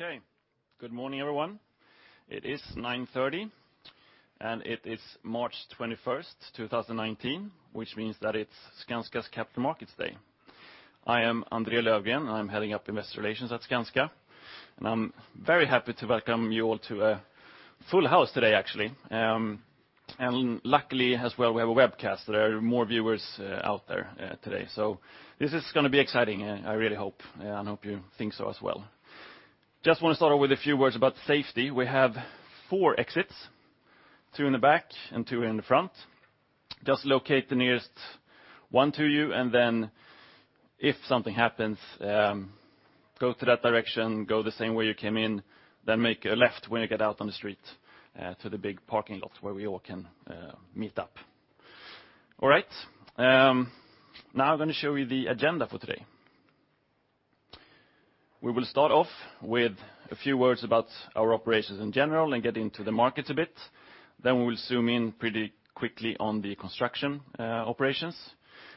Okay, good morning, everyone. It is 9:30 A.M., and it is March 21st, 2019, which means that it's Skanska's Capital Markets Day. I am André Löfgren, I'm heading up Investor Relations at Skanska, and I'm very happy to welcome you all to a full house today, actually. And luckily, as well, we have a webcast. There are more viewers out there today. So this is gonna be exciting, I really hope, and I hope you think so as well. Just wanna start off with a few words about safety. We have four exits, two in the back and two in the front. Just locate the nearest one to you, and then if something happens, go to that direction, go the same way you came in, then make a left when you get out on the street, to the big parking lot, where we all can, meet up. All right. Now I'm gonna show you the agenda for today. We will start off with a few words about our operations in general and get into the markets a bit. Then we will zoom in pretty quickly on the construction, operations,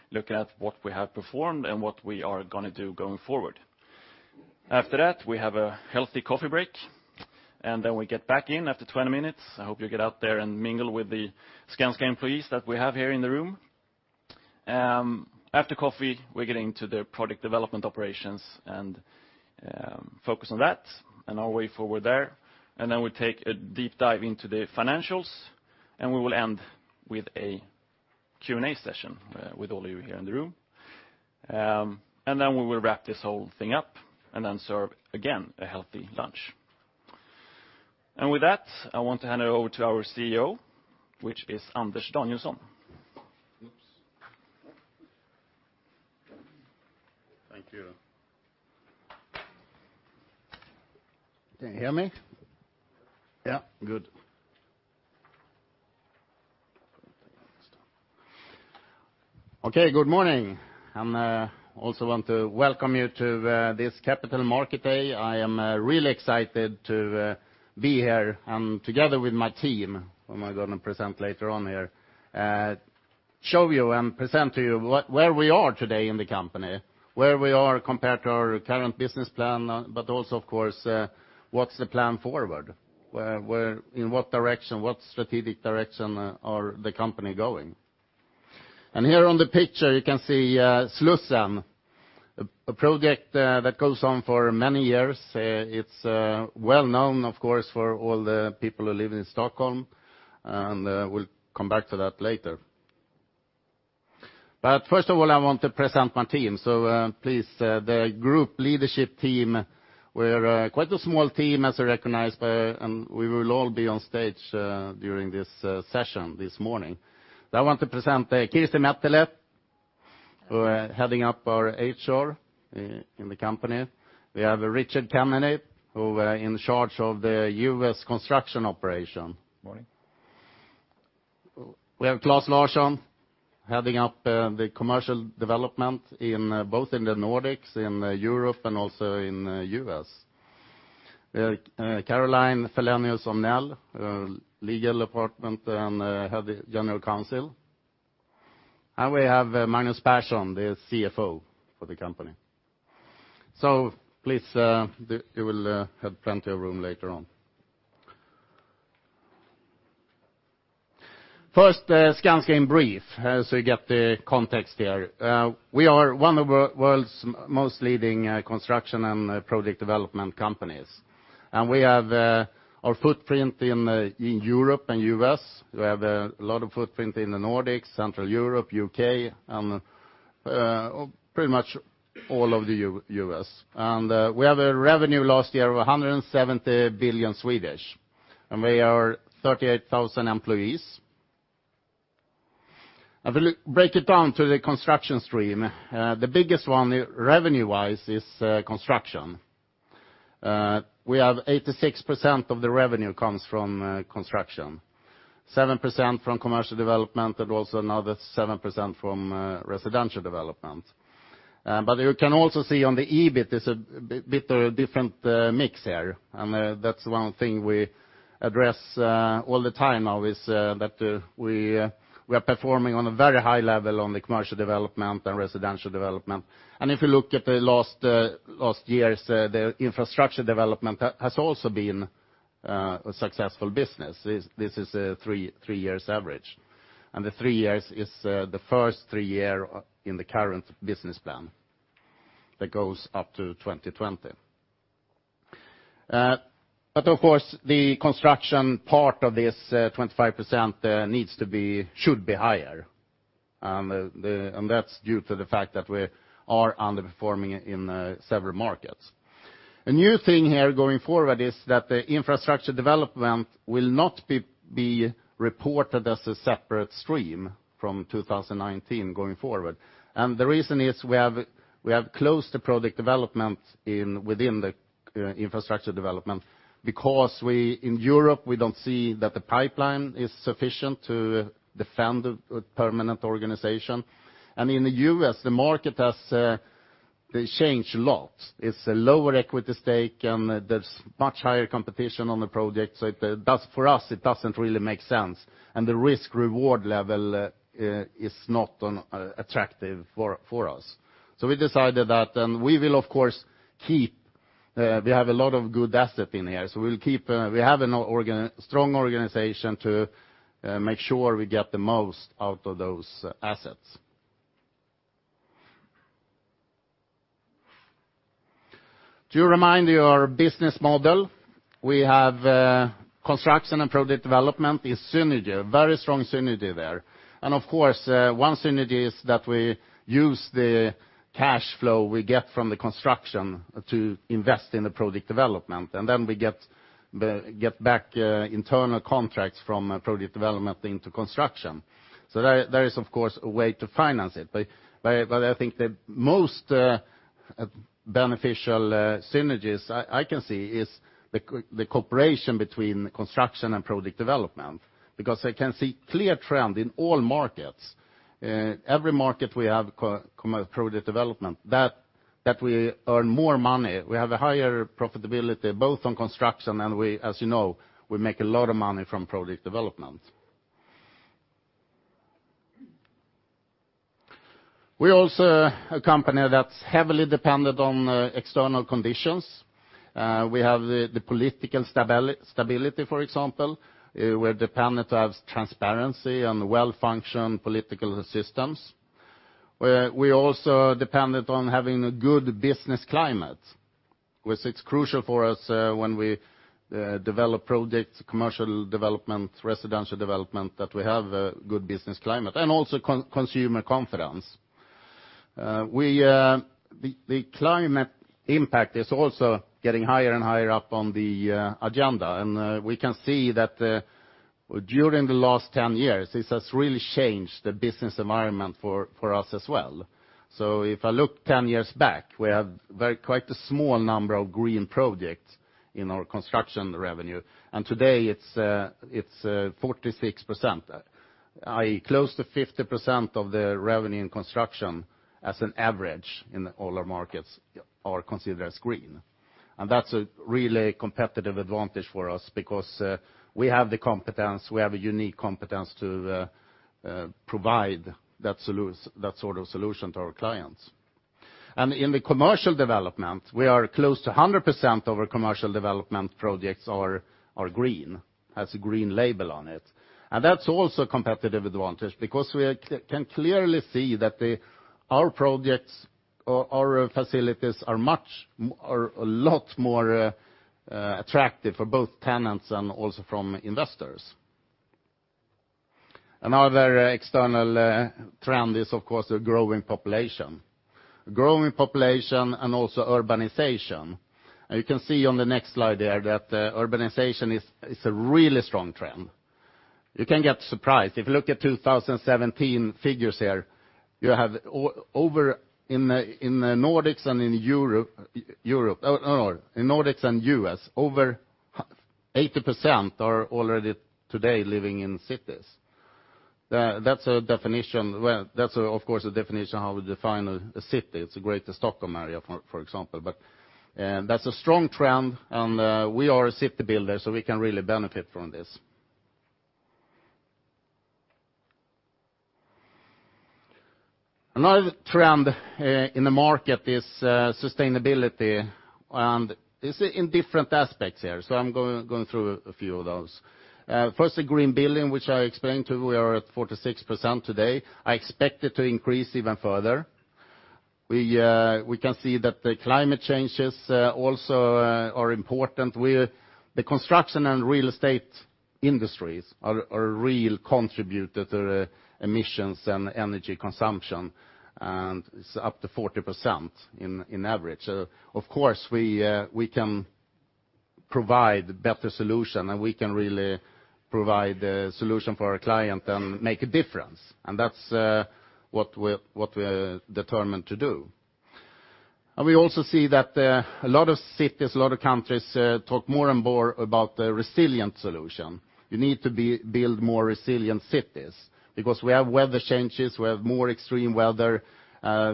looking at what we have performed and what we are gonna do going forward. After that, we have a healthy coffee break, and then we get back in after 20 minutes. I hope you get out there and mingle with the Skanska employees that we have here in the room. After coffee, we're getting to the project development operations, and focus on that and our way forward there. Then we'll take a deep dive into the financials, and we will end with a Q&A session with all of you here in the room. Then we will wrap this whole thing up, and then serve, again, a healthy lunch. And with that, I want to hand it over to our CEO, which is Anders Danielsson. Thank you. Can you hear me? Yeah, good. Okay, good morning. I'm also want to welcome you to this Capital Market Day. I am really excited to be here, and together with my team, who am I gonna present later on here, show you and present to you where we are today in the company, where we are compared to our current business plan, but also, of course, what's the plan forward? Where in what direction, what strategic direction are the company going? And here on the picture, you can see Slussen, a project that goes on for many years. It's well known, of course, for all the people who live in Stockholm, and we'll come back to that later. But first of all, I want to present my team, so please, the group leadership team. We're quite a small team, as you recognize, and we will all be on stage during this session this morning. I want to present Kirsi Mettälä, who are heading up our HR in the company. We have Richard Kennedy, who are in charge of the U.S. construction operation. Morning. We have Claes Larsson, heading up the commercial development in both in the Nordics, in Europe, and also in U.S. We have Caroline Fellenius-Omnell, legal department and Head of General Counsel. And we have Magnus Persson, the CFO for the company. So please, you will have plenty of room later on. First, Skanska in brief, as we get the context here. We are one of the world's most leading construction and project development companies, and we have our footprint in in Europe and U.S. We have a lot of footprint in the Nordics, Central Europe, U.K., and pretty much all over the U.S. And we have a revenue last year of 170 billion, and we are 38,000 employees. I will break it down to the construction stream. The biggest one, revenue-wise, is construction. We have 86% of the revenue comes from construction, 7% from commercial development, and also another 7% from residential development. But you can also see on the EBIT, there's a bit of a different mix here, and that's one thing we address all the time now, is that we are performing on a very high level on the commercial development and residential development. And if you look at the last year's the infrastructure development, that has also been a successful business. This is a three years average, and the three years is the first three year in the current business plan that goes up to 2020. But of course, the construction part of this 25% needs to be—should be higher. And that's due to the fact that we are underperforming in several markets. A new thing here going forward is that the infrastructure development will not be reported as a separate stream from 2019 going forward. And the reason is we have closed the project development within the infrastructure development, because in Europe, we don't see that the pipeline is sufficient to fund a permanent organization. And in the U.S., the market has changed a lot. It's a lower equity stake, and there's much higher competition on the project, so that's for us, it doesn't really make sense, and the risk-reward level is not attractive for us. So we decided that, and we will of course keep. We have a lot of good assets in here, so we'll keep. We have a strong organization to make sure we get the most out of those assets. To remind you our business model, we have construction and project development is synergy, very strong synergy there. And of course, one synergy is that we use the cash flow we get from the construction to invest in the project development, and then we get back internal contracts from project development into construction. So that is, of course, a way to finance it. But I think the most beneficial synergies I can see is the cooperation between construction and project development. Because I can see clear trend in all markets, every market we have commercial property development, that we earn more money. We have a higher profitability, both on construction, and as you know, we make a lot of money from property development. We're also a company that's heavily dependent on external conditions. We have the political stability, for example, we're dependent on transparency and well-functioning political systems. We're also dependent on having a good business climate, which is crucial for us, when we develop projects, commercial development, residential development, that we have a good business climate, and also consumer confidence. The climate impact is also getting higher and higher up on the agenda. And we can see that during the last 10 years, this has really changed the business environment for us as well. So if I look 10 years back, we have very quite a small number of green projects in our construction revenue, and today it's 46%, i.e., close to 50% of the revenue in construction as an average in all our markets are considered as green. And that's a really competitive advantage for us because we have the competence, we have a unique competence to provide that sort of solution to our clients. And in the commercial development, we are close to 100% of our commercial development projects are green, has a green label on it. That's also a competitive advantage because we can clearly see that our projects, our facilities are much, are a lot more attractive for both tenants and also from investors. Another external trend is, of course, a growing population. A growing population and also urbanization. You can see on the next slide there that urbanization is a really strong trend. You can get surprised. If you look at 2017 figures here, you have over in the Nordics and in U.S., over 80% are already today living in cities. That's a definition, well, that's, of course, a definition how we define a city. It's a greater Stockholm area, for example. But that's a strong trend, and we are a city builder, so we can really benefit from this. Another trend in the market is sustainability, and this is in different aspects here, so I'm going through a few of those. First, the green building, which I explained to. We are at 46% today. I expect it to increase even further. We can see that the climate changes also are important. We, the construction and real estate industries are real contributor to emissions and energy consumption, and it's up to 40% in average. So of course, we can provide better solution, and we can really provide a solution for our client and make a difference. And that's what we're determined to do. And we also see that a lot of cities, a lot of countries talk more and more about the resilient solution. You need to build more resilient cities, because we have weather changes, we have more extreme weather.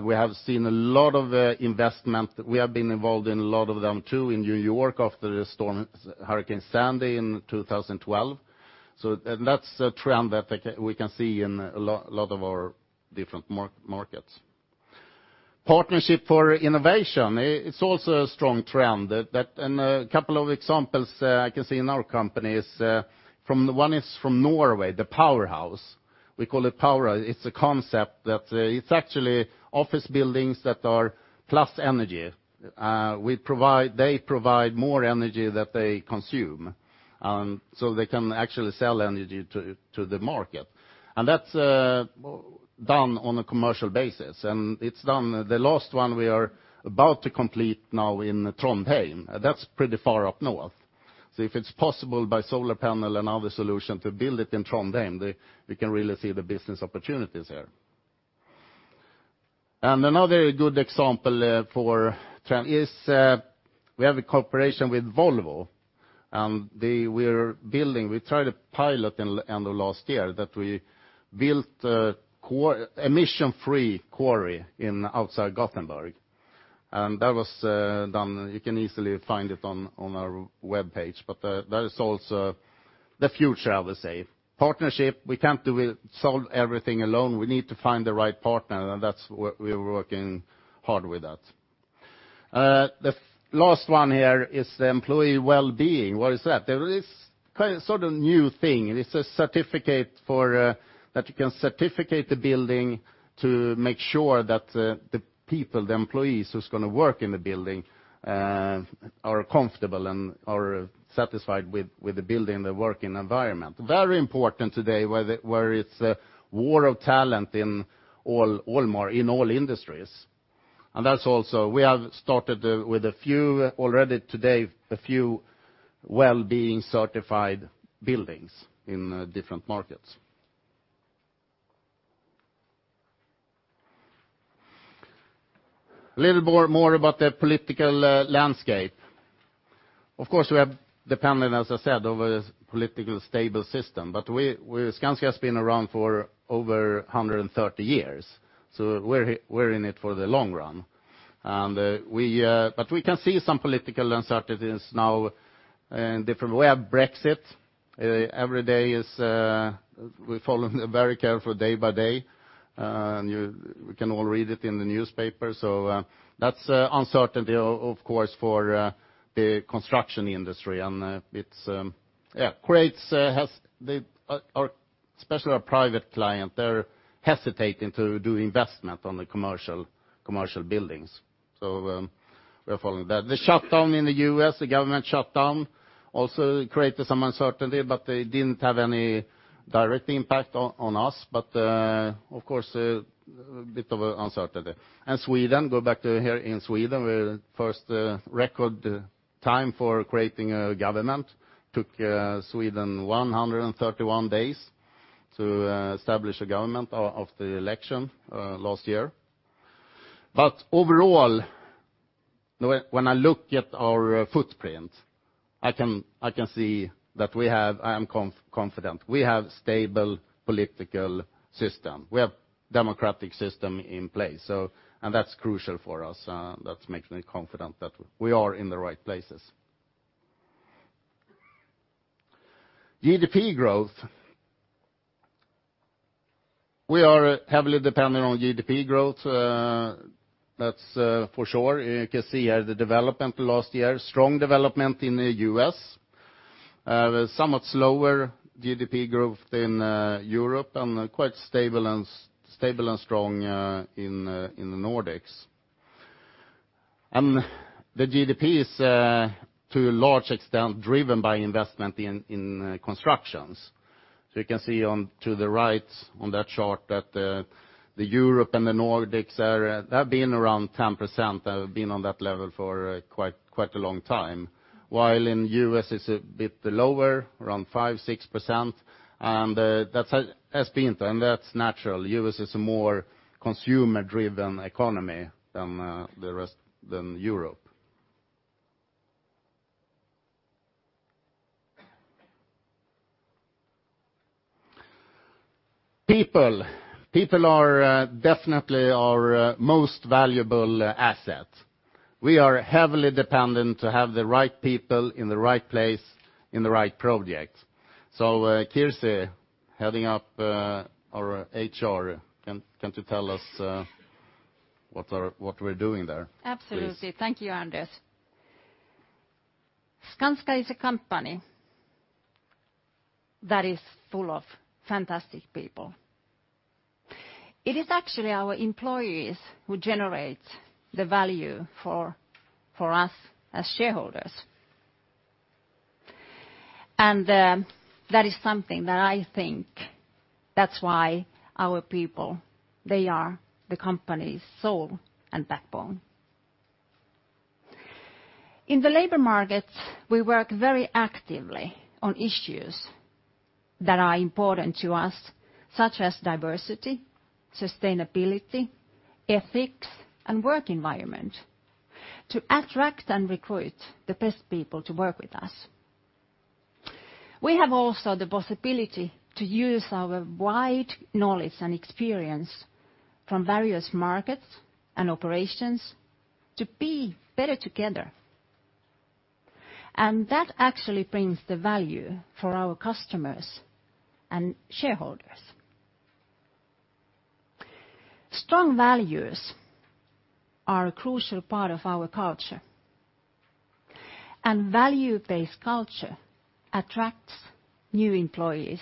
We have seen a lot of investment. We have been involved in a lot of them, too, in New York, after the storm, Hurricane Sandy in 2012. So, and that's a trend that we can see in a lot of our different markets. Partnership for innovation, it's also a strong trend. That, and a couple of examples I can see in our company is, one is from Norway, the Powerhouse. We call it Powerhouse. It's a concept that it's actually office buildings that are plus energy. They provide more energy than they consume, and so they can actually sell energy to the market. And that's done on a commercial basis, and it's done... The last one we are about to complete now in Trondheim, that's pretty far up north. So if it's possible by solar panel and other solution to build it in Trondheim, we, we can really see the business opportunities there. And another good example for trend is, we have a cooperation with Volvo, and we tried a pilot in end of last year, that we built a quarry emission-free quarry outside Gothenburg. And that was done, you can easily find it on our web page, but that is also the future, I will say. Partnership, we can't do it, solve everything alone. We need to find the right partner, and that's what we're working hard with that. The last one here is the employee well-being. What is that? There is kind of sort of new thing, and it's a certificate for that you can certificate the building to make sure that the people, the employees who's going to work in the building are comfortable and are satisfied with the building, the working environment. Very important today, where it's a war of talent in all industries. And that's also we have started with a few already today, a few well-being certified buildings in different markets. A little more about the political landscape. Of course, we are dependent, as I said, over the political stable system, but Skanska has been around for over 130 years, so we're in it for the long run. But we can see some political uncertainties now in different way. We have Brexit. Every day, we follow them very carefully day by day, and we can all read it in the newspaper. So, that's uncertainty, of course, for the construction industry, and it creates, or especially our private client, they're hesitating to do investment on the commercial, commercial buildings. So, we are following that. The shutdown in the U.S., the government shutdown, also created some uncertainty, but they didn't have any direct impact on us. But, of course, a bit of uncertainty. And Sweden, go back to here in Sweden, where first, record time for creating a government. Took Sweden 131 days to establish a government of the election last year. But overall, when I look at our footprint, I can see that we have. I am confident. We have stable political system. We have democratic system in place, and that's crucial for us, that makes me confident that we are in the right places. GDP growth. We are heavily dependent on GDP growth, that's for sure. You can see here the development last year, strong development in the U.S. Somewhat slower GDP growth in Europe, and quite stable and strong in the Nordics. And the GDP is, to a large extent, driven by investment in constructions. So you can see on the right on that chart that the Europe and the Nordics area, they have been around 10%, have been on that level for quite a long time. While in U.S., it's a bit lower, around 5%-6%, and that's been, and that's natural. U.S. is a more consumer-driven economy than the rest, than Europe. People. People are definitely our most valuable asset. We are heavily dependent to have the right people in the right place, in the right project. So, Kirsi, heading up our HR, can you tell us what we're doing there? Absolutely. Thank you, Anders. Skanska is a company that is full of fantastic people. It is actually our employees who generate the value for us as shareholders. And that is something that I think that's why our people, they are the company's soul and backbone. In the labor markets, we work very actively on issues that are important to us, such as diversity, sustainability, ethics, and work environment, to attract and recruit the best people to work with us. We have also the possibility to use our wide knowledge and experience from various markets and operations to be better together. And that actually brings the value for our customers and shareholders. Strong values are a crucial part of our culture, and value-based culture attracts new employees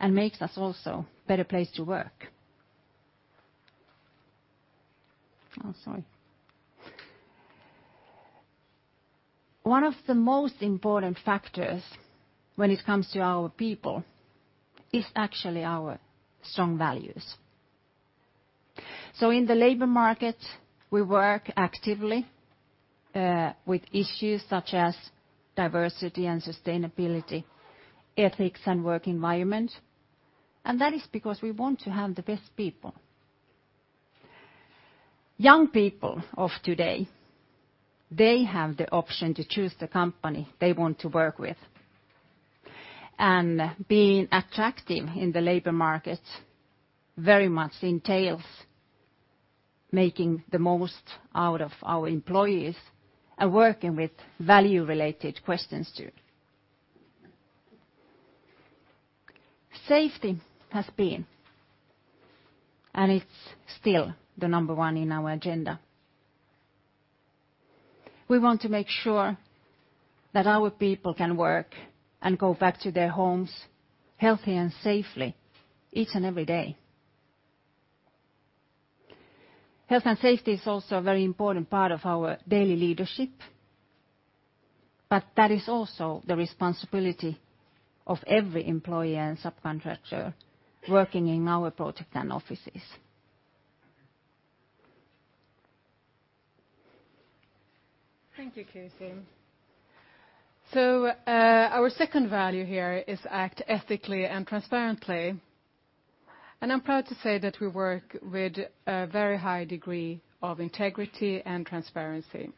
and makes us also better place to work. Oh, sorry. One of the most important factors when it comes to our people is actually our strong values. So in the labor market, we work actively with issues such as diversity and sustainability, ethics, and work environment, and that is because we want to have the best people. Young people of today, they have the option to choose the company they want to work with. And being attractive in the labor market very much entails making the most out of our employees, and working with value-related questions, too. Safety has been, and it's still, the number one in our agenda. We want to make sure that our people can work and go back to their homes healthy and safely each and every day. Health and safety is also a very important part of our daily leadership, but that is also the responsibility of every employee and subcontractor working in our project and offices. Thank you, Kirsi. So, our second value here is act ethically and transparently, and I'm proud to say that we work with a very high degree of integrity and transparency.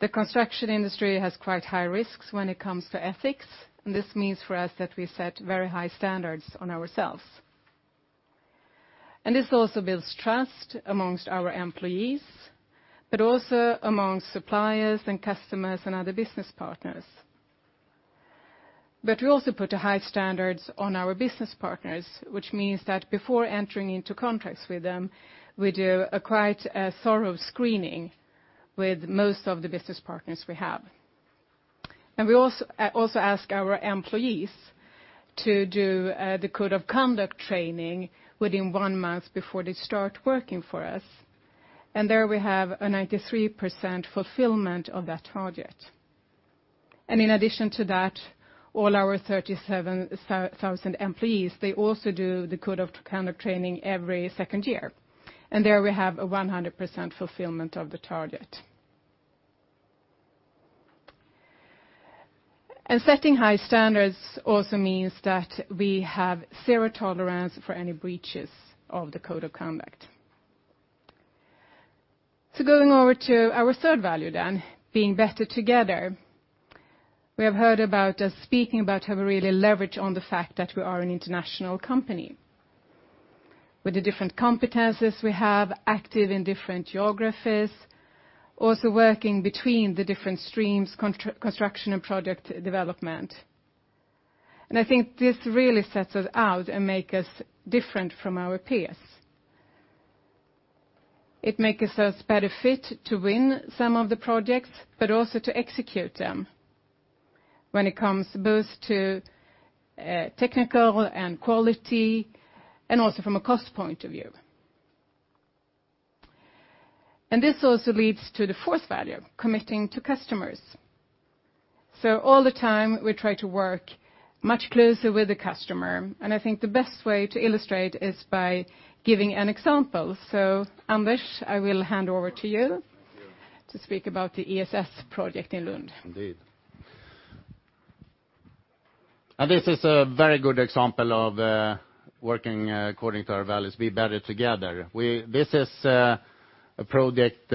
The construction industry has quite high risks when it comes to ethics, and this means for us that we set very high standards on ourselves. And this also builds trust among our employees, but also among suppliers and customers and other business partners. But we also put a high standards on our business partners, which means that before entering into contracts with them, we do a quite thorough screening with most of the business partners we have. And we also ask our employees to do the code of conduct training within one month before they start working for us, and there we have a 93% fulfillment of that target. In addition to that, all our 37,000 employees, they also do the code of conduct training every second year, and there we have a 100% fulfillment of the target. Setting high standards also means that we have zero tolerance for any breaches of the code of conduct. Going over to our third value then, being better together. We have heard about us speaking about how we really leverage on the fact that we are an international company. With the different competencies we have, active in different geographies, also working between the different streams, construction and project development. And I think this really sets us out and make us different from our peers. It makes us better fit to win some of the projects, but also to execute them when it comes both to technical and quality, and also from a cost point of view. And this also leads to the fourth value, committing to customers. So all the time, we try to work much closer with the customer, and I think the best way to illustrate is by giving an example. So, Anders, I will hand over to you- Thank you. to speak about the ESS project in Lund. Indeed. And this is a very good example of working according to our values, be better together. This is a project,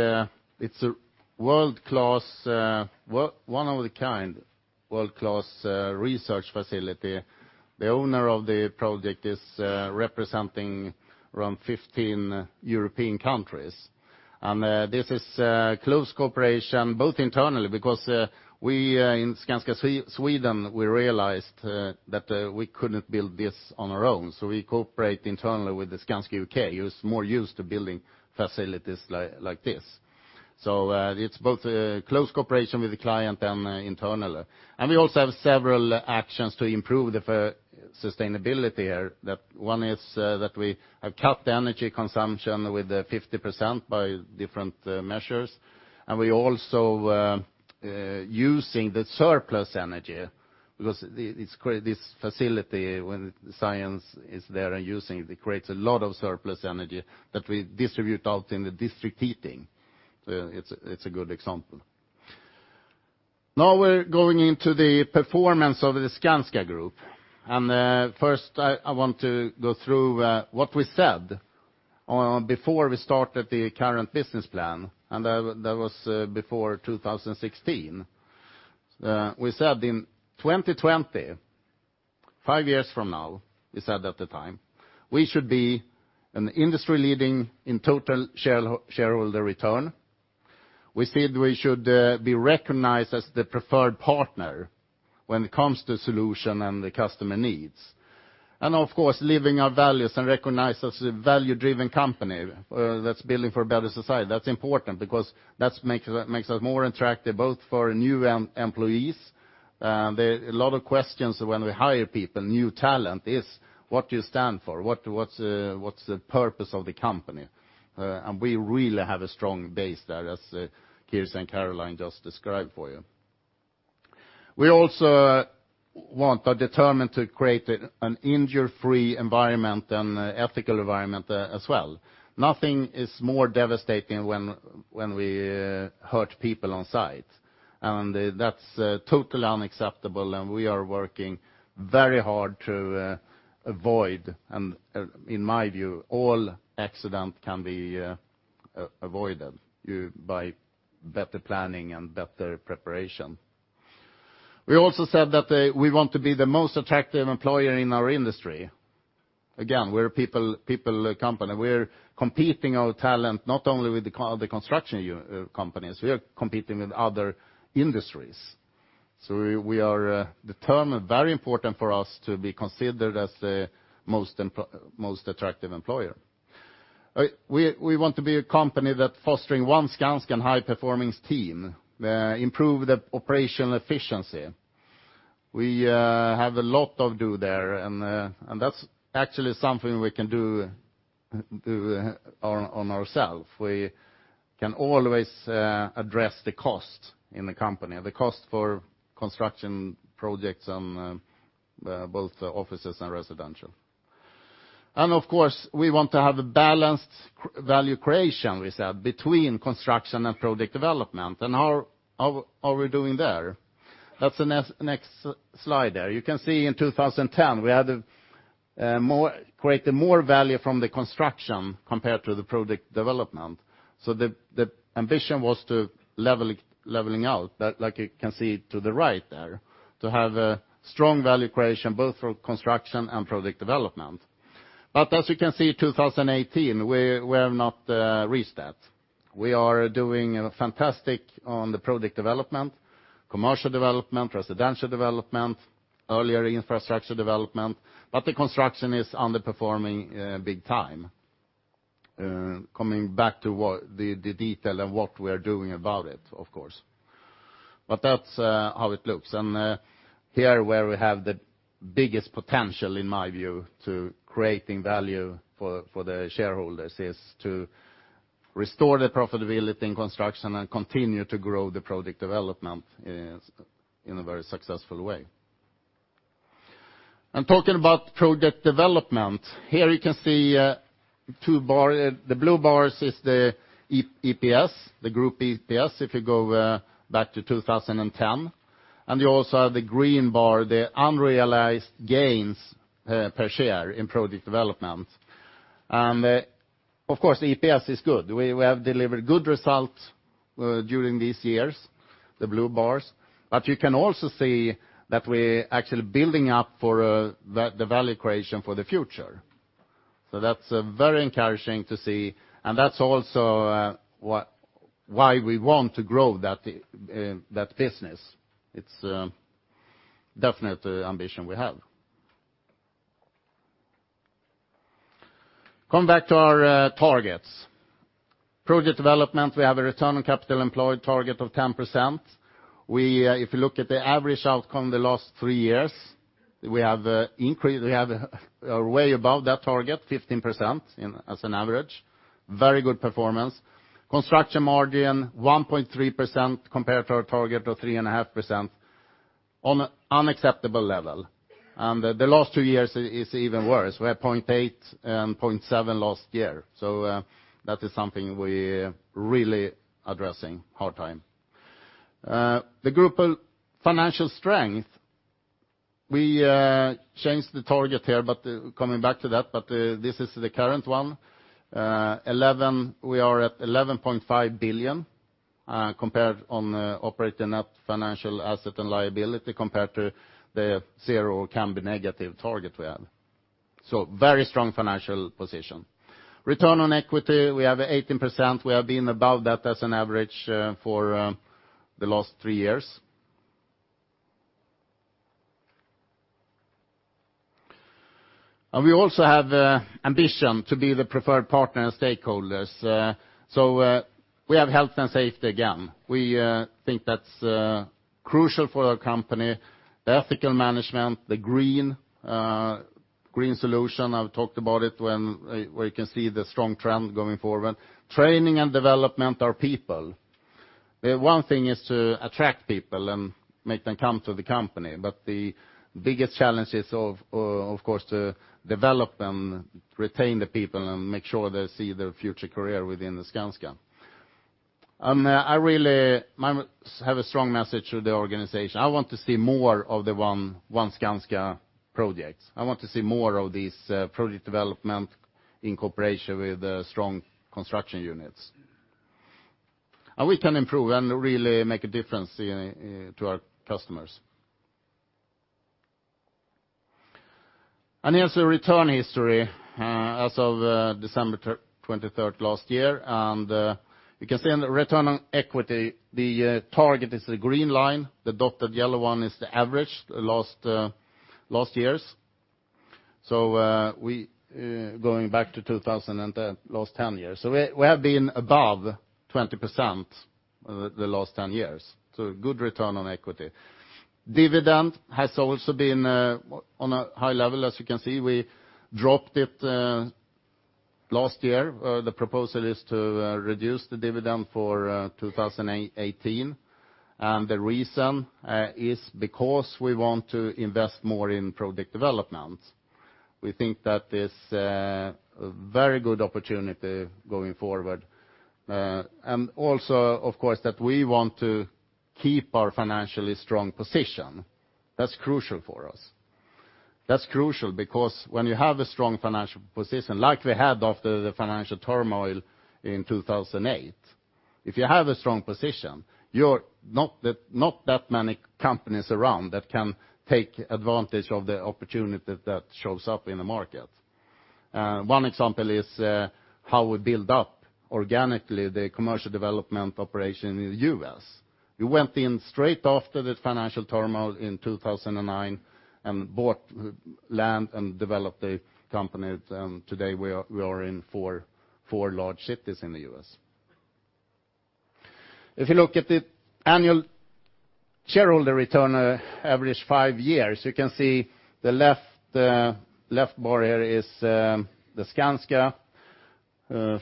it's a world-class, one of a kind, world-class research facility. The owner of the project is representing around 15 European countries. And this is close cooperation, both internally, because we in Skanska Sweden we realized that we couldn't build this on our own, so we cooperate internally with the Skanska UK, who's more used to building facilities like this. So, it's both a close cooperation with the client and internally. And we also have several actions to improve the sustainability here. That one is, that we have cut the energy consumption with, 50% by different, measures, and we also, using the surplus energy, because it, it's this facility, when science is there and using it, it creates a lot of surplus energy that we distribute out in the district heating. It's a good example. Now, we're going into the performance of the Skanska Group. First, I want to go through, what we said, before we started the current business plan, and, that was, before 2016. We said in 2020, five years from now, we said at the time, we should be an industry leading in total shareholder return. We said we should be recognized as the preferred partner when it comes to solution and the customer needs. Of course, living our values and recognized as a value-driven company, that's building for a better society. That's important, because that makes us more attractive, both for new employees. A lot of questions when we hire people, new talent, is, "What do you stand for? What's the purpose of the company?" And we really have a strong base there, as Kirsi and Caroline just described for you. We also want or determined to create an injury-free environment and ethical environment as well. Nothing is more devastating when we hurt people on site, and that's totally unacceptable, and we are working very hard to avoid, and in my view, all accidents can be avoided by better planning and better preparation. We also said that, we want to be the most attractive employer in our industry. Again, we're a people, people company. We're competing on talent, not only with the construction companies, we are competing with other industries. So we are determined, very important for us to be considered as the most attractive employer. We want to be a company that fostering One Skanska and high-performing team, improve the operational efficiency. We have a lot of do there, and that's actually something we can do on ourself. We can always address the cost in the company, the cost for construction projects on both offices and residential. And of course, we want to have a balanced value creation, we said, between construction and project development. And how are we doing there? That's the next, next slide there. You can see in 2010, we had created more value from the construction compared to the project development. So the ambition was to level it, leveling out. But like you can see to the right there, to have a strong value creation, both from construction and project development. But as you can see, 2018, we have not reached that. We are doing fantastic on the project development, commercial development, residential development, earlier infrastructure development, but the construction is underperforming big time. Coming back to what the detail of what we are doing about it, of course. But that's how it looks. Here, where we have the biggest potential, in my view, to creating value for, for the shareholders, is to restore the profitability in construction and continue to grow the project development in, in a very successful way. Talking about project development, here you can see two bars, the blue bars is the EPS, the group EPS, if you go back to 2010. You also have the green bar, the unrealized gains per share in project development. Of course, the EPS is good. We, we have delivered good results during these years, the blue bars. But you can also see that we're actually building up for the, the value creation for the future. So that's very encouraging to see, and that's also why, why we want to grow that, that business. It's definite ambition we have. Coming back to our targets. Project development, we have a return on capital employed target of 10%. We, if you look at the average outcome the last three years, we have way above that target, 15%, as an average. Very good performance. Construction margin, 1.3%, compared to our target of 3.5%, on an unacceptable level. The last two years is even worse. We had 0.8% and 0.7% last year. So, that is something we're really addressing hard time. The group financial strength, we changed the target here, but coming back to that, this is the current one. 11, we are at 11.5 billion, compared on operating net financial asset and liability, compared to the zero can be negative target we have. So very strong financial position. Return on equity, we have 18%. We have been above that as an average for the last three years. And we also have ambition to be the preferred partner and stakeholders. So we have health and safety, again. We think that's crucial for our company, the ethical management, the green green solution. I've talked about it when where you can see the strong trend going forward. Training and development, our people. One thing is to attract people and make them come to the company, but the biggest challenge is of course to develop and retain the people and make sure they see their future career within Skanska. And I really have a strong message to the organization. I want to see more of the One Skanska projects. I want to see more of these, project development in cooperation with the strong construction units. We can improve and really make a difference to our customers. And here's a return history, as of December 23rd last year. And you can see on the return on equity, the target is the green line. The dotted yellow one is the average, the last last years. So we going back to 2000 and the last 10 years. So we have been above 20% the last 10 years. So good return on equity. Dividend has also been on a high level. As you can see, we dropped it last year. The proposal is to reduce the dividend for 2018. The reason is because we want to invest more in project development. We think that is a very good opportunity going forward. And also, of course, that we want to keep our financially strong position. That's crucial for us.... That's crucial because when you have a strong financial position, like we had after the financial turmoil in 2008, if you have a strong position, you're not that many companies around that can take advantage of the opportunity that shows up in the market. One example is how we build up organically the commercial development operation in the U.S. We went in straight after the financial turmoil in 2009 and bought land and developed a company, and today we are in four large cities in the U.S. If you look at the annual shareholder return, average five years, you can see the left bar here is the Skanska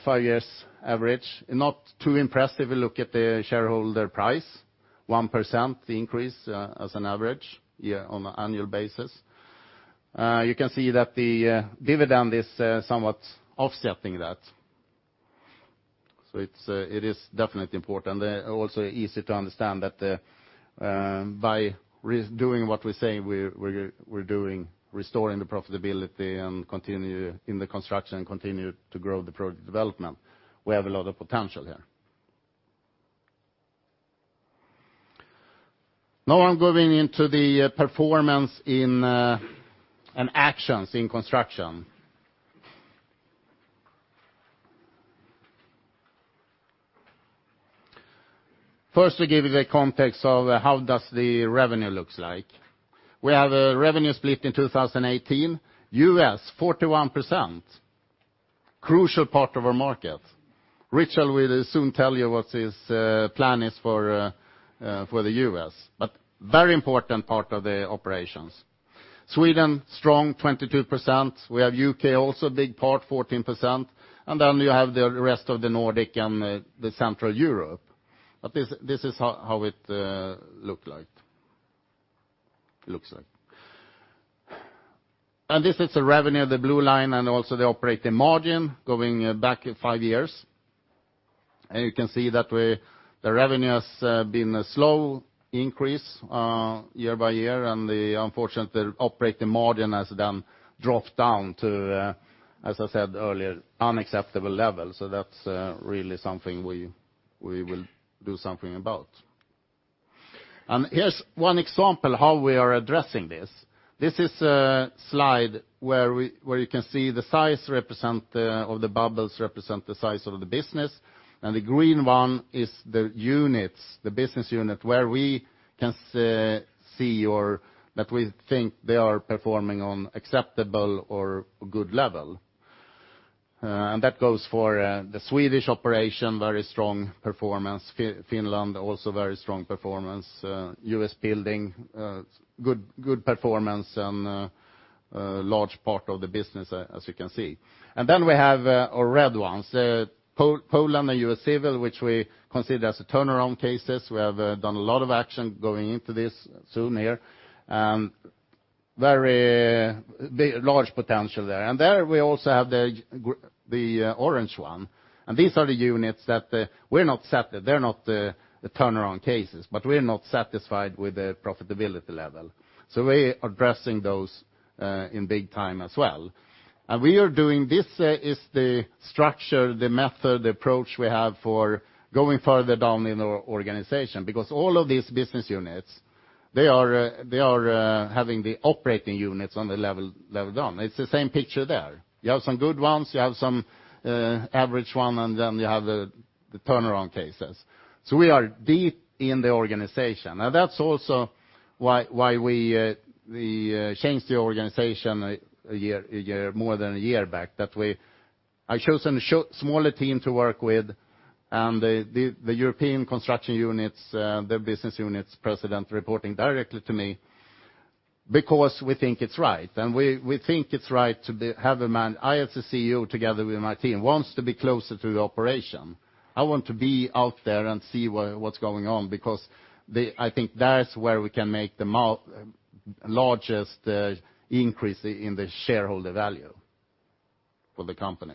five years average. Not too impressive if you look at the shareholder price, 1% increase, as an average year on an annual basis. You can see that the dividend is somewhat offsetting that. So it is definitely important, also easy to understand that, by redoing what we're saying, we're doing, restoring the profitability and continue in the construction and continue to grow the project development. We have a lot of potential here. Now I'm going into the performance and actions in construction. First, we give you the context of how does the revenue looks like. We have a revenue split in 2018, U.S. 41%, crucial part of our market. Richard will soon tell you what his plan is for the U.S., but very important part of the operations. Sweden, strong 22%. We have U.K., also a big part, 14%, and then you have the rest of the Nordic and the Central Europe. But this is how it looks like. And this is the revenue, the blue line, and also the operating margin going back five years. And you can see that the revenue has been a slow increase year by year, and, unfortunately, the operating margin has then dropped down to, as I said earlier, unacceptable levels, so that's really something we will do something about. And here's one example how we are addressing this. This is a slide where you can see the size of the bubbles represent the size of the business, and the green one is the units, the business unit, where we can see or that we think they are performing on acceptable or good level. And that goes for the Swedish operation, very strong performance. Finland, also very strong performance. U.S. Building, good, good performance on a large part of the business, as you can see. And then we have our red ones, Poland and U.S. Civil, which we consider as a turnaround cases. We have done a lot of action going into this soon here, and big, large potential there. There we also have the orange one, and these are the units that we're not satisfied, they're not the turnaround cases, but we're not satisfied with the profitability level. So we're addressing those in big time as well. We are doing this is the structure, the method, the approach we have for going further down in our organization, because all of these business units, they are having the operating units on the level down. It's the same picture there. You have some good ones, you have some average one, and then you have the turnaround cases. So we are deep in the organization. That's also why we changed the organization a year, a year, more than a year back, that we I chose a smaller team to work with, and the European construction units, their business unit presidents reporting directly to me, because we think it's right. We think it's right to have management, I as a CEO, together with my team, wants to be closer to the operation. I want to be out there and see what's going on, because I think that's where we can make the largest increase in the shareholder value for the company.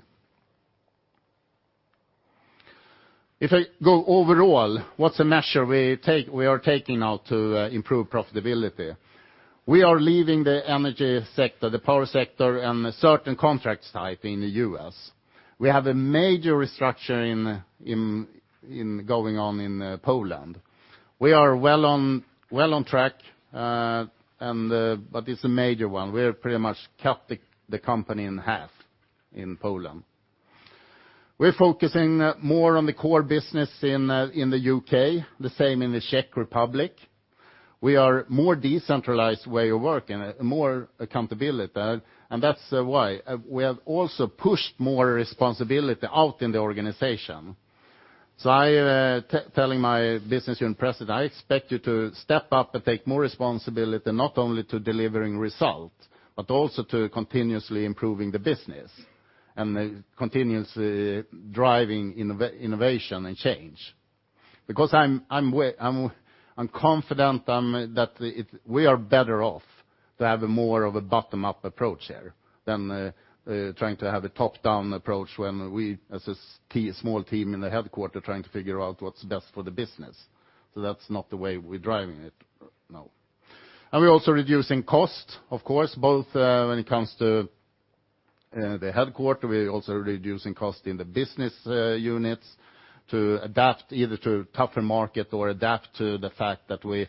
If I go overall, what's the measure we take, we are taking now to improve profitability? We are leaving the energy sector, the power sector, and a certain contract type in the U.S. We have a major restructure going on in Poland. We are well on track, but it's a major one. We have pretty much cut the company in half in Poland. We're focusing more on the core business in the U.K., the same in the Czech Republic. We are more decentralized way of working, more accountability, and that's why. We have also pushed more responsibility out in the organization. So I'm telling my business unit president, I expect you to step up and take more responsibility, not only to delivering results, but also to continuously improving the business and continuously driving innovation and change. Because I'm confident that we are better off to have more of a bottom-up approach here than trying to have a top-down approach when we, as a small team in the headquarters, trying to figure out what's best for the business. So that's not the way we're driving it now. And we're also reducing cost, of course, both when it comes to the headquarters. We're also reducing cost in the business units to adapt either to tougher market or adapt to the fact that we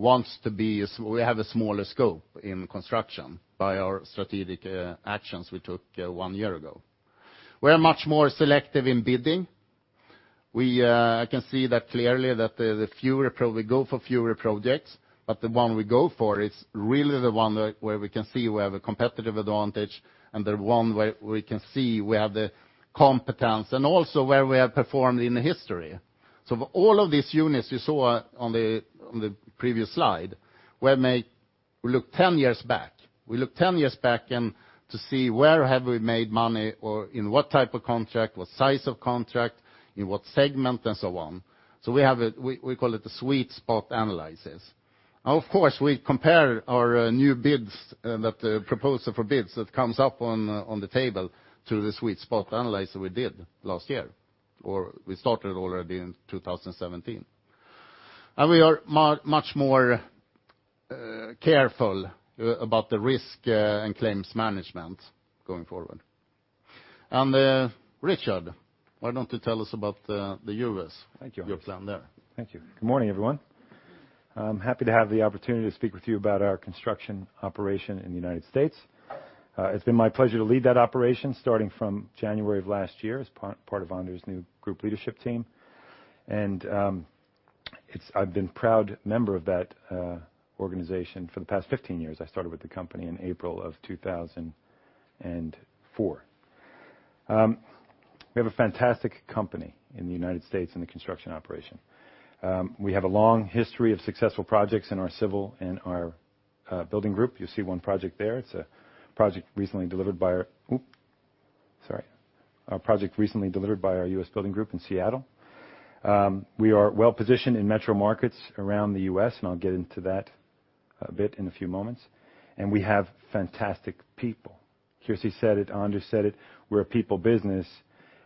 wants to be a we have a smaller scope in construction by our strategic actions we took one year ago. We are much more selective in bidding. I can see that clearly that the fewer projects we go for, but the one we go for, it's really the one that where we can see we have a competitive advantage, and the one where we can see we have the competence, and also where we have performed in the history. So for all of these units you saw on the previous slide, we may look 10 years back. We look 10 years back and to see where have we made money, or in what type of contract, what size of contract, in what segment, and so on. So we have a, we call it the sweet spot analysis. Of course, we compare our new bids that the proposal for bids that comes up on the table to the Sweet Spot Analysis we did last year, or we started already in 2017. We are much more careful about the risk and claims management going forward. Richard, why don't you tell us about the U.S.? Thank you. Your plan there. Thank you. Good morning, everyone. I'm happy to have the opportunity to speak with you about our construction operation in the United States. It's been my pleasure to lead that operation, starting from January of last year, as part of Anders' new group leadership team. I've been proud member of that organization for the past 15 years. I started with the company in April of 2004. We have a fantastic company in the United States in the construction operation. We have a long history of successful projects in our Civil and our Building group. You see one project there. It's a project recently delivered by our U.S. Building group in Seattle. We are well positioned in metro markets around the U.S., and I'll get into that a bit in a few moments. We have fantastic people. Kirsi said it, Anders said it, we're a people business,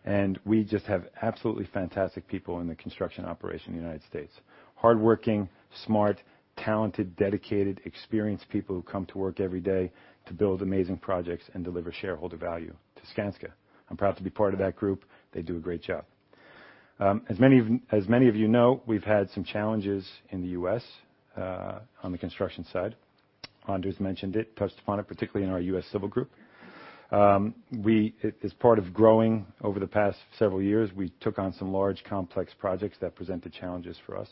and we just have absolutely fantastic people in the construction operation in the United States. Hardworking, smart, talented, dedicated, experienced people who come to work every day to build amazing projects and deliver shareholder value to Skanska. I'm proud to be part of that group. They do a great job. As many of you know, we've had some challenges in the U.S., on the construction side. Anders mentioned it, touched upon it, particularly in our U.S. Civil group. We... As part of growing over the past several years, we took on some large, complex projects that presented challenges for us,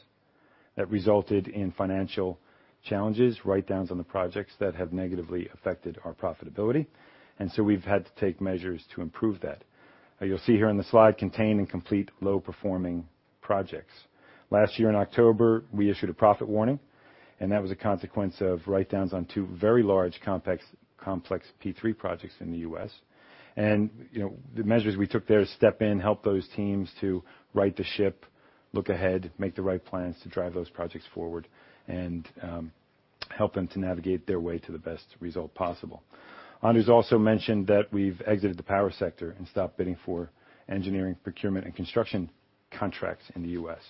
that resulted in financial challenges, writedowns on the projects that have negatively affected our profitability, and so we've had to take measures to improve that. As you'll see here in the slide, contain and complete low-performing projects. Last year in October, we issued a profit warning, and that was a consequence of writedowns on two very large, complex, complex P3 projects in the U.S. And, you know, the measures we took there to step in, help those teams to right the ship, look ahead, make the right plans to drive those projects forward, and help them to navigate their way to the best result possible. Anders also mentioned that we've exited the power sector and stopped bidding for engineering, procurement, and construction contracts in the U.S.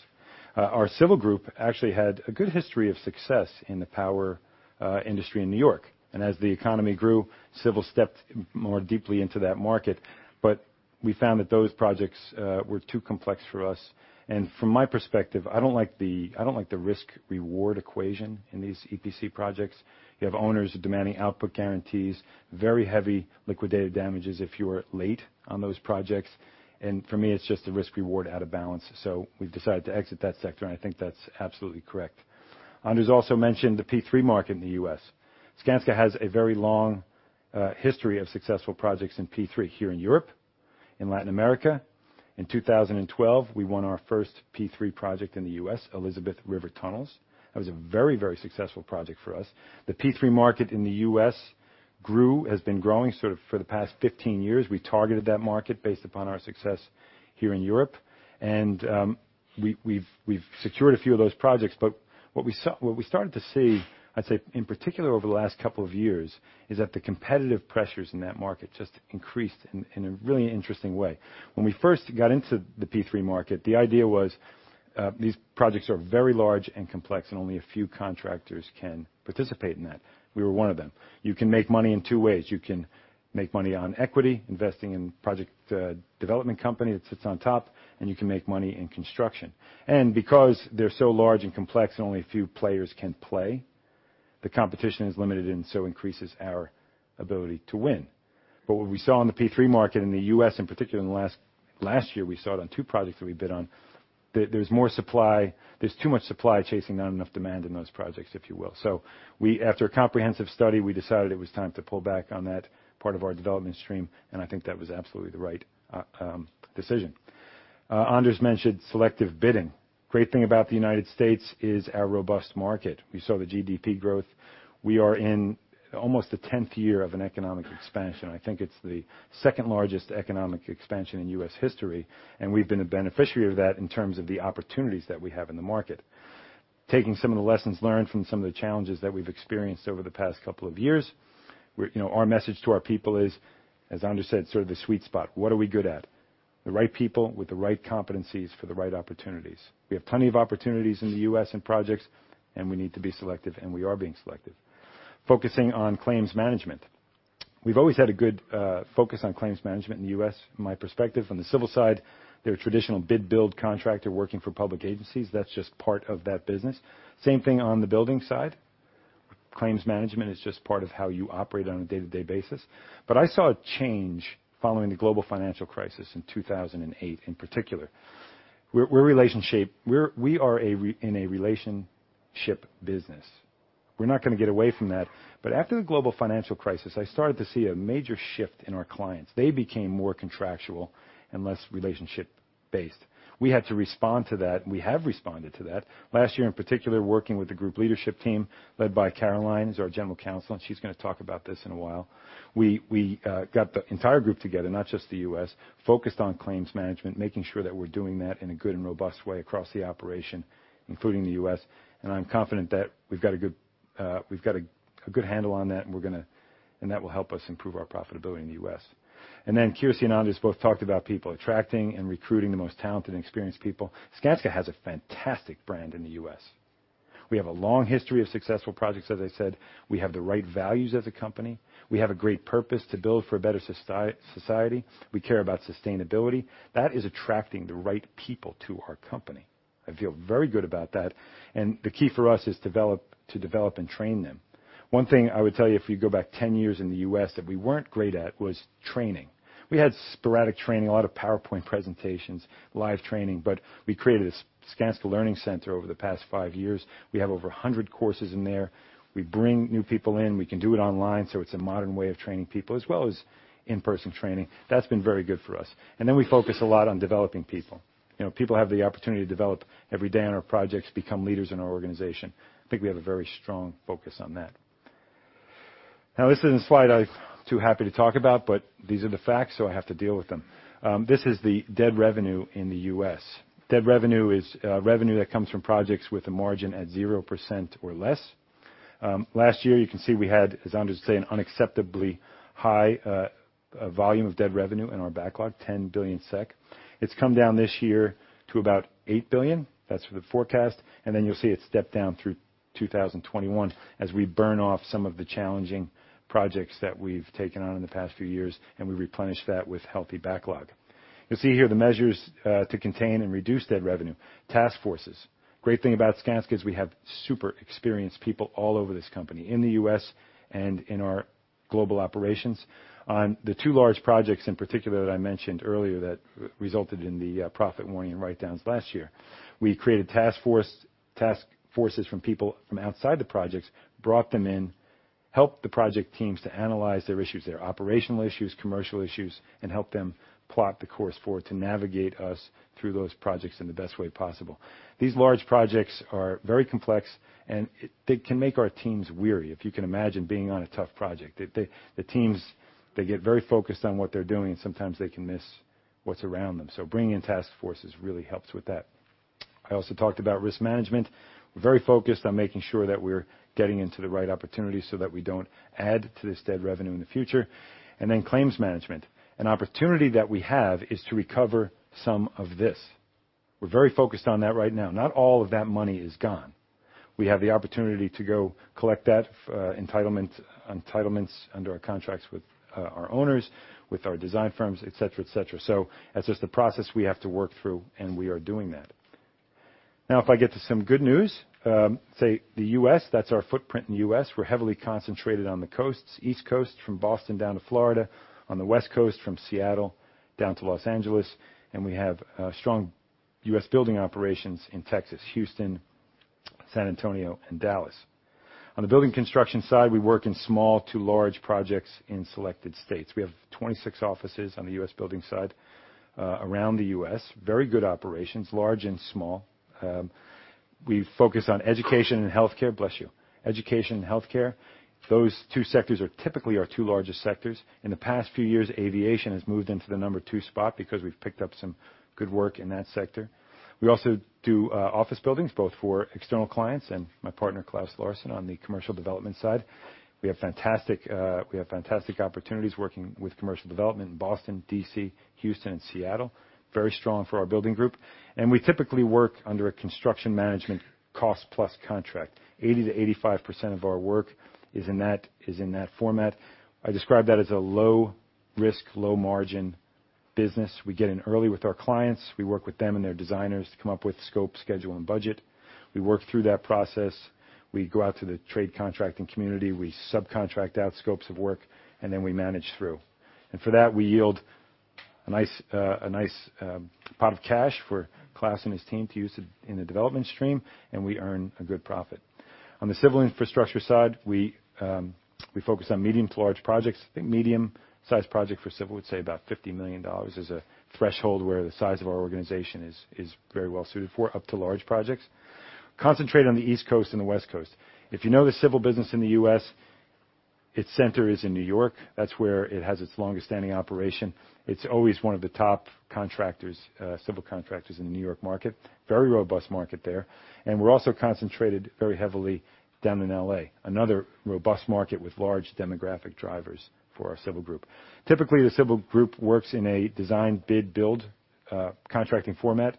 Our civil group actually had a good history of success in the power industry in New York, and as the economy grew, civil stepped more deeply into that market, but we found that those projects were too complex for us. From my perspective, I don't like the risk-reward equation in these EPC projects. You have owners demanding output guarantees, very heavy liquidated damages if you are late on those projects, and for me, it's just the risk-reward out of balance. So we've decided to exit that sector, and I think that's absolutely correct. Anders also mentioned the P3 market in the U.S. Skanska has a very long history of successful projects in P3 here in Europe, in Latin America. In 2012, we won our first P3 project in the U.S., Elizabeth River Tunnels. That was a very, very successful project for us. The P3 market in the U.S. grew, has been growing sort of for the past 15 years. We targeted that market based upon our success here in Europe, and we’ve secured a few of those projects, but what we saw, what we started to see, I’d say, in particular over the last couple of years, is that the competitive pressures in that market just increased in a really interesting way. When we first got into the P3 market, the idea was, these projects are very large and complex, and only a few contractors can participate in that. We were one of them. You can make money in two ways. You can make money on equity, investing in project development company that sits on top, and you can make money in construction. Because they're so large and complex and only a few players can play, the competition is limited and so increases our ability to win. But what we saw in the P3 market in the U.S., in particular in the last, last year, we saw it on two projects that we bid on, that there's more supply, there's too much supply chasing, not enough demand in those projects, if you will. So we, after a comprehensive study, we decided it was time to pull back on that part of our development stream, and I think that was absolutely the right decision. Anders mentioned selective bidding. Great thing about the United States is our robust market. We saw the GDP growth. We are in almost the tenth year of an economic expansion. I think it's the second largest economic expansion in U.S. history, and we've been a beneficiary of that in terms of the opportunities that we have in the market. Taking some of the lessons learned from some of the challenges that we've experienced over the past couple of years, we're you know, our message to our people is, as Anders said, sort of the sweet spot. What are we good at?... the right people with the right competencies for the right opportunities. We have plenty of opportunities in the U.S. and projects, and we need to be selective, and we are being selective. Focusing on claims management. We've always had a good, focus on claims management in the U.S. From my perspective, on the civil side, they're a traditional bid build contractor working for public agencies. That's just part of that business. Same thing on the building side. Claims management is just part of how you operate on a day-to-day basis. But I saw a change following the global financial crisis in 2008, in particular. We're a relationship business. We're not going to get away from that. But after the global financial crisis, I started to see a major shift in our clients. They became more contractual and less relationship-based. We had to respond to that, and we have responded to that. Last year, in particular, working with the group leadership team led by Caroline, who's our General Counsel, and she's going to talk about this in a while. We got the entire group together, not just the U.S., focused on claims management, making sure that we're doing that in a good and robust way across the operation, including the U.S. I'm confident that we've got a good handle on that, and we're going to... And that will help us improve our profitability in the U.S. And then Kirsi and Anders both talked about people, attracting and recruiting the most talented and experienced people. Skanska has a fantastic brand in the U.S. We have a long history of successful projects, as I said, we have the right values as a company. We have a great purpose to build for a better society. We care about sustainability. That is attracting the right people to our company. I feel very good about that, and the key for us is to develop and train them. One thing I would tell you, if you go back 10 years in the U.S., that we weren't great at, was training. We had sporadic training, a lot of PowerPoint presentations, live training, but we created a Skanska Learning Center over the past five years. We have over 100 courses in there. We bring new people in. We can do it online, so it's a modern way of training people as well as in-person training. That's been very good for us. We focus a lot on developing people. You know, people have the opportunity to develop every day on our projects, become leaders in our organization. I think we have a very strong focus on that. Now, this isn't a slide I'm too happy to talk about, but these are the facts, so I have to deal with them. This is the dead revenue in the U.S. dead revenue is revenue that comes from projects with a margin at 0% or less. Last year, you can see we had, as Anders said, an unacceptably high volume of dead revenue in our backlog, 10 billion SEK. It's come down this year to about 8 billion. That's for the forecast, and then you'll see it step down through 2021 as we burn off some of the challenging projects that we've taken on in the past few years, and we replenish that with healthy backlog. You'll see here the measures to contain and reduce dead revenue. Task forces. Great thing about Skanska is we have super experienced people all over this company, in the U.S. and in our global operations. On the two large projects in particular, that I mentioned earlier, that resulted in the profit warning write-downs last year. We created task force, task forces from people from outside the projects, brought them in, helped the project teams to analyze their issues, their operational issues, commercial issues, and helped them plot the course forward to navigate us through those projects in the best way possible. These large projects are very complex, and they can make our teams weary. If you can imagine being on a tough project, the teams, they get very focused on what they're doing, and sometimes they can miss what's around them. So bringing in task forces really helps with that. I also talked about risk management. We're very focused on making sure that we're getting into the right opportunities so that we don't add to this Dead Revenue in the future. And then claims management. An opportunity that we have is to recover some of this. We're very focused on that right now. Not all of that money is gone. We have the opportunity to go collect that, entitlement, entitlements under our contracts with, our owners, with our design firms, et cetera, et cetera. So that's just the process we have to work through, and we are doing that. Now, if I get to some good news, say, the U.S., that's our footprint in the U.S. We're heavily concentrated on the coasts, East Coast, from Boston down to Florida, on the West Coast, from Seattle down to Los Angeles, and we have, strong U.S. building operations in Texas, Houston, San Antonio, and Dallas. On the building construction side, we work in small to large projects in selected states. We have 26 offices on the U.S. building side, around the U.S. Very good operations, large and small. We focus on education and healthcare. Bless you. Education and healthcare. Those two sectors are typically our two largest sectors. In the past few years, aviation has moved into the number two spot because we've picked up some good work in that sector. We also do, office buildings, both for external clients and my partner, Claes Larsson, on the commercial development side. We have fantastic, we have fantastic opportunities working with commercial development in Boston, D.C., Houston, and Seattle. Very strong for our building group. We typically work under a construction management cost-plus contract. 80%-85% of our work is in that, is in that format. I describe that as a low risk, low margin business. We get in early with our clients. We work with them and their designers to come up with scope, schedule, and budget. We work through that process. We go out to the trade contracting community, we subcontract out scopes of work, and then we manage through. And for that, we yield a nice, a nice, pot of cash for Claes and his team to use in the development stream, and we earn a good profit. On the civil infrastructure side, we focus on medium to large projects. I think medium-sized project for civil, I would say about $50 million is a threshold where the size of our organization is very well suited for, up to large projects. Concentrate on the East Coast and the West Coast. If you know the civil business in the U.S., its center is in New York. That's where it has its longest-standing operation. It's always one of the top contractors, civil contractors in the New York market. Very robust market there. And we're also concentrated very heavily down in L.A., another robust market with large demographic drivers for our civil group. Typically, the civil group works in a design, bid, build contracting format,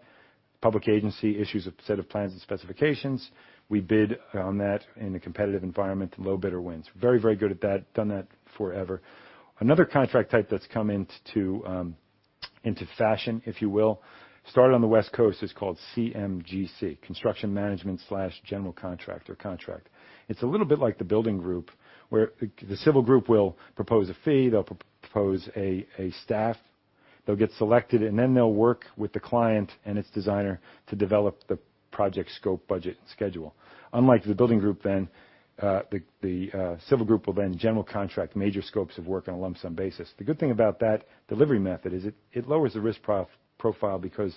public agency issues a set of plans and specifications. We bid on that in a competitive environment, and low bidder wins. Very, very good at that, done that forever. Another contract type that's come into fashion, if you will, started on the West Coast, is called CMGC, Construction Management/General Contractor contract. It's a little bit like the building group, where the civil group will propose a fee, they'll propose a staff. They'll get selected, and then they'll work with the client and its designer to develop the project scope, budget, and schedule. Unlike the building group then, the civil group will then general contract major scopes of work on a lump sum basis. The good thing about that delivery method is it lowers the risk profile because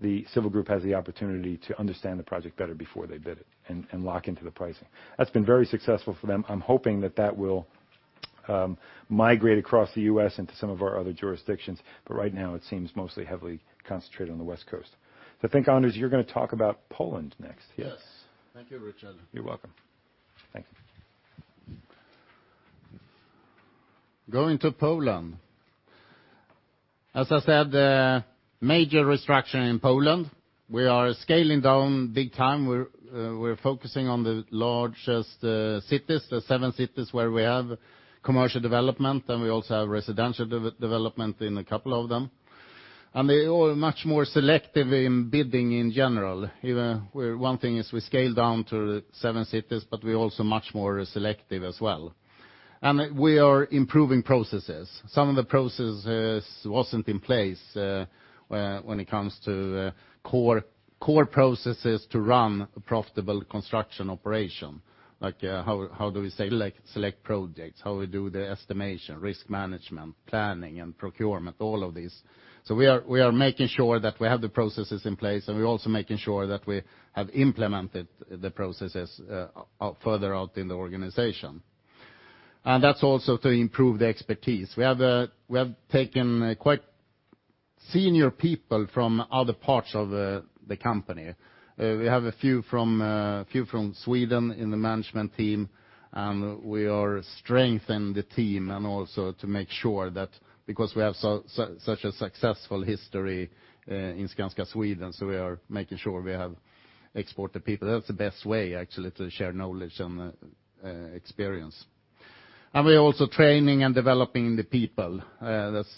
the civil group has the opportunity to understand the project better before they bid it and lock into the pricing. That's been very successful for them. I'm hoping that will migrate across the U.S. into some of our other jurisdictions, but right now it seems mostly heavily concentrated on the West Coast. So I think, Anders, you're gonna talk about Poland next. Yes. Yes. Thank you, Richard. You're welcome. Thank you Going to Poland. As I said, a major restructure in Poland. We are scaling down big time. We're focusing on the largest cities, the seven cities where we have commercial development, and we also have residential development in a couple of them. And we are much more selective in bidding in general. Even where one thing is we scale down to seven cities, but we're also much more selective as well. And we are improving processes. Some of the processes wasn't in place, when it comes to core processes to run a profitable construction operation. Like how do we select projects? How we do the estimation, risk management, planning, and procurement, all of these. So we are making sure that we have the processes in place, and we're also making sure that we have implemented the processes further out in the organization. And that's also to improve the expertise. We have taken quite senior people from other parts of the company. We have a few from Sweden in the management team, and we are strengthening the team, and also to make sure that because we have such a successful history in Skanska Sweden, so we are making sure we have exported people. That's the best way, actually, to share knowledge and experience. And we're also training and developing the people that's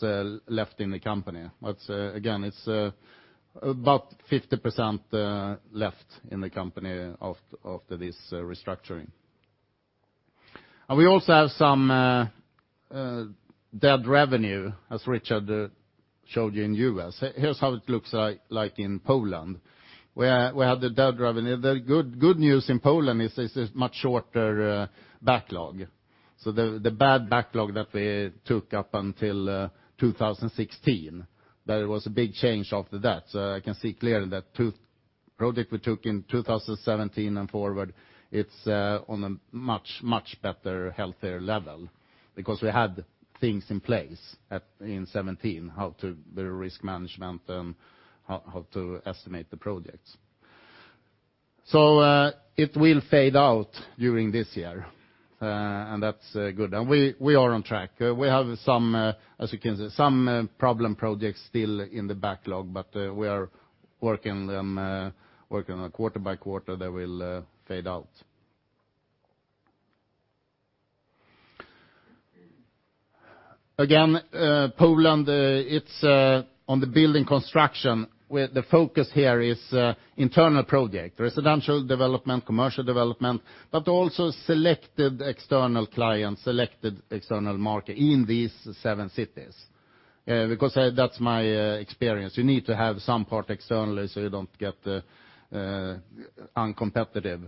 left in the company. But again, it's about 50% left in the company after this restructuring. And we also have some dead revenue, as Richard showed you in U.S. Here's how it looks like in Poland, where we have the dead revenue. The good news in Poland is a much shorter backlog. So the bad backlog that we took up until 2016, there was a big change after that. So I can see clearly that two project we took in 2017 and forward, it's on a much better, healthier level because we had things in place in 2017, how to do risk management and how to estimate the projects. So it will fade out during this year, and that's good. And we are on track. We have some, as you can see, some, problem projects still in the backlog, but, we are working them, working on quarter by quarter, they will, fade out. Again, Poland, it's, on the building construction, where the focus here is, internal project, residential development, commercial development, but also selected external clients, selected external market in these seven cities. Because that's my, experience. You need to have some part externally, so you don't get, uncompetitive,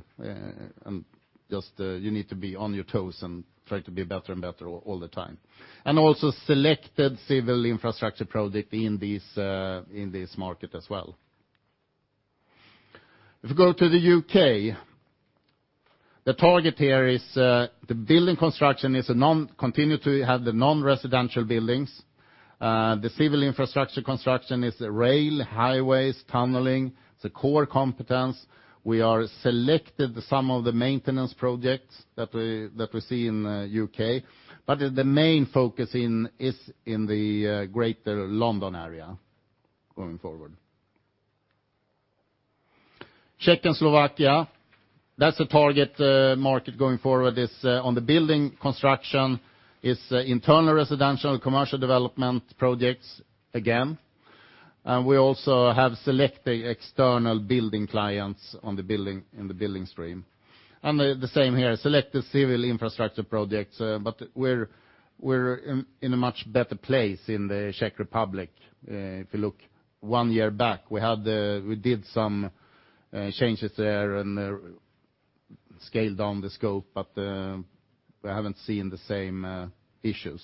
and just, you need to be on your toes and try to be better and better all the time. And also, selected civil infrastructure project in this, in this market as well. If you go to the U.K., the target here is, the building construction is a non... Continue to have the non-residential buildings. The civil infrastructure construction is rail, highways, tunneling. It's a core competence. We have selected some of the maintenance projects that we, that we see in U.K., but the main focus is in the Greater London area going forward. Czech Republic and Slovakia, that's the target market going forward is on the building construction, is internal residential, commercial development projects again. And we also have selected external building clients on the building, in the building stream. And the same here, selected civil infrastructure projects, but we're in a much better place in the Czech Republic. If you look one year back, we did some changes there and scaled down the scope, but we haven't seen the same issues.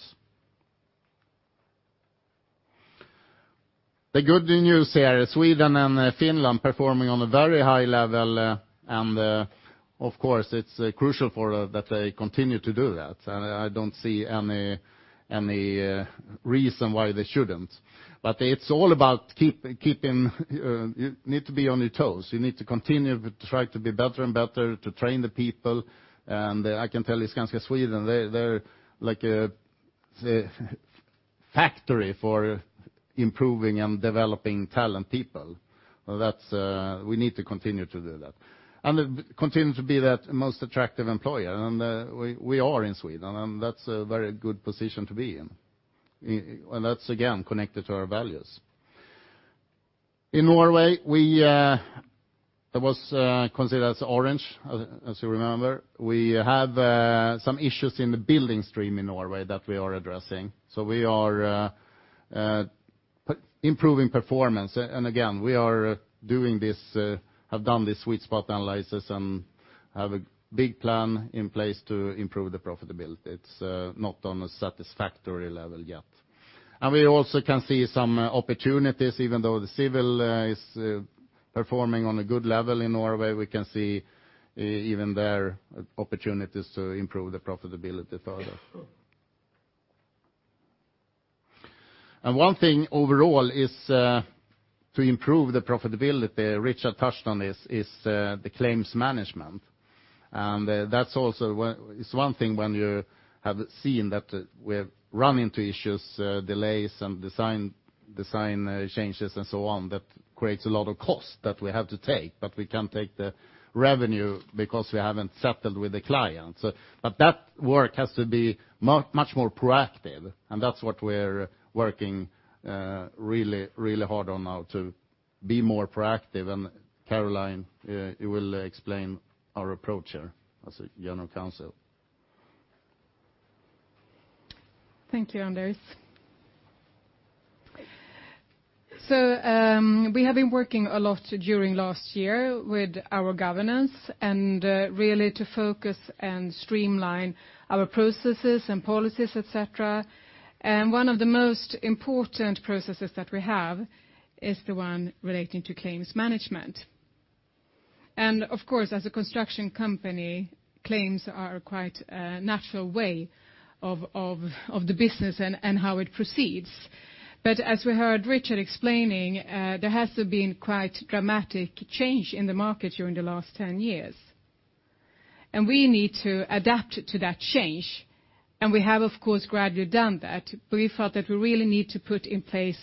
The good news here, Sweden and Finland performing on a very high level, and, of course, it's crucial for us that they continue to do that, and I don't see any reason why they shouldn't. But it's all about keeping you need to be on your toes. You need to continue to try to be better and better, to train the people, and I can tell you, Skanska Sweden, they're like the factory for improving and developing talented people. Well, that's we need to continue to do that. And continue to be that most attractive employer, and we are in Sweden, and that's a very good position to be in. And that's again connected to our values. In Norway, we that was considered as orange, as you remember. We have some issues in the building stream in Norway that we are addressing. So we are improving performance. And again, we are doing this, have done this Sweet Spot Analysis, and have a big plan in place to improve the profitability. It's not on a satisfactory level yet. And we also can see some opportunities, even though the civil is performing on a good level in Norway, we can see even there opportunities to improve the profitability further. And one thing overall is to improve the profitability, Richard touched on this, is the claims management. And that's also where it's one thing when you have seen that we're running into issues, delays, and design changes, and so on, that creates a lot of cost that we have to take, but we can't take the revenue because we haven't settled with the client. So, but that work has to be much more proactive, and that's what we're working really, really hard on now to be more proactive. And Caroline, you will explain our approach here as General Counsel. Thank you, Anders. So, we have been working a lot during last year with our governance, and really to focus and streamline our processes and policies, et cetera. One of the most important processes that we have is the one relating to claims management. Of course, as a construction company, claims are quite a natural way of the business and how it proceeds. But as we heard Richard explaining, there has been quite dramatic change in the market during the last 10 years. We need to adapt to that change, and we have, of course, gradually done that, but we felt that we really need to put in place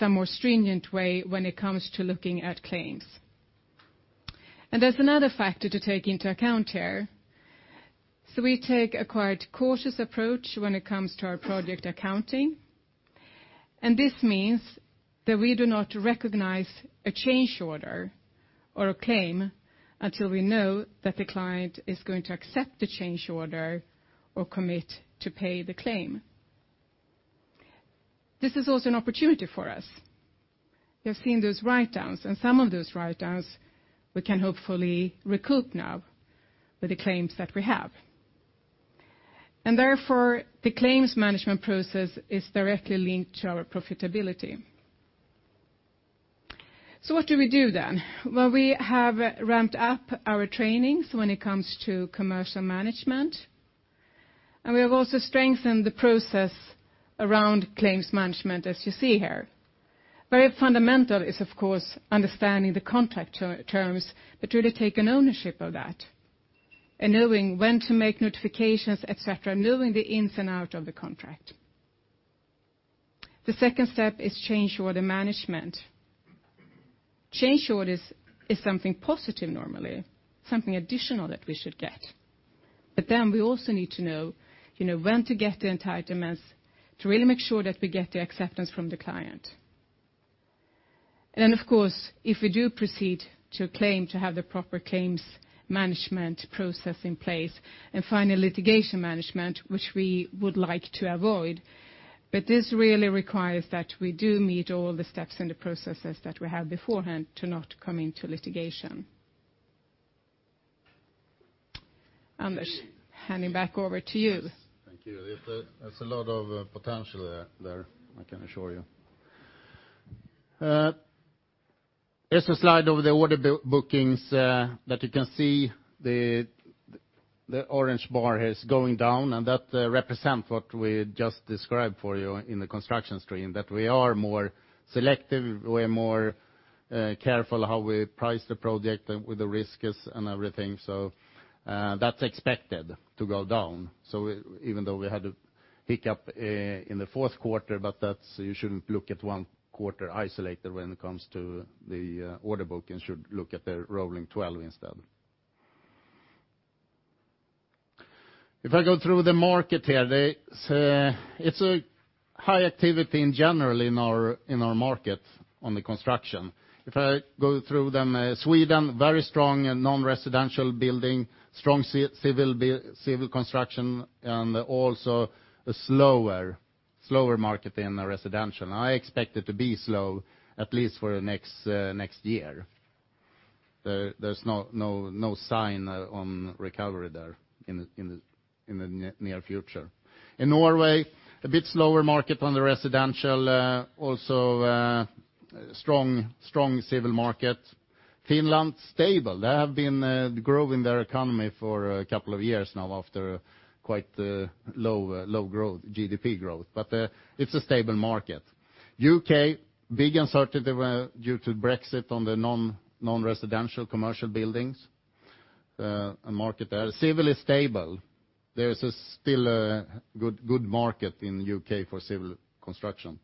some more stringent way when it comes to looking at claims. There's another factor to take into account here. So we take a quite cautious approach when it comes to our project accounting, and this means that we do not recognize a change order or a claim until we know that the client is going to accept the change order or commit to pay the claim. This is also an opportunity for us. You have seen those write-downs, and some of those write-downs we can hopefully recoup now with the claims that we have. And therefore, the claims management process is directly linked to our profitability. So what do we do then? Well, we have ramped up our trainings when it comes to commercial management, and we have also strengthened the process around claims management, as you see here. Very fundamental is, of course, understanding the contract terms, but really taking ownership of that, and knowing when to make notifications, et cetera, knowing the ins and out of the contract. The second step is change order management. Change orders is something positive, normally, something additional that we should get. But then we also need to know, you know, when to get the entitlements to really make sure that we get the acceptance from the client. And of course, if we do proceed to a claim, to have the proper claims management process in place, and final litigation management, which we would like to avoid. But this really requires that we do meet all the steps in the processes that we have beforehand to not come into litigation. Anders, handing back over to you. Yes, thank you. There's a lot of potential there, I can assure you. Here's a slide of the order bookings that you can see the orange bar is going down, and that represents what we just described for you in the construction stream, that we are more selective, we're more careful how we price the project, and where the risk is, and everything. So, that's expected to go down. So even though we had a pick-up in the fourth quarter, but that's you shouldn't look at one quarter isolated when it comes to the order booking. You should look at the rolling twelve instead. If I go through the market here, there is high activity in general in our market in the construction. If I go through them, Sweden, very strong in non-residential building, strong civil construction, and also a slower market in the residential. I expect it to be slow, at least for the next year. There's no sign of recovery there in the near future. In Norway, a bit slower market on the residential, also strong civil market. Finland, stable. They have been growing their economy for a couple of years now after quite low GDP growth, but it's a stable market. U.K., big uncertainty due to Brexit on the non-residential commercial buildings market there. Civil is stable. There is still a good market in U.K. for civil construction.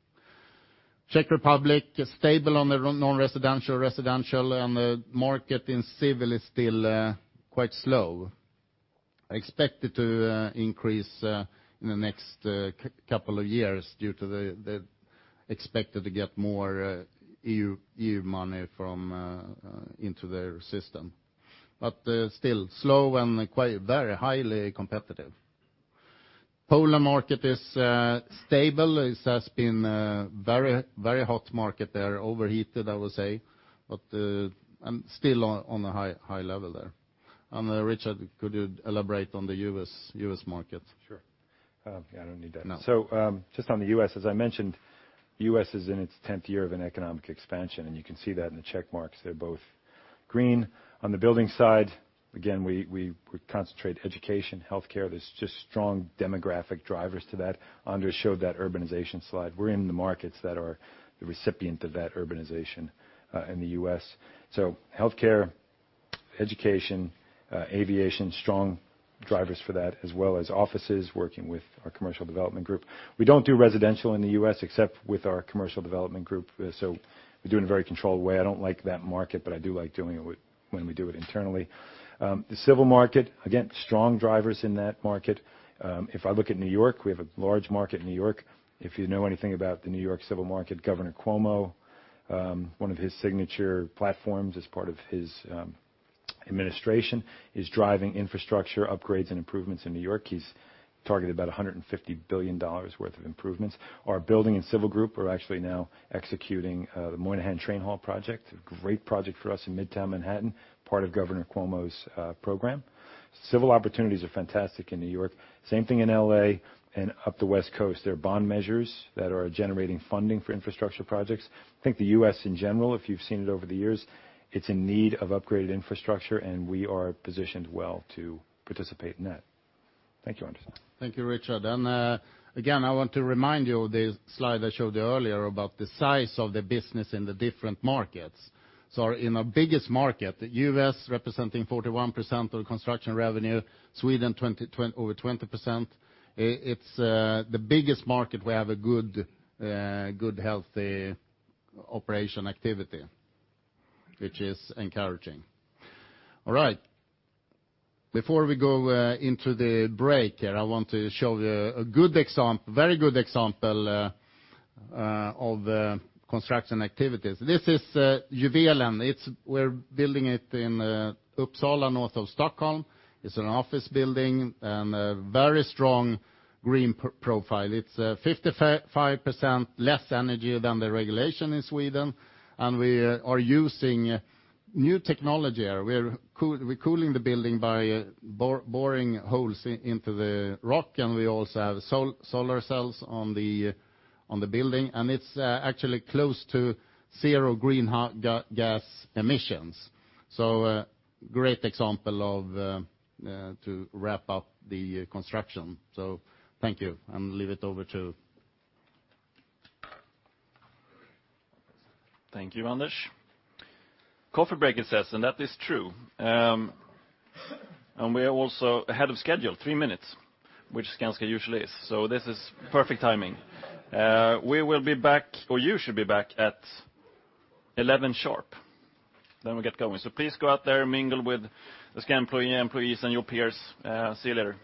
Czech Republic is stable on the non-residential, residential, and the market in civil is still quite slow. I expect it to increase in the next couple of years due to the expected to get more EU money into their system. But still slow and quite very highly competitive. Poland market is stable. It has been very, very hot market there, overheated, I would say, but and still on a high level there. And Richard, could you elaborate on the U.S. market? Sure. Yeah, I don't need that. No. So, just on the U.S., as I mentioned, U.S. is in its tenth year of an economic expansion, and you can see that in the check marks, they're both green. On the building side, again, we concentrate education, healthcare. There's just strong demographic drivers to that. Anders showed that urbanization slide. We're in the markets that are the recipient of that urbanization, in the U.S. So healthcare, education, aviation, strong drivers for that, as well as offices, working with our commercial development group. We don't do residential in the U.S., except with our commercial development group. So we do it in a very controlled way. I don't like that market, but I do like doing it with, when we do it internally. The civil market, again, strong drivers in that market. If I look at New York, we have a large market in New York. If you know anything about the New York civil market, Governor Cuomo, one of his signature platforms as part of his administration, is driving infrastructure upgrades and improvements in New York. He's targeted about $150 billion worth of improvements. Our building and civil group are actually now executing the Moynihan Train Hall project, a great project for us in Midtown Manhattan, part of Governor Cuomo's program. Civil opportunities are fantastic in New York. Same thing in L.A. and up the West Coast. There are bond measures that are generating funding for infrastructure projects. I think the U.S., in general, if you've seen it over the years, it's in need of upgraded infrastructure, and we are positioned well to participate in that. Thank you, Anders. Thank you, Richard. Again, I want to remind you of the slide I showed you earlier about the size of the business in the different markets. In our biggest market, the U.S., representing 41% of the construction revenue, Sweden, over 20%. It's the biggest market we have a good, healthy operation activity, which is encouraging. All right. Before we go into the break here, I want to show you a very good example of construction activities. This is Juvelen. We're building it in Uppsala, north of Stockholm. It's an office building and a very strong green profile. It's 55% less energy than the regulation in Sweden, and we are using new technology. We're cooling the building by boring holes into the rock, and we also have solar cells on the building, and it's actually close to zero greenhouse gas emissions. So, great example of to wrap up the construction. So thank you, and leave it over to... Thank you, Anders. Coffee break, it says, and that is true. And we are also ahead of schedule, three minutes, which Skanska usually is, so this is perfect timing. We will be back, or you should be back at 11:00 A.M sharp. Then we'll get going. So please go out there and mingle with the Skanska employees and your peers. See you later. ...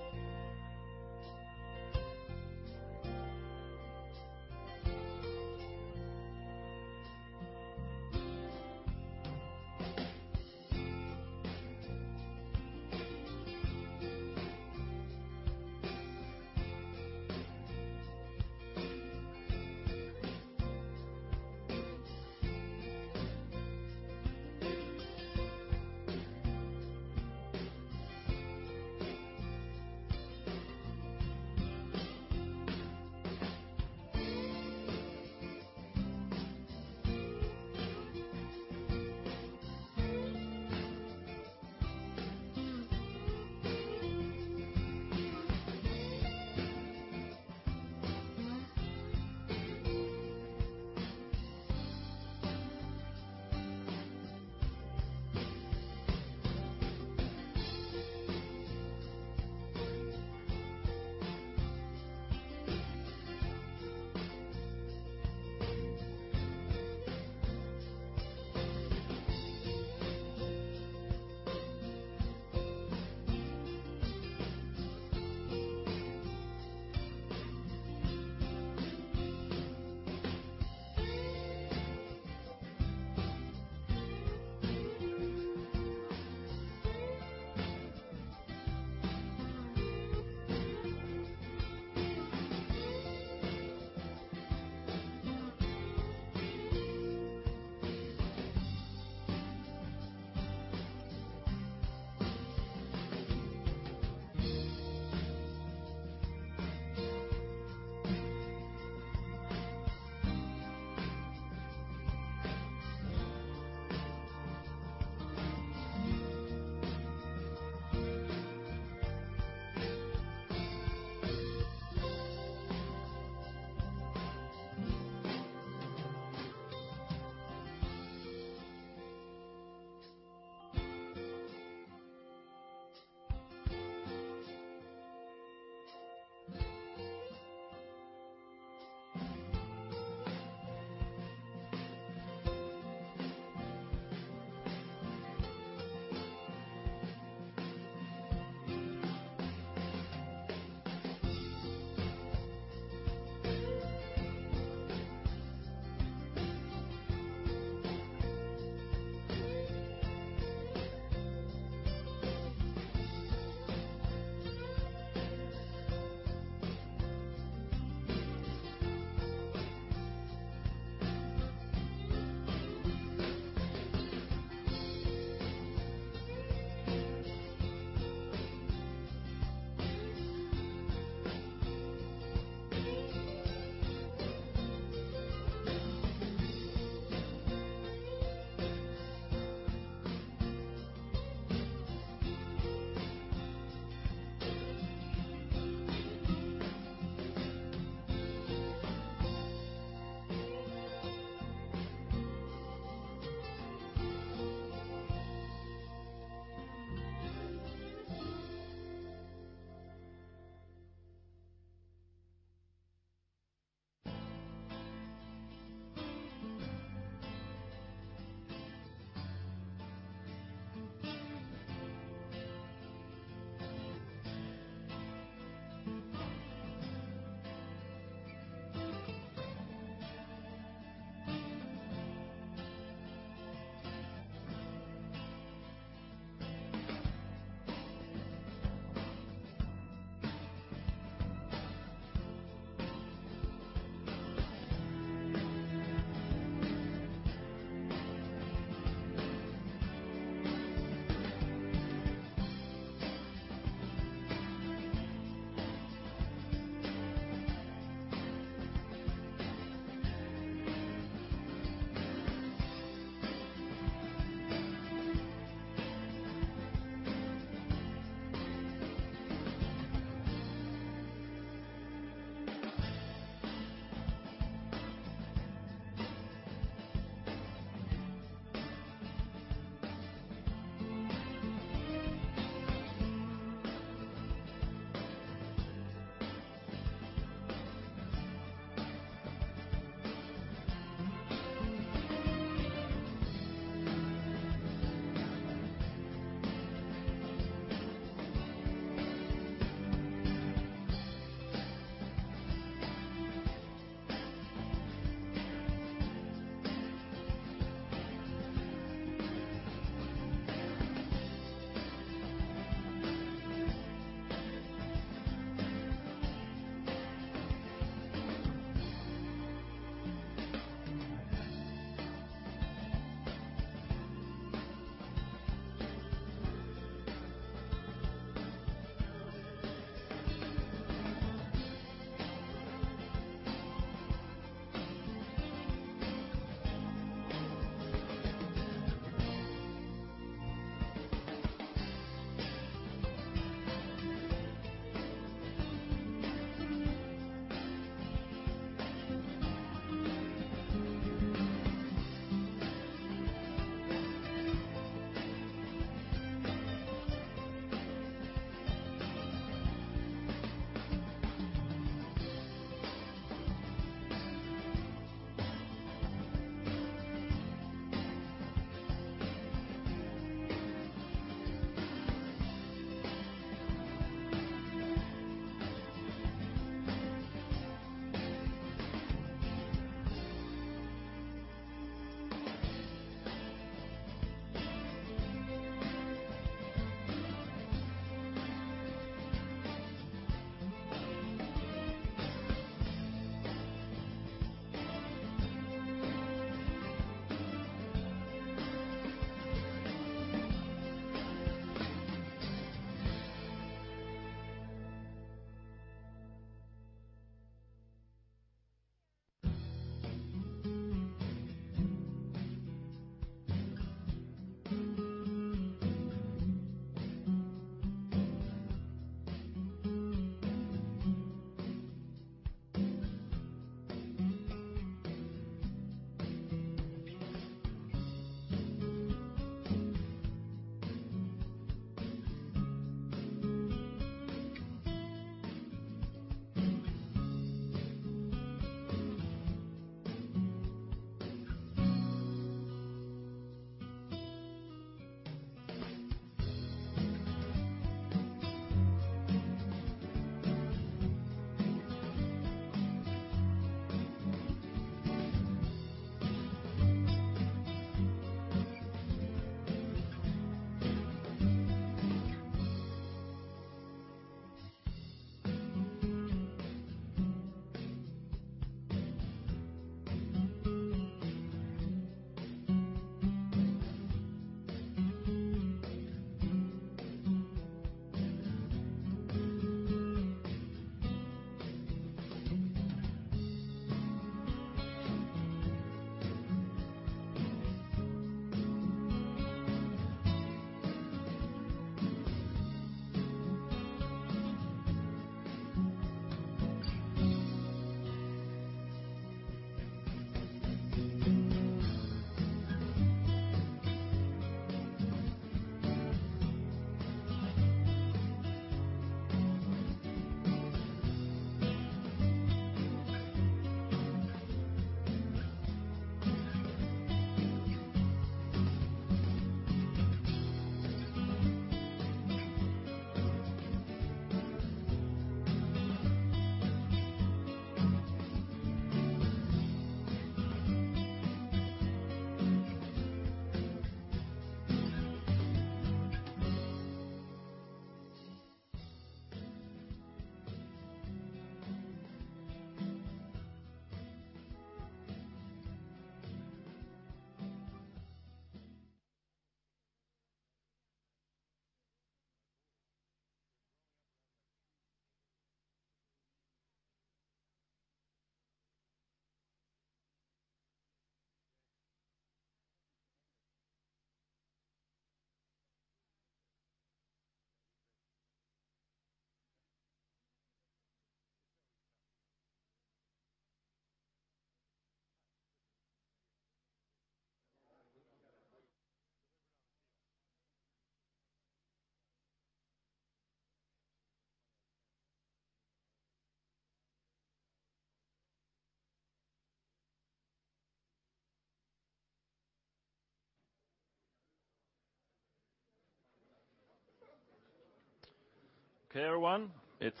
Okay, everyone, it's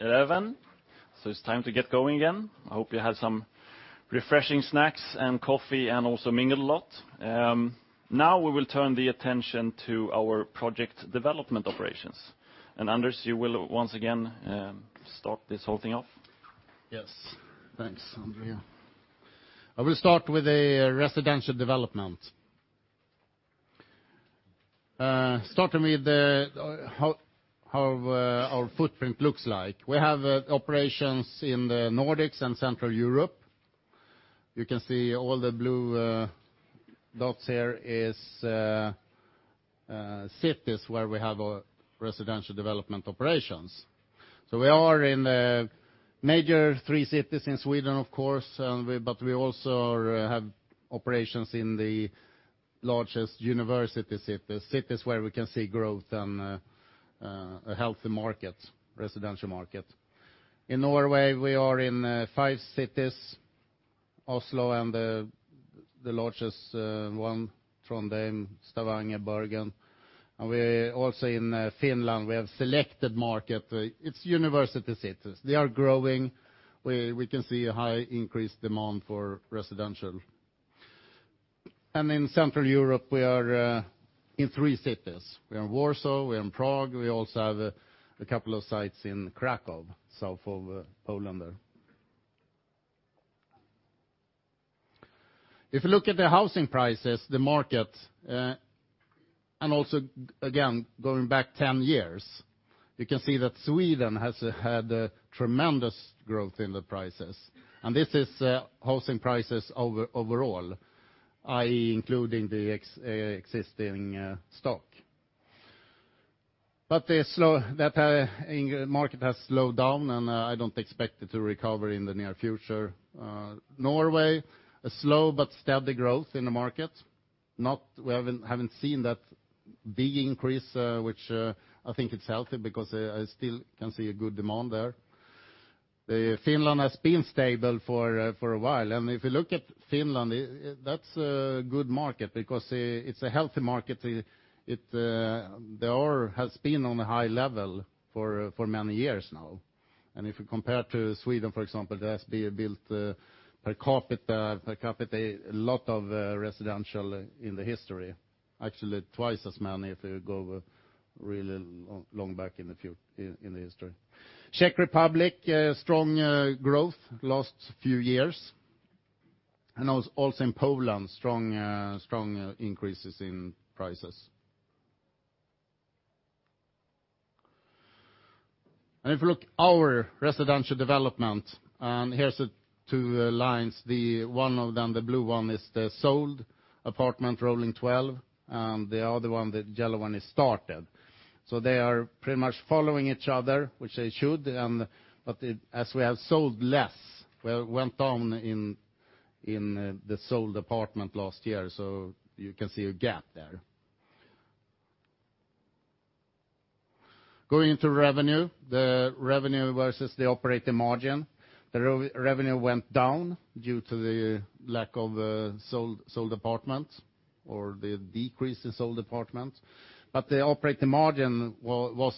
11:00 A.M, so it's time to get going again. I hope you had some refreshing snacks and coffee and also mingled a lot. Now we will turn the attention to our project development operations. And Anders, you will once again start this whole thing off. Yes. Thanks, André. I will start with a residential development. Starting with how our footprint looks like. We have operations in the Nordics and Central Europe. You can see all the blue dots here is cities where we have our residential development operations. So we are in the major three cities in Sweden, of course, and we- but we also are, have operations in the largest university cities, cities where we can see growth and a healthy market, residential market. In Norway, we are in five cities, Oslo and the, the largest one, Trondheim, Stavanger, Bergen. And we're also in Finland, we have selected market. It's university cities. They are growing. We, we can see a high increased demand for residential. And in Central Europe, we are in three cities. We are in Warsaw, we are in Prague, we also have a couple of sites in Kraków, south of Poland there. If you look at the housing prices, the market, and also again, going back 10 years, you can see that Sweden has had a tremendous growth in the prices. And this is housing prices overall, i.e., including the existing stock. But that market has slowed down, and I don't expect it to recover in the near future. Norway, a slow but steady growth in the market. We haven't seen that big increase, which I think it's healthy because I still can see a good demand there. The Finland has been stable for a while, and if you look at Finland, that's a good market because it's a healthy market. It, there has been on a high level for many years now. And if you compare to Sweden, for example, there has been built per capita a lot of residential in the history, actually twice as many if you go really long back in the history. Czech Republic, strong growth last few years, and also in Poland, strong increases in prices. And if you look our residential development, and here's the two lines, the one of them, the blue one, is the sold apartment, rolling 12, and the other one, the yellow one, is started. So they are pretty much following each other, which they should, but as we have sold less, we went down in the sold apartment last year, so you can see a gap there. Going into revenue, the revenue versus the operating margin. The revenue went down due to the lack of sold apartments or the decrease in sold apartments. But the operating margin was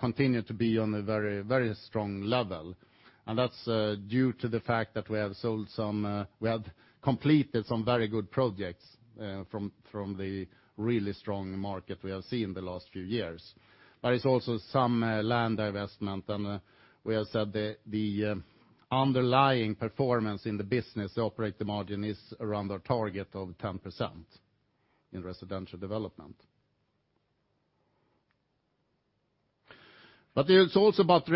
continued to be on a very, very strong level, and that's due to the fact that we have sold some, we have completed some very good projects from the really strong market we have seen the last few years. But it's also some land divestment, and we have said the underlying performance in the business operating margin is around our target of 10% in residential development. But it's also about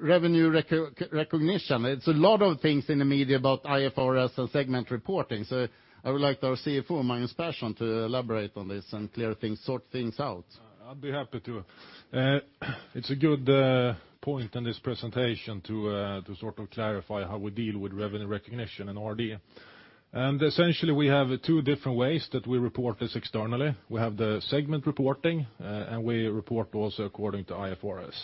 revenue recognition. It's a lot of things in the media about IFRS and segment reporting, so I would like our CFO, Magnus Persson, to elaborate on this and clear things, sort things out. I'd be happy to. It's a good point in this presentation to sort of clarify how we deal with revenue recognition in RD. And essentially, we have two different ways that we report this externally. We have the segment reporting, and we report also according to IFRS.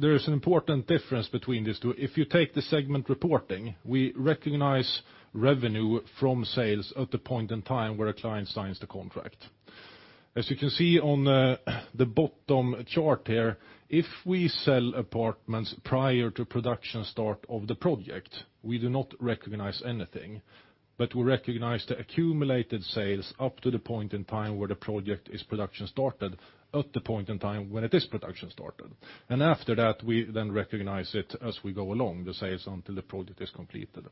There is an important difference between these two. If you take the segment reporting, we recognize revenue from sales at the point in time where a client signs the contract. As you can see on the bottom chart here, if we sell apartments prior to production start of the project, we do not recognize anything, but we recognize the accumulated sales up to the point in time where the project is production started, at the point in time when it is production started. And after that, we then recognize it as we go along, the sales until the project is completed.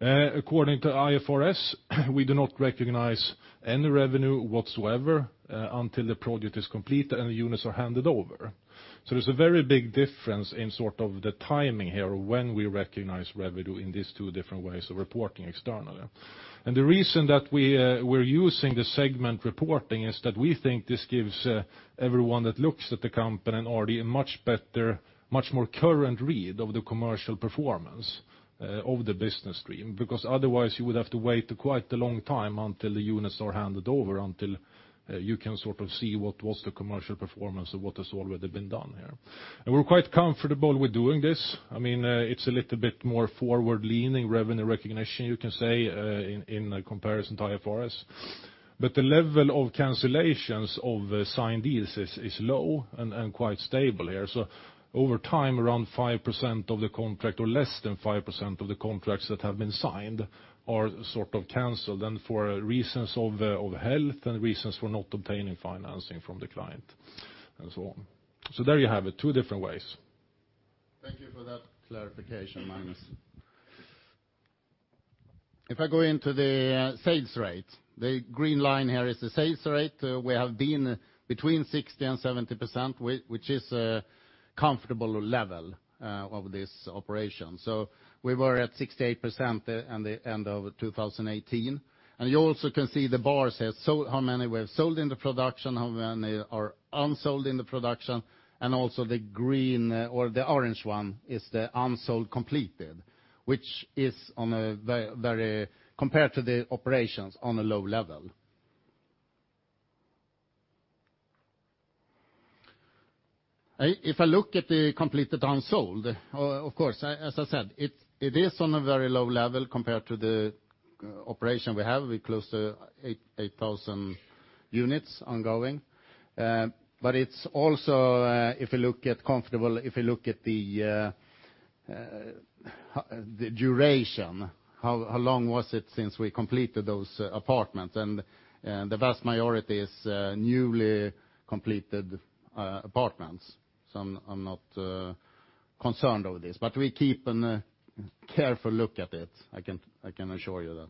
According to IFRS, we do not recognize any revenue whatsoever, until the project is complete and the units are handed over. So there's a very big difference in sort of the timing here, when we recognize revenue in these two different ways of reporting externally. And the reason that we, we're using the segment reporting is that we think this gives, everyone that looks at the company and RD a much better, much more current read of the commercial performance, of the business stream, because otherwise you would have to wait quite a long time until the units are handed over, until, you can sort of see what was the commercial performance of what has already been done here. And we're quite comfortable with doing this. I mean, it's a little bit more forward-leaning revenue recognition, you can say, in comparison to IFRS. But the level of cancellations of signed deals is low and quite stable here. So over time, around 5% of the contract or less than 5% of the contracts that have been signed are sort of canceled, and for reasons of health and reasons for not obtaining financing from the client, and so on. So there you have it, two different ways. Thank you for that clarification, Magnus. If I go into the sales rate, the green line here is the sales rate. We have been between 60% and 70%, which is a comfortable level of this operation. So we were at 68% at the end of 2018. And you also can see the bars here, so how many we have sold in the production, how many are unsold in the production, and also the green or the orange one is the unsold completed, which is on a very... Compared to the operations, on a low level. If I look at the completed unsold, of course, as I said, it is on a very low level compared to the operation we have. We're close to 8,000 units ongoing. But it's also, if you look at commercial, if you look at the duration, how long was it since we completed those apartments, and the vast majority is newly completed apartments. So I'm not concerned over this, but we keep a careful look at it, I can assure you that.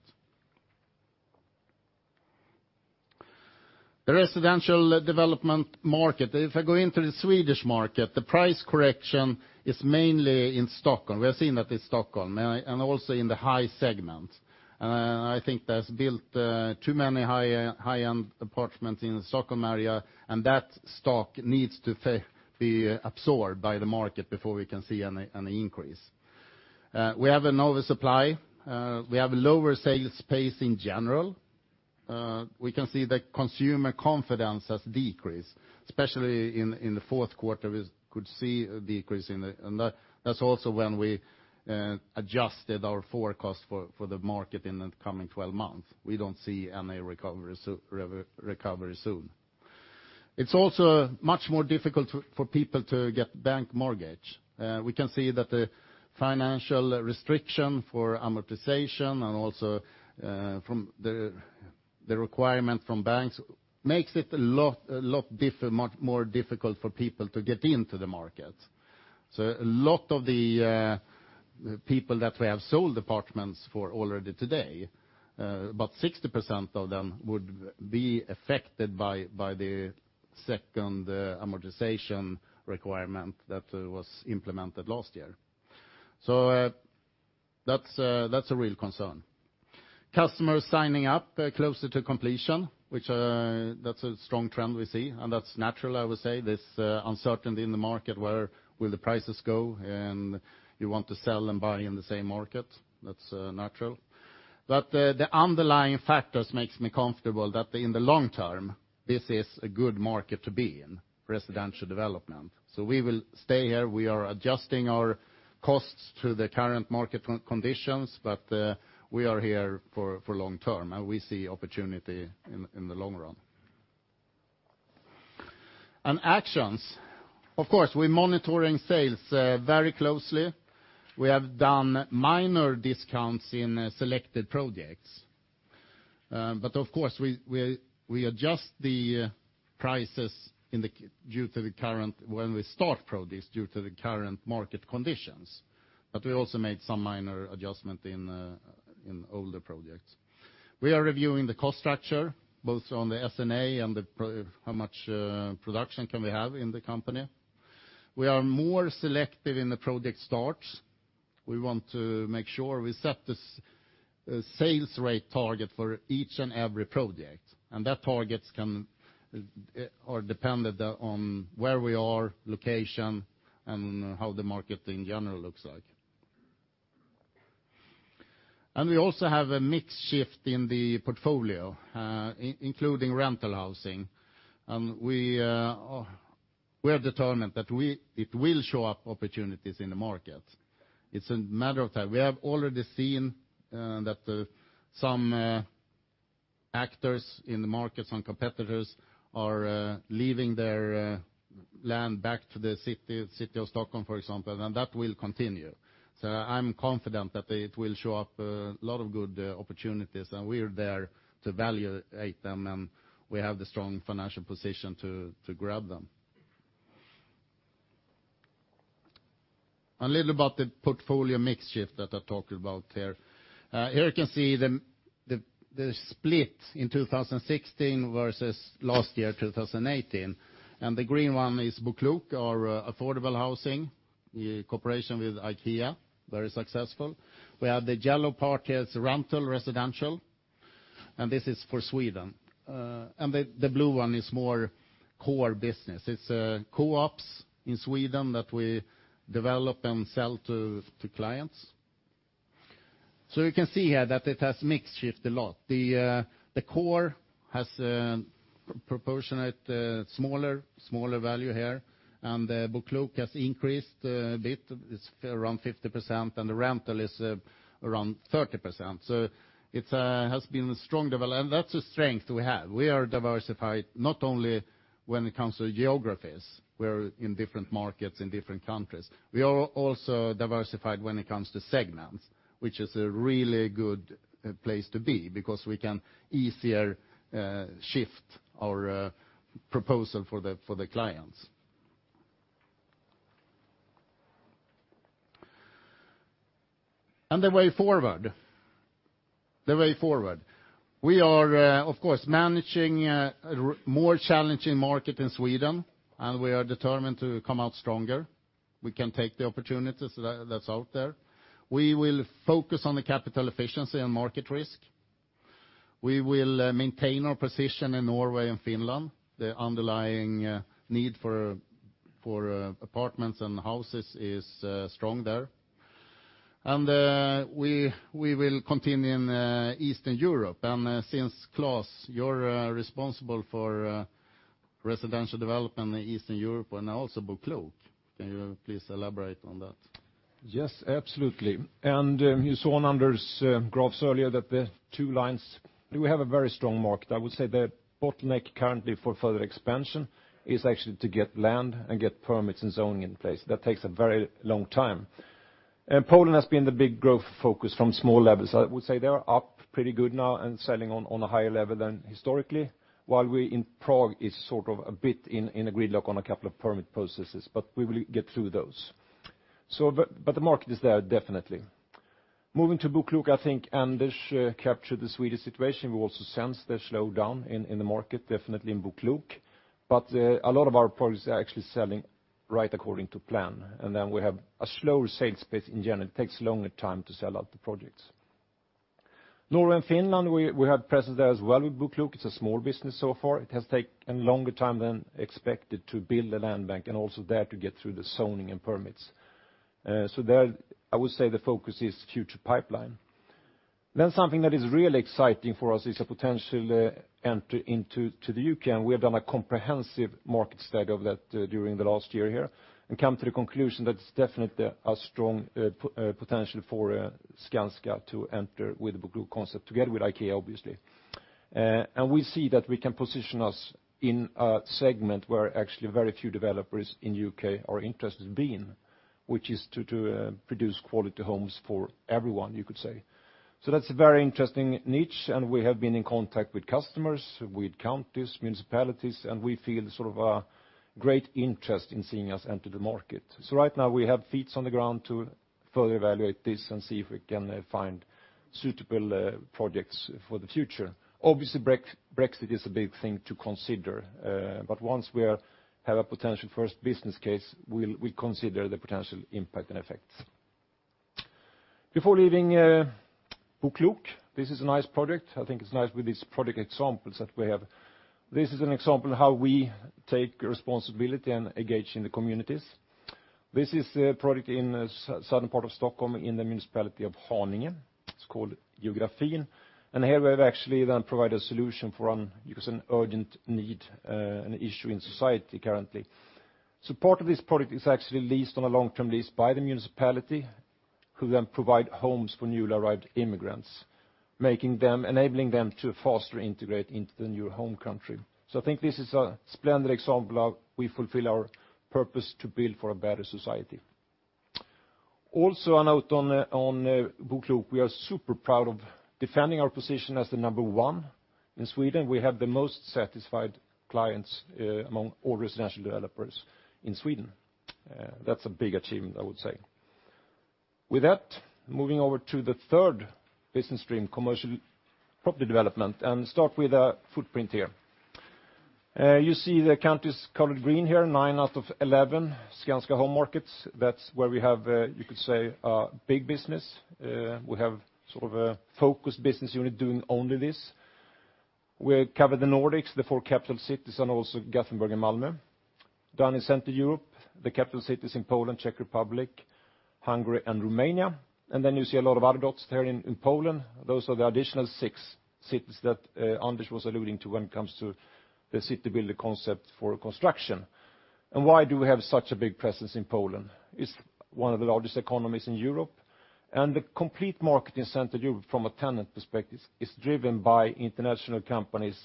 The residential development market. If I go into the Swedish market, the price correction is mainly in Stockholm. We have seen that in Stockholm, and also in the high segment. I think there's built too many high-end apartments in the Stockholm area, and that stock needs to be absorbed by the market before we can see an increase. We have an oversupply, we have lower sales pace in general. We can see that consumer confidence has decreased, especially in the fourth quarter, we could see a decrease, and that's also when we adjusted our forecast for the market in the coming 12 months. We don't see any recovery soon. It's also much more difficult for people to get bank mortgage. We can see that the financial restriction for amortization and also from the requirement from banks makes it a lot, a lot much more difficult for people to get into the market. So a lot of the people that we have sold apartments for already today, about 60% of them would be affected by the second amortization requirement that was implemented last year. So, that's a real concern. Customers signing up closer to completion, which that's a strong trend we see, and that's natural, I would say. There's uncertainty in the market, where will the prices go, and you want to sell and buy in the same market. That's natural. But the underlying factors makes me comfortable that in the long term, this is a good market to be in, residential development. So we will stay here. We are adjusting our costs to the current market conditions, but we are here for long term, and we see opportunity in the long run. And actions. Of course, we're monitoring sales very closely. We have done minor discounts in selected projects. But of course, we adjust the prices due to the current when we start projects, due to the current market conditions. But we also made some minor adjustment in older projects. We are reviewing the cost structure, both on the SG&A and how much production can we have in the company. We are more selective in the project starts. We want to make sure we set the sales rate target for each and every project, and that targets can are dependent on where we are, location, and how the market in general looks like. And we also have a mix shift in the portfolio, including rental housing. And we are determined that it will show up opportunities in the market. It's a matter of time. We have already seen that some actors in the markets and competitors are leaving their land back to the city of Stockholm, for example, and that will continue. So I'm confident that it will show up a lot of good opportunities, and we're there to evaluate them, and we have the strong financial position to grab them. A little about the portfolio mix shift that I talked about here. Here you can see the split in 2016 versus last year, 2018. The green one is BoKlok, our affordable housing, in cooperation with IKEA, very successful. We have the yellow part here is rental residential, and this is for Sweden. And the blue one is more core business. It's co-ops in Sweden that we develop and sell to clients. So you can see here that it has mix-shifted a lot. The core has proportionate smaller value here, and the BoKlok has increased a bit. It's around 50%, and the rental is around 30%. So it has been a strong development, and that's a strength we have. We are diversified, not only when it comes to geographies, we're in different markets, in different countries. We are also diversified when it comes to segments, which is a really good place to be, because we can easier shift our proposal for the clients. And the way forward. The way forward. We are of course managing a more challenging market in Sweden, and we are determined to come out stronger. We can take the opportunities that's out there. We will focus on the capital efficiency and market risk. We will maintain our position in Norway and Finland. The underlying need for apartments and houses is strong there. We will continue in Eastern Europe. And since Claes, you're responsible for residential development in Eastern Europe and also BoKlok, can you please elaborate on that? Yes, absolutely. And, you saw on Anders', graphs earlier that the two lines... We have a very strong market. I would say the bottleneck currently for further expansion is actually to get land and get permits and zoning in place. That takes a very long time. And Poland has been the big growth focus from small levels. I would say they are up pretty good now and selling on, on a higher level than historically, while we in Prague, is sort of a bit in, in a gridlock on a couple of permit processes, but we will get through those. So but, but the market is there definitely. Moving to BoKlok, I think Anders captured the Swedish situation. We also sense the slowdown in, in the market, definitely in BoKlok. But, a lot of our projects are actually selling right according to plan, and then we have a slower sales pace in general. It takes a longer time to sell out the projects. Norway and Finland, we have presence there as well with BoKlok. It's a small business so far. It has taken a longer time than expected to build a land bank, and also there to get through the zoning and permits. So there, I would say the focus is future pipeline. Then something that is really exciting for us is a potential entry into the U.K., and we have done a comprehensive market study of that during the last year here, and come to the conclusion that it's definitely a strong potential for Skanska to enter with the BoKlok concept, together with IKEA, obviously. We see that we can position us in a segment where actually very few developers in the U.K. are interested in being, which is to produce quality homes for everyone, you could say. So that's a very interesting niche, and we have been in contact with customers, with counties, municipalities, and we feel sort of a great interest in seeing us enter the market. So right now we have feet on the ground to further evaluate this and see if we can find suitable projects for the future. Obviously, Brexit is a big thing to consider, but once we have a potential first business case, we'll consider the potential impact and effects. Before leaving BoKlok, this is a nice project. I think it's nice with these project examples that we have. This is an example of how we take responsibility and engage in the communities. This is a project in the southern part of Stockholm in the municipality of Haninge. It's called Geografen, and here we have actually then provided a solution for an, because an urgent need, an issue in society currently. So part of this project is actually leased on a long-term lease by the municipality, who then provide homes for newly arrived immigrants, making them-enabling them to faster integrate into the new home country. So I think this is a splendid example of we fulfill our purpose to build for a better society. Also, a note on BoKlok, we are super proud of defending our position as the number one in Sweden. We have the most satisfied clients among all residential developers in Sweden. That's a big achievement, I would say. With that, moving over to the third business stream, commercial property development, and start with a footprint here. You see the countries colored green here, nine out of eleven Skanska home markets. That's where we have, you could say, a big business. We have sort of a focused business unit doing only this. We cover the Nordics, the four capital cities, and also Gothenburg and Malmö. Down in Central Europe, the capital cities in Poland, Czech Republic, Hungary, and Romania. And then you see a lot of other dots there in Poland. Those are the additional six cities that, Anders was alluding to when it comes to the city building concept for construction. And why do we have such a big presence in Poland? It's one of the largest economies in Europe, and the complete market in Central Europe from a tenant perspective is driven by international companies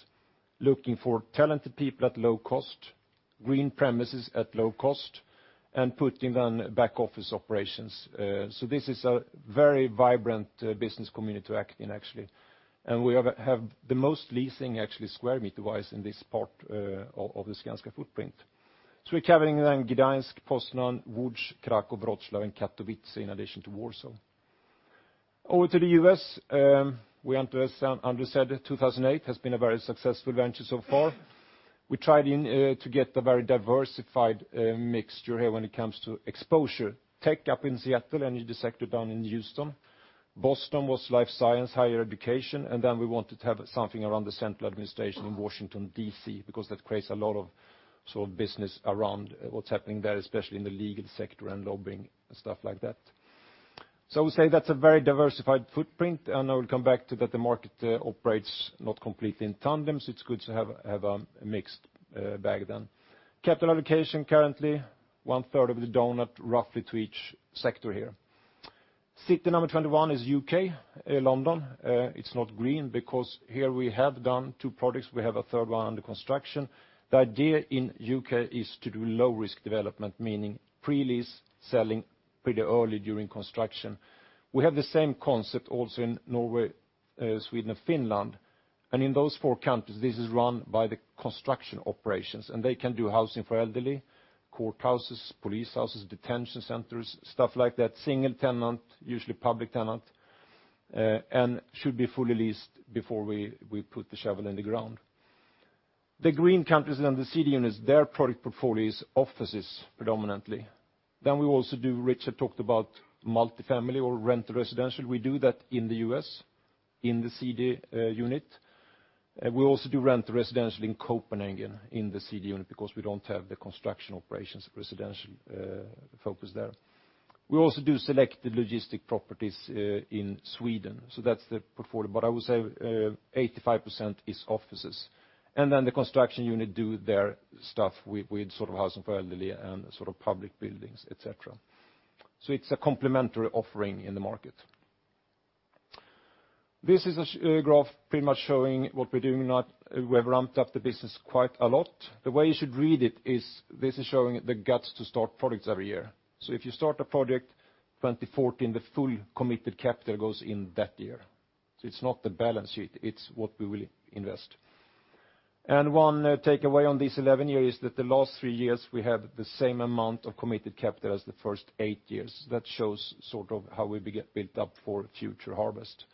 looking for talented people at low cost, green premises at low cost, and putting their back-office operations. So this is a very vibrant business community to act in, actually. And we have the most leasing, actually, square meter-wise in this part of the Skanska footprint. So we're covering the Gdańsk, Poznań, Łódź, Kraków, Wrocław, and Katowice in addition to Warsaw. Over to the U.S., we, as Anders said, since 2008 has been a very successful venture so far. We tried in to get a very diversified mixture here when it comes to exposure. Tech up in Seattle, energy sector down in Houston. Boston was life science, higher education, and then we wanted to have something around the central administration in Washington, D.C., because that creates a lot of sort of business around what's happening there, especially in the legal sector and lobbying and stuff like that. So I would say that's a very diversified footprint, and I will come back to that the market operates not completely in tandem, so it's good to have a mixed bag then. Capital allocation currently, 1/3 of the donut roughly to each sector here. City number 21 is U.K., London. It's not green because here we have done two projects. We have a third one under construction. The idea in U.K. is to do low-risk development, meaning pre-lease, selling pretty early during construction. We have the same concept also in Norway, Sweden, and Finland. And in those four countries, this is run by the construction operations, and they can do housing for elderly, courthouses, police houses, detention centers, stuff like that. Single tenant, usually public tenant, and should be fully leased before we put the shovel in the ground. The green countries and the CD units, their product portfolio is offices predominantly. Then we also do, Richard talked about multifamily or rent residential. We do that in the U.S., in the CD unit. We also do rent residential in Copenhagen in the CD unit, because we don't have the construction operations residential focus there. We also do select the logistic properties in Sweden, so that's the portfolio. But I would say, 85% is offices. And then the construction unit do their stuff with sort of housing for elderly and sort of public buildings, et cetera. So it's a complementary offering in the market. This is a graph pretty much showing what we're doing now. We have ramped up the business quite a lot. The way you should read it is this is showing the starts to start projects every year. So if you start a project 2014, the full committed capital goes in that year. So it's not the balance sheet, it's what we will invest. And one takeaway on this 11-year is that the last three years, we have the same amount of committed capital as the first eight years. That shows sort of how we get built up for future harvest.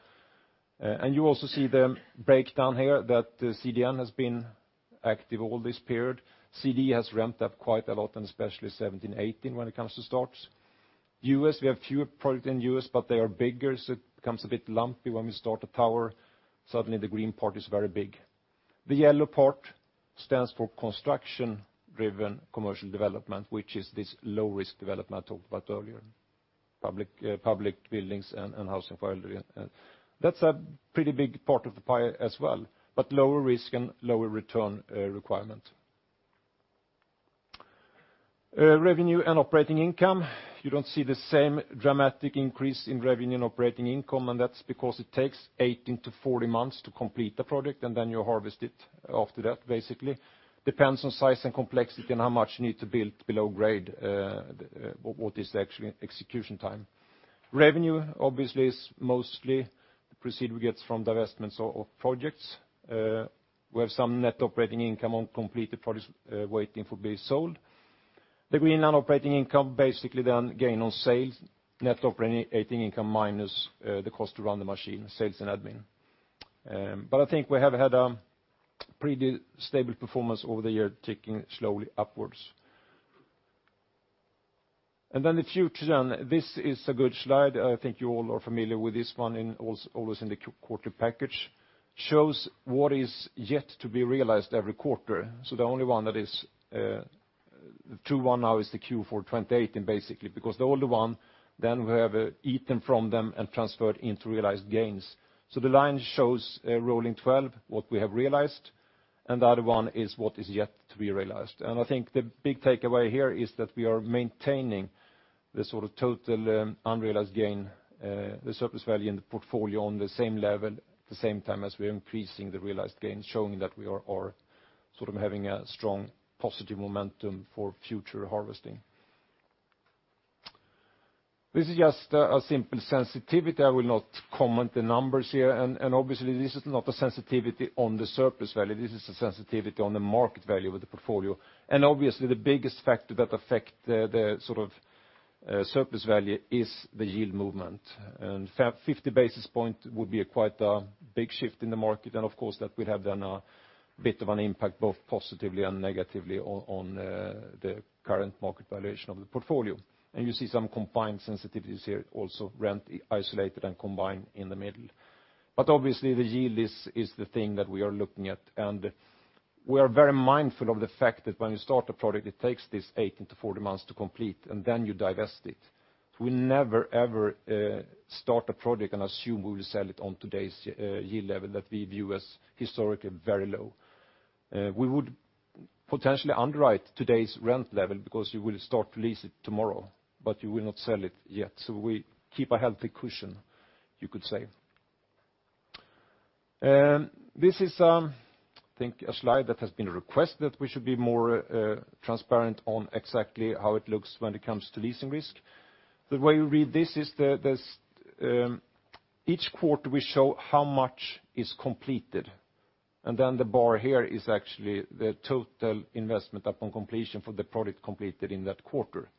And you also see the breakdown here, that the CDN has been active all this period. CD has ramped up quite a lot, and especially 2017, 2018, when it comes to starts. U.S., we have fewer projects in the U.S., but they are bigger, so it becomes a bit lumpy when we start a tower. Suddenly, the green part is very big. The yellow part stands for construction-driven commercial development, which is this low-risk development I talked about earlier, public, public buildings and, and housing for elderly. And that's a pretty big part of the pie as well, but lower risk and lower return, requirement. Revenue and operating income, you don't see the same dramatic increase in revenue and operating income, and that's because it takes 18-40 months to complete the project, and then you harvest it after that, basically. Depends on size and complexity and how much you need to build below grade, what is the actual execution time. Revenue, obviously, is mostly the proceeds we get from the investments of, of projects. We have some net operating income on completed projects waiting for being sold. The green non-operating income, basically then gain on sales, net operating income minus the cost to run the machine, sales and admin. But I think we have had a pretty stable performance over the years, ticking slowly upwards. And then the future, then. This is a good slide. I think you all are familiar with this one in always in the quarter package. Shows what is yet to be realized every quarter. So the only one that is the true one now is the Q4 2018, basically, because the older one, then we have eaten from them and transferred into realized gains. So the line shows a rolling 12, what we have realized, and the other one is what is yet to be realized. I think the big takeaway here is that we are maintaining the sort of total unrealized gain, the surplus value in the portfolio on the same level, at the same time as we're increasing the realized gains, showing that we are sort of having a strong positive momentum for future harvesting. This is just a simple sensitivity. I will not comment the numbers here, and obviously, this is not a sensitivity on the surplus value. This is a sensitivity on the market value of the portfolio. Obviously, the biggest factor that affect the sort of surplus value is the yield movement, and 50 basis points would be quite a big shift in the market, and of course, that would have then a bit of an impact, both positively and negatively on the current market valuation of the portfolio. You see some combined sensitivities here, also rent isolated and combined in the middle. But obviously, the yield is the thing that we are looking at, and we are very mindful of the fact that when you start a project, it takes 18-40 months to complete, and then you divest it. We never, ever, start a project and assume we will sell it on today's yield level that we view as historically very low. We would potentially underwrite today's rent level because you will start to lease it tomorrow, but you will not sell it yet. So we keep a healthy cushion, you could say. And this is, I think, a slide that has been requested, that we should be more transparent on exactly how it looks when it comes to leasing risk. The way you read this is the, this, each quarter, we show how much is completed, and then the bar here is actually the total investment upon completion for the project completed in that quarter.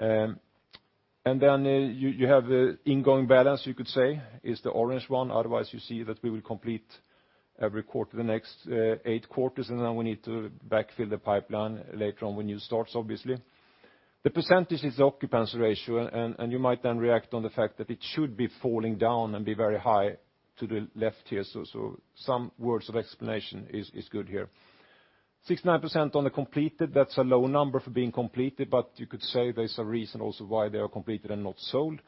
And then, you have the ingoing balance, you could say, is the orange one. Otherwise, you see that we will complete every quarter, the next eight quarters, and then we need to backfill the pipeline later on when you start, obviously. The percentage is the occupancy ratio, and you might then react on the fact that it should be falling down and be very high to the left here. So some words of explanation is good here. 69% on the completed, that's a low number for being completed, but you could say there's a reason also why they are completed and not sold.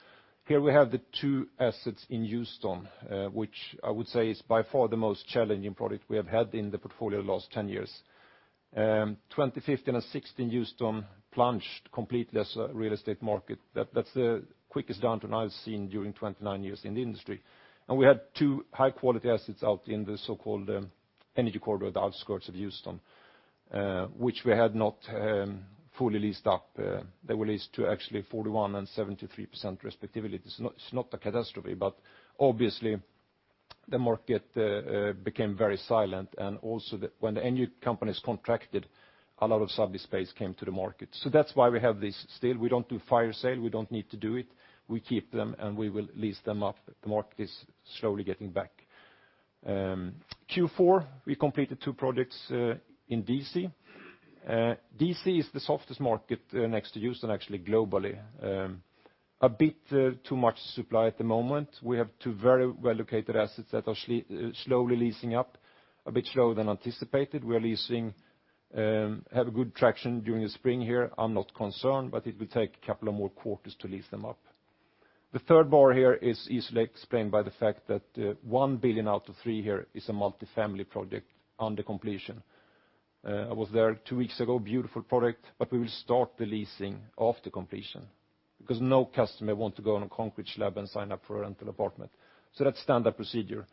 Here we have the two assets in Houston, which I would say is by far the most challenging project we have had in the portfolio the last 10 years. 2015 and 2016, Houston plunged completely as a real estate market. That's the quickest downturn I've seen during 29 years in the industry. And we had two high-quality assets out in the so-called energy corridor, the outskirts of Houston, which we had not fully leased up. They were leased to actually 41% and 73%, respectively. It's not, it's not a catastrophe, but obviously, the market became very silent, and also the... When the energy companies contracted, a lot of sub-lease space came to the market. So that's why we have this still. We don't do fire sale. We don't need to do it. We keep them, and we will lease them up. The market is slowly getting back. Q4, we completed two projects in D.C. D.C. is the softest market next to Houston, actually, globally. A bit too much supply at the moment. We have two very well-located assets that are slowly leasing up, a bit slower than anticipated. We are leasing, have a good traction during the spring here. I'm not concerned, but it will take a couple of more quarters to lease them up. The third bar here is easily explained by the fact that, 1 billion out of 3 billion here is a multifamily project under completion. I was there two weeks ago, beautiful project, but we will start the leasing after completion, because no customer want to go on a concrete slab and sign up for a rental apartment. So that's standard procedure.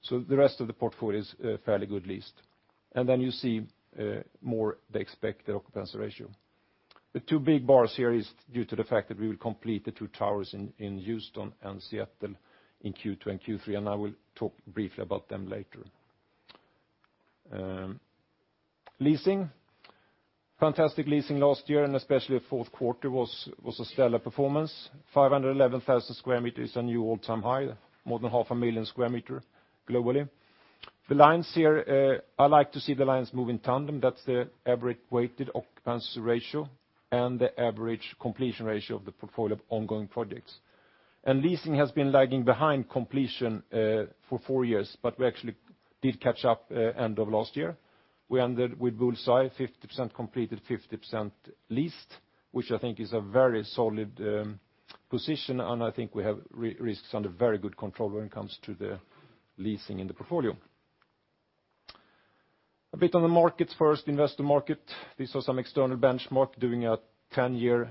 So the rest of the portfolio is a fairly good leased. And then you see, more the expected occupancy ratio. The two big bars here is due to the fact that we will complete the two towers in, in Houston and Seattle in Q2 and Q3, and I will talk briefly about them later. Leasing, fantastic leasing last year, and especially fourth quarter was a stellar performance. 511,000 m² is a new all-time high, more than 500,000 m² globally. The lines here, I like to see the lines move in tandem. That's the average weighted occupancy ratio and the average completion ratio of the portfolio of ongoing projects. Leasing has been lagging behind completion, for four years, but we actually did catch up, end of last year. We ended with bull's-eye, 50% completed, 50% leased, which I think is a very solid, position, and I think we have risks under very good control when it comes to the leasing in the portfolio. A bit on the markets. First, investor market. These are some external benchmark doing a 10-year,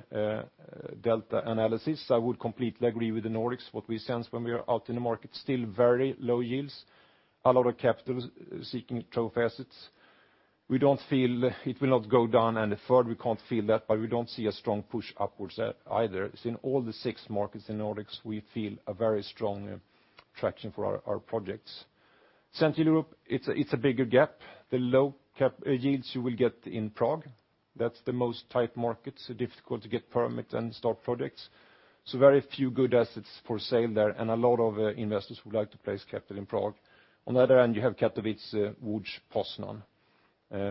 delta analysis. I would completely agree with the Nordics. What we sense when we are out in the market, still very low yields, a lot of capital seeking trophy assets. We don't feel it will not go down, and further, we can't feel that, but we don't see a strong push upwards either. In all the six markets in Nordics, we feel a very strong traction for our projects. Central Europe, it's a bigger gap. The low cap yields you will get in Prague, that's the most tight market, so difficult to get permits and start projects. So very few good assets for sale there, and a lot of investors would like to place capital in Prague. On the other hand, you have Katowice, Łódź, Poznań.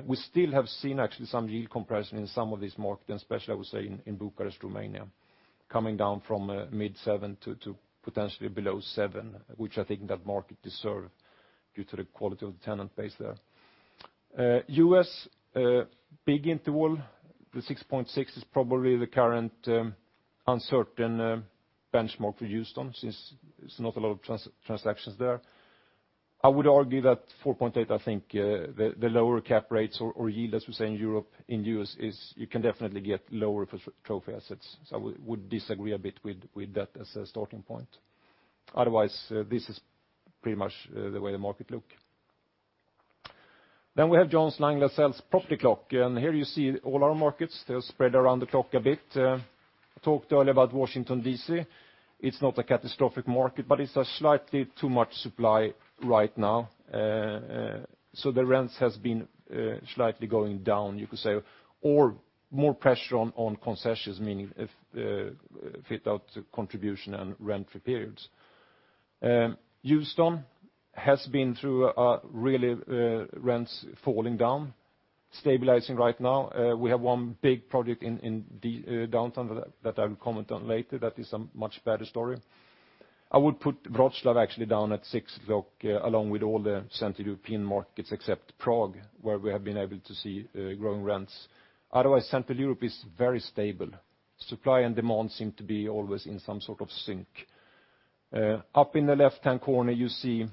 We still have seen actually some yield compression in some of these markets, and especially, I would say, in Bucharest, Romania, coming down from mid-7% to potentially below 7%, which I think that market deserves due to the quality of the tenant base there. U.S., big interval, the 6.6% is probably the current uncertain benchmark we used on, since it's not a lot of transactions there. I would argue that 4.8%, I think, the lower cap rates or yield, as we say in Europe, in the U.S. is you can definitely get lower for trophy assets. So I would disagree a bit with that as a starting point. Otherwise, this is pretty much the way the market looks. Then we have Jones Lang LaSalle's Property Clock, and here you see all our markets. They're spread around the clock a bit. I talked earlier about Washington, D.C. It's not a catastrophic market, but it's a slightly too much supply right now. So the rents has been slightly going down, you could say, or more pressure on concessions, meaning if fit out contribution and rent free periods. Houston has been through a really rents falling down, stabilizing right now. We have one big project in downtown that I will comment on later. That is a much better story. I would put Wrocław actually down at six o'clock, along with all the Central European markets, except Prague, where we have been able to see growing rents. Otherwise, Central Europe is very stable. Supply and demand seem to be always in some sort of sync. Up in the left-hand corner, you see,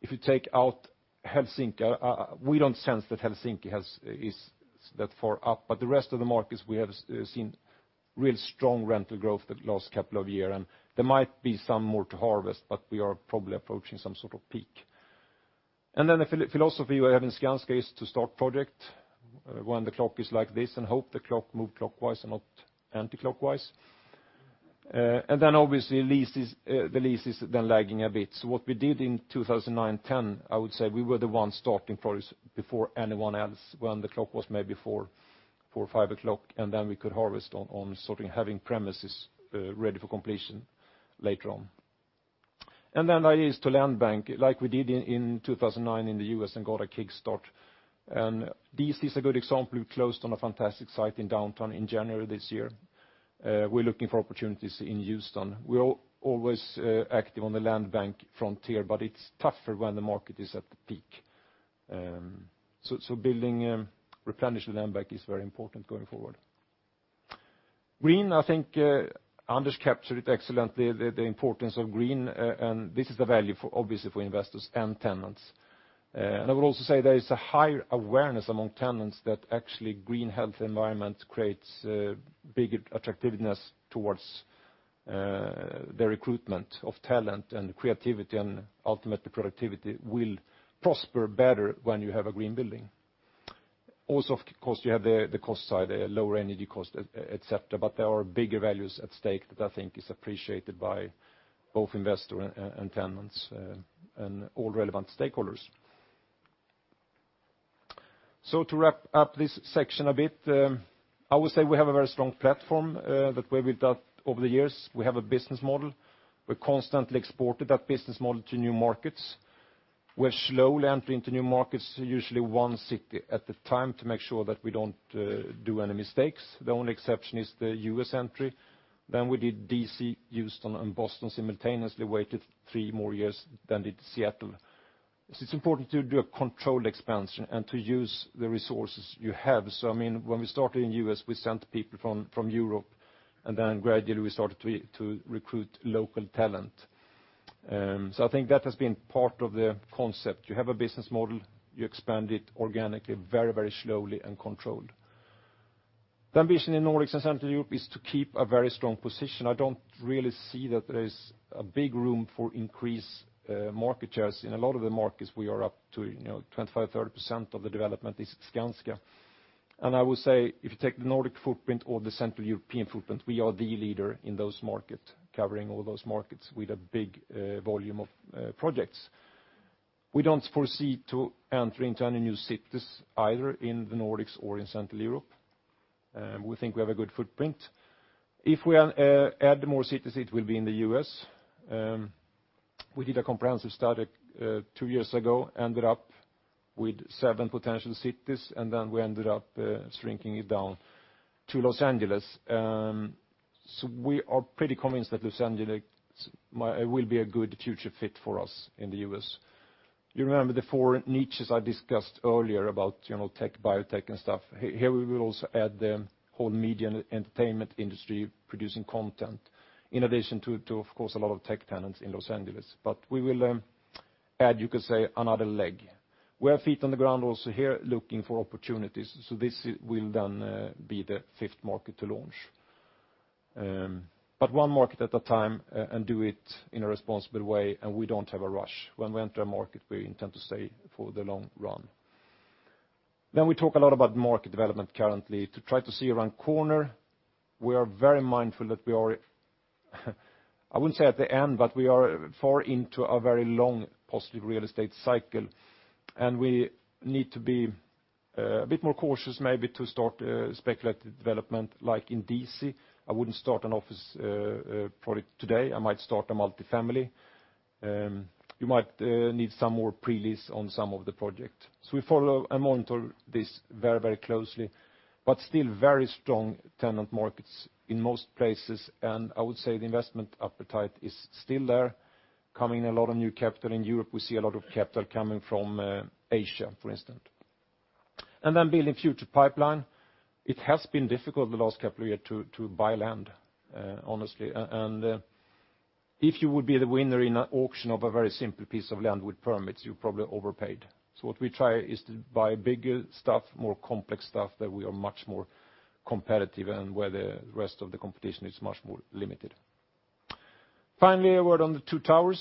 if you take out Helsinki, we don't sense that Helsinki has, is that far up, but the rest of the markets, we have seen real strong rental growth the last couple of year, and there might be some more to harvest, but we are probably approaching some sort of peak. And then the philosophy we have in Skanska is to start project, when the clock is like this, and hope the clock move clockwise and not anticlockwise. And then obviously, lease is, the lease is then lagging a bit. So what we did in 2009, 2010, I would say we were the ones starting projects before anyone else, when the clock was maybe 4 o'clock or 5 o'clock, and then we could harvest on sort of having premises ready for completion later on. Then the idea is to land bank, like we did in 2009 in the U.S. and got a kickstart. And D.C. is a good example. We closed on a fantastic site in Downtown in January this year. We're looking for opportunities in Houston. We're always active on the land bank frontier, but it's tougher when the market is at the peak. So building replenish the land bank is very important going forward. Green, I think, Anders captured it excellently, the importance of green, and this is the value for, obviously for investors and tenants. And I will also say there is a higher awareness among tenants that actually green health environment creates bigger attractiveness towards the recruitment of talent and creativity, and ultimately, productivity will prosper better when you have a green building. Also, of course, you have the cost side, lower energy cost, et cetera, but there are bigger values at stake that I think is appreciated by both investor and tenants, and all relevant stakeholders. So to wrap up this section a bit, I would say we have a very strong platform that we've built over the years. We have a business model. We constantly exported that business model to new markets. We're slowly entering into new markets, usually one city at a time, to make sure that we don't do any mistakes. The only exception is the U.S. entry. Then we did D.C., Houston, and Boston simultaneously, waited three more years, then did Seattle. It's important to do a controlled expansion and to use the resources you have. So I mean, when we started in U.S., we sent people from Europe, and then gradually we started to recruit local talent. So I think that has been part of the concept. You have a business model, you expand it organically, very, very slowly and controlled. The ambition in Nordics and Central Europe is to keep a very strong position. I don't really see that there is a big room for increased market shares. In a lot of the markets, we are up to, you know, 25%-30% of the development is Skanska. And I would say if you take the Nordic footprint or the Central European footprint, we are the leader in those markets, covering all those markets with a big volume of projects. We don't foresee to enter into any new cities, either in the Nordics or in Central Europe. We think we have a good footprint. If we add more cities, it will be in the U.S. We did a comprehensive study two years ago, ended up with seven potential cities, and then we ended up shrinking it down to Los Angeles. So we are pretty convinced that Los Angeles might will be a good future fit for us in the U.S. You remember the four niches I discussed earlier about, you know, tech, biotech, and stuff? Here we will also add the whole media and entertainment industry producing content, in addition to, of course, a lot of tech tenants in Los Angeles. But we will add, you could say, another leg. We have feet on the ground also here, looking for opportunities, so this will then be the fifth market to launch. But one market at a time, and do it in a responsible way, and we don't have a rush. When we enter a market, we intend to stay for the long run. Then we talk a lot about market development currently to try to see around corner. We are very mindful that we are, I wouldn't say at the end, but we are far into a very long, positive real estate cycle, and we need to be a bit more cautious maybe to start speculative development, like in D.C. I wouldn't start an office project today. I might start a multifamily. You might need some more pre-lease on some of the project. So we follow and monitor this very, very closely, but still very strong tenant markets in most places, and I would say the investment appetite is still there, coming a lot of new capital. In Europe, we see a lot of capital coming from Asia, for instance... And then building future pipeline. It has been difficult the last couple of year to buy land, honestly. If you would be the winner in an auction of a very simple piece of land with permits, you probably overpaid. What we try is to buy bigger stuff, more complex stuff, that we are much more competitive and where the rest of the competition is much more limited. Finally, a word on the 2+U.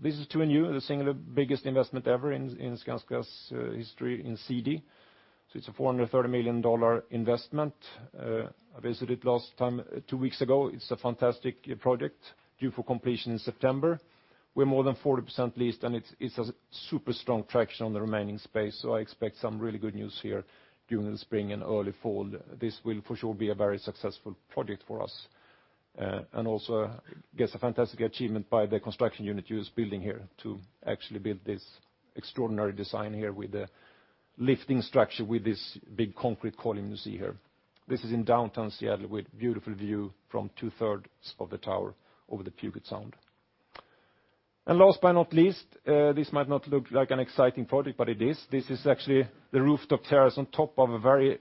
This is the 2+U, the single biggest investment ever in Skanska's history in CD. So it's a $430 million investment. I visited last time, two weeks ago. It's a fantastic project, due for completion in September. We're more than 40% leased, and it's a super strong traction on the remaining space, so I expect some really good news here during the spring and early fall. This will for sure be a very successful project for us. And also, I guess, a fantastic achievement by the construction unit who is building here to actually build this extraordinary design here with the lifting structure, with this big concrete column you see here. This is in downtown Seattle, with beautiful view from two-thirds of the tower over the Puget Sound. And last but not least, this might not look like an exciting project, but it is. This is actually the rooftop terrace on top of a very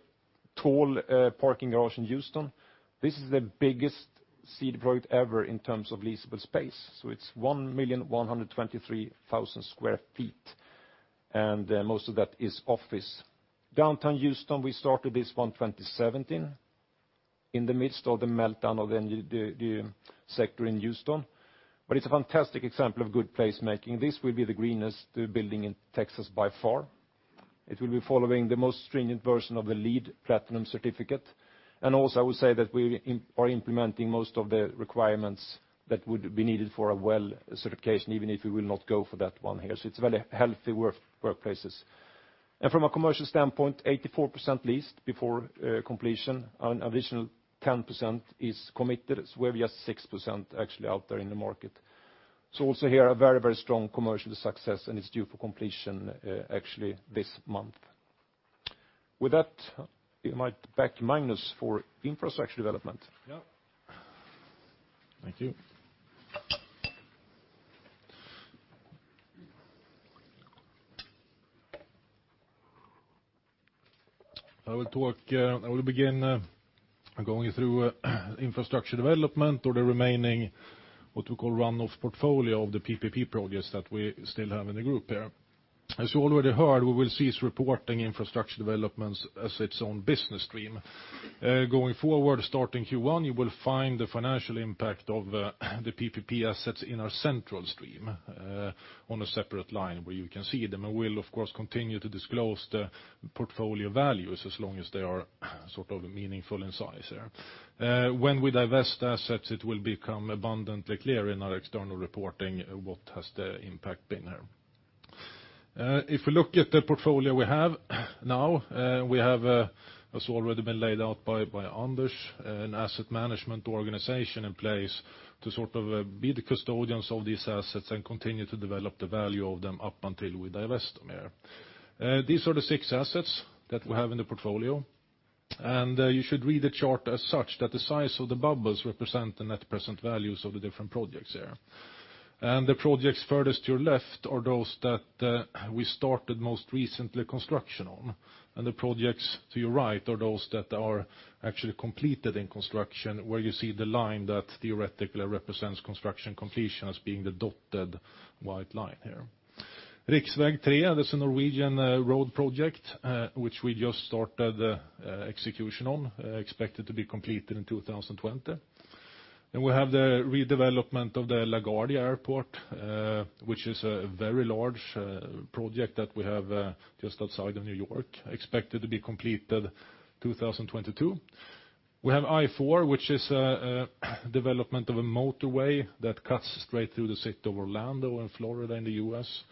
tall parking garage in Houston. This is the biggest CD project ever in terms of leasable space, so it's 1,123,000 sq ft, and most of that is office. Downtown Houston, we started this one 2017, in the midst of the meltdown of the sector in Houston, but it's a fantastic example of good place making. This will be the greenest building in Texas by far. It will be following the most stringent version of the LEED Platinum certificate. And also, I would say that we are implementing most of the requirements that would be needed for a WELL certification, even if we will not go for that one here. So it's very healthy workplaces. And from a commercial standpoint, 84% leased before completion, an additional 10% is committed, so we have just 6% actually out there in the market. So also here, a very, very strong commercial success, and it's due for completion actually this month. With that, we might back to Magnus for infrastructure development. Yeah. Thank you. I will talk. I will begin by going through infrastructure development or the remaining, what we call run-off portfolio of the PPP projects that we still have in the group here. As you already heard, we will cease reporting infrastructure developments as its own business stream. Going forward, starting Q1, you will find the financial impact of the PPP assets in our central stream on a separate line where you can see them, and we'll of course continue to disclose the portfolio values as long as they are sort of meaningful in size here. When we divest assets, it will become abundantly clear in our external reporting what the impact has been here. If you look at the portfolio we have now, we have, as already been laid out by Anders, an asset management organization in place to sort of be the custodians of these assets and continue to develop the value of them up until we divest them here. These are the six assets that we have in the portfolio, and you should read the chart as such, that the size of the bubbles represent the net present values of the different projects there. The projects furthest to your left are those that we started most recently construction on, and the projects to your right are those that are actually completed in construction, where you see the line that theoretically represents construction completion as being the dotted white line here. Riksväg 3, that's a Norwegian road project, which we just started execution on, expected to be completed in 2020. Then we have the redevelopment of the LaGuardia Airport, which is a very large project that we have just outside of New York, expected to be completed 2022. We have I-4, which is a development of a motorway that cuts straight through the city of Orlando in Florida, in the U.S.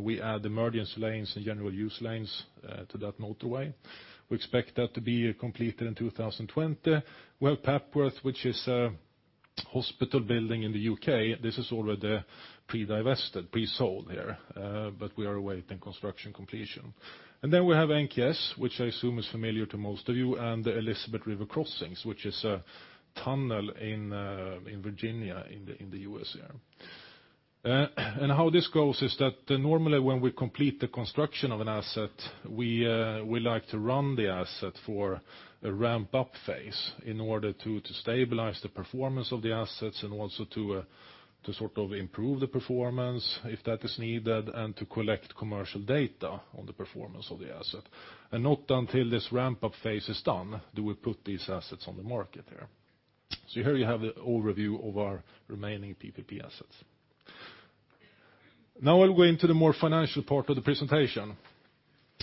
We add emergency lanes and general use lanes to that motorway. We expect that to be completed in 2020. Well, Papworth, which is a hospital building in the U.K., this is already pre-divested, pre-sold here, but we are awaiting construction completion. Then we have NKS, which I assume is familiar to most of you, and the Elizabeth River Crossings, which is a tunnel in, in Virginia, in the, in the U.S. here. And how this goes is that normally, when we complete the construction of an asset, we, we like to run the asset for a ramp-up phase in order to, to stabilize the performance of the assets and also to, to sort of improve the performance, if that is needed, and to collect commercial data on the performance of the asset. And not until this ramp-up phase is done, do we put these assets on the market here. So here you have the overview of our remaining PPP assets. Now I'll go into the more financial part of the presentation,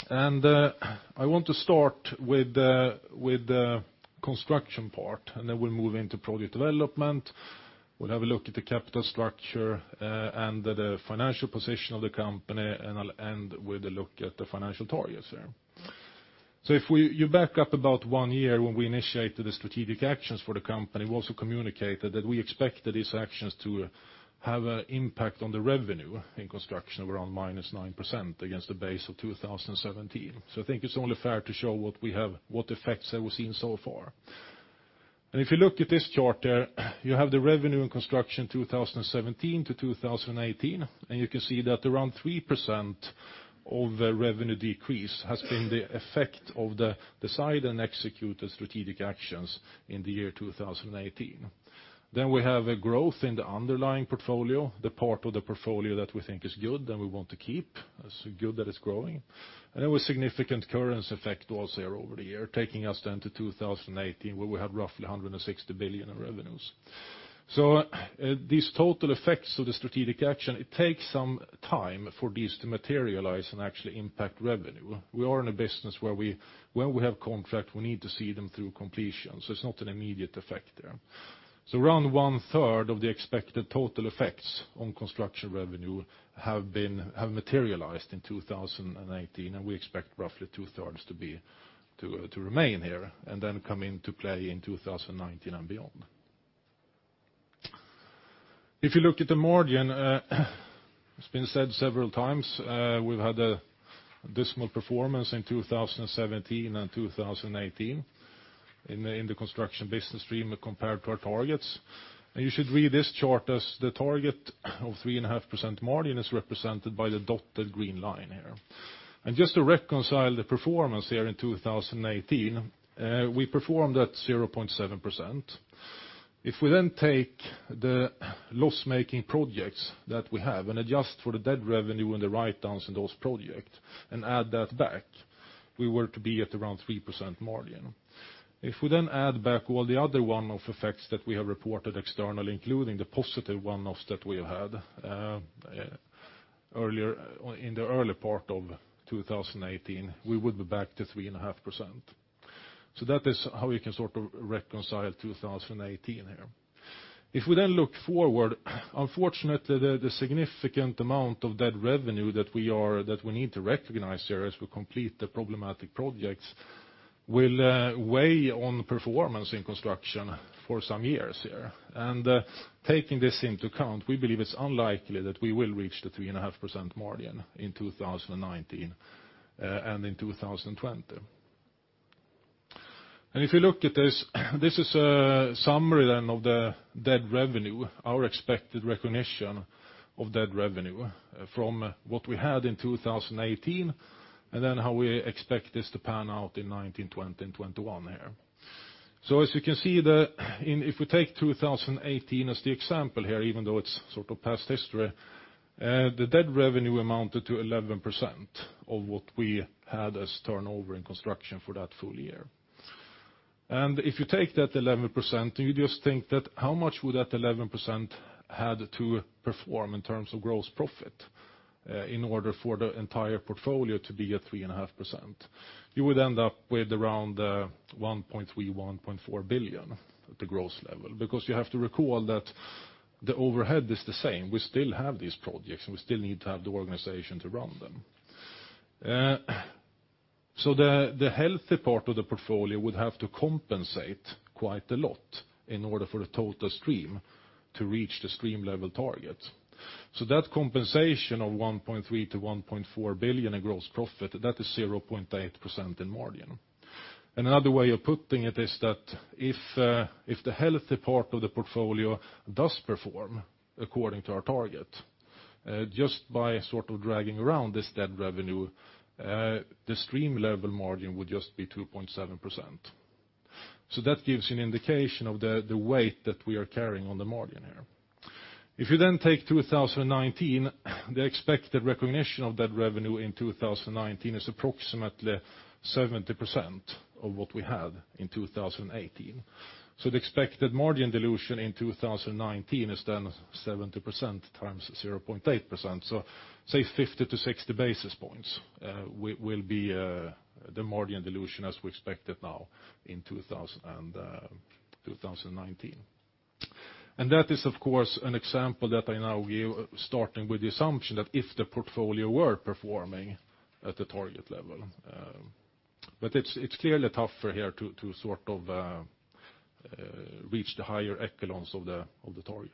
and I want to start with the construction part, and then we'll move into project development. We'll have a look at the capital structure, and the financial position of the company, and I'll end with a look at the financial targets here. So if you back up about one year when we initiated the strategic actions for the company, we also communicated that we expected these actions to have an impact on the revenue in construction, around -9% against a base of 2017. So I think it's only fair to show what we have, what effects that we've seen so far.... If you look at this chart there, you have the revenue in construction 2017 to 2018, and you can see that around 3% of the revenue decrease has been the effect of the decision and execution of the strategic actions in the year 2018. We have a growth in the underlying portfolio, the part of the portfolio that we think is good, and we want to keep. It's good that it's growing. There was significant currency effect also over the year, taking us then to 2018, where we had roughly 160 billion in revenues. These total effects of the strategic action, it takes some time for these to materialize and actually impact revenue. We are in a business where when we have contract, we need to see them through completion, so it's not an immediate effect there. So around one third of the expected total effects on construction revenue have materialized in 2018, and we expect roughly two thirds to remain here, and then come into play in 2019 and beyond. If you look at the margin, it's been said several times, we've had a dismal performance in 2017 and 2018 in the construction business stream compared to our targets. And you should read this chart as the target of 3.5% margin is represented by the dotted green line here. Just to reconcile the performance here in 2018, we performed at 0.7%. If we then take the loss-making projects that we have and adjust for the Dead Revenue and the write-downs in those projects and add that back, we were to be at around 3% margin. If we then add back all the other one-off effects that we have reported externally, including the positive one-offs that we have had, earlier, in the early part of 2018, we would be back to 3.5%. That is how we can sort of reconcile 2018 here. If we then look forward, unfortunately, the significant amount of dead revenue that we need to recognize here as we complete the problematic projects will weigh on performance in construction for some years here. Taking this into account, we believe it's unlikely that we will reach the 3.5% margin in 2019 and in 2020. If you look at this, this is a summary then of the dead revenue, our expected recognition of dead revenue from what we had in 2018, and then how we expect this to pan out in 2019, 2020, and 2021 here. So as you can see, if we take 2018 as the example here, even though it's sort of past history, the dead revenue amounted to 11% of what we had as turnover in construction for that full year. And if you take that 11%, and you just think that how much would that 11% had to perform in terms of gross profit, in order for the entire portfolio to be at 3.5%? You would end up with around, 1.3 billion-1.4 billion at the gross level, because you have to recall that the overhead is the same. We still have these projects, and we still need to have the organization to run them. So the healthy part of the portfolio would have to compensate quite a lot in order for the total stream to reach the stream level target. So that compensation of 1.3 billion-1.4 billion in gross profit, that is 0.8% in margin. Another way of putting it is that if the healthy part of the portfolio does perform according to our target, just by sort of dragging around this dead revenue, the stream level margin would just be 2.7%. So that gives you an indication of the weight that we are carrying on the margin here. If you then take 2019, the expected recognition of that revenue in 2019 is approximately 70% of what we had in 2018. So the expected margin dilution in 2019 is then 70% times 0.8%. So say 50-60 basis points, will be the margin dilution as we expect it now in 2019. And that is, of course, an example that I now give, starting with the assumption that if the portfolio were performing at the target level, but it's clearly tougher here to sort of reach the higher echelons of the target.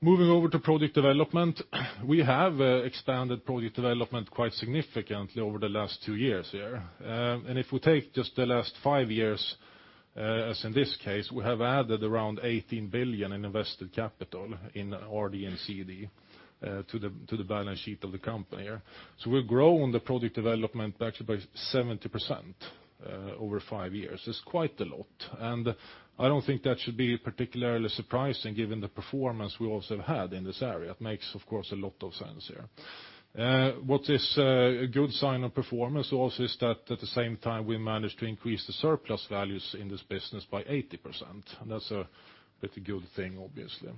Moving over to project development, we have expanded project development quite significantly over the last two years here. And if we take just the last five years, as in this case, we have added around 18 billion in invested capital in RD and CD, to the balance sheet of the company here. So we've grown the project development actually by 70%, over five years. It's quite a lot, and I don't think that should be particularly surprising given the performance we also have had in this area. It makes, of course, a lot of sense here. What is a good sign of performance also is that at the same time, we managed to increase the surplus values in this business by 80%, and that's a pretty good thing, obviously.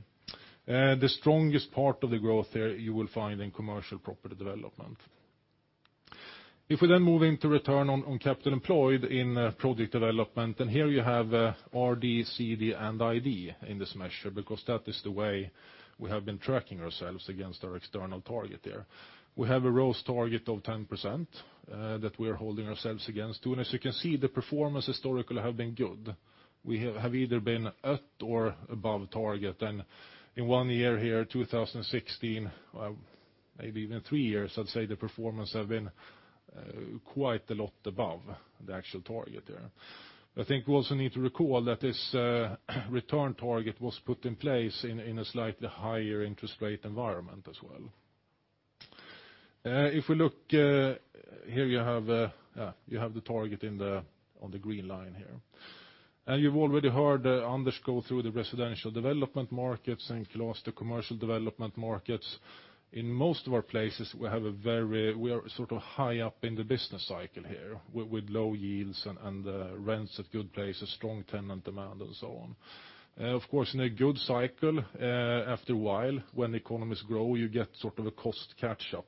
The strongest part of the growth there you will find in commercial property development. If we then move into return on, on capital employed in, project development, and here you have, RD, CD, and ID in this measure, because that is the way we have been tracking ourselves against our external target there. We have a ROCE target of 10%, that we are holding ourselves against, too. And as you can see, the performance historically have been good. We have either been at or above target. And in one year here, 2016, well, maybe even three years, I'd say the performance have been quite a lot above the actual target there. I think we also need to recall that this return target was put in place in, in a slightly higher interest rate environment as well. If we look, here you have, yeah, you have the target in the, on the green line here. And you've already heard Anders go through the residential development markets, and Claes, the commercial development markets. In most of our places, we are sort of high up in the business cycle here, with low yields and rents at good places, strong tenant demand, and so on. Of course, in a good cycle, after a while, when economies grow, you get sort of a cost catch-up.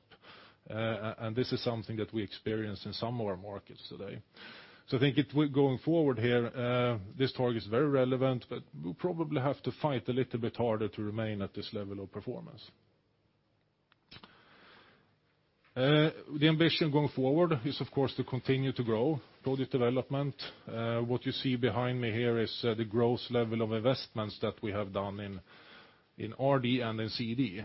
And this is something that we experience in some of our markets today. So I think we're going forward here, this target is very relevant, but we'll probably have to fight a little bit harder to remain at this level of performance. The ambition going forward is, of course, to continue to grow project development. What you see behind me here is the growth level of investments that we have done in RD and in CD.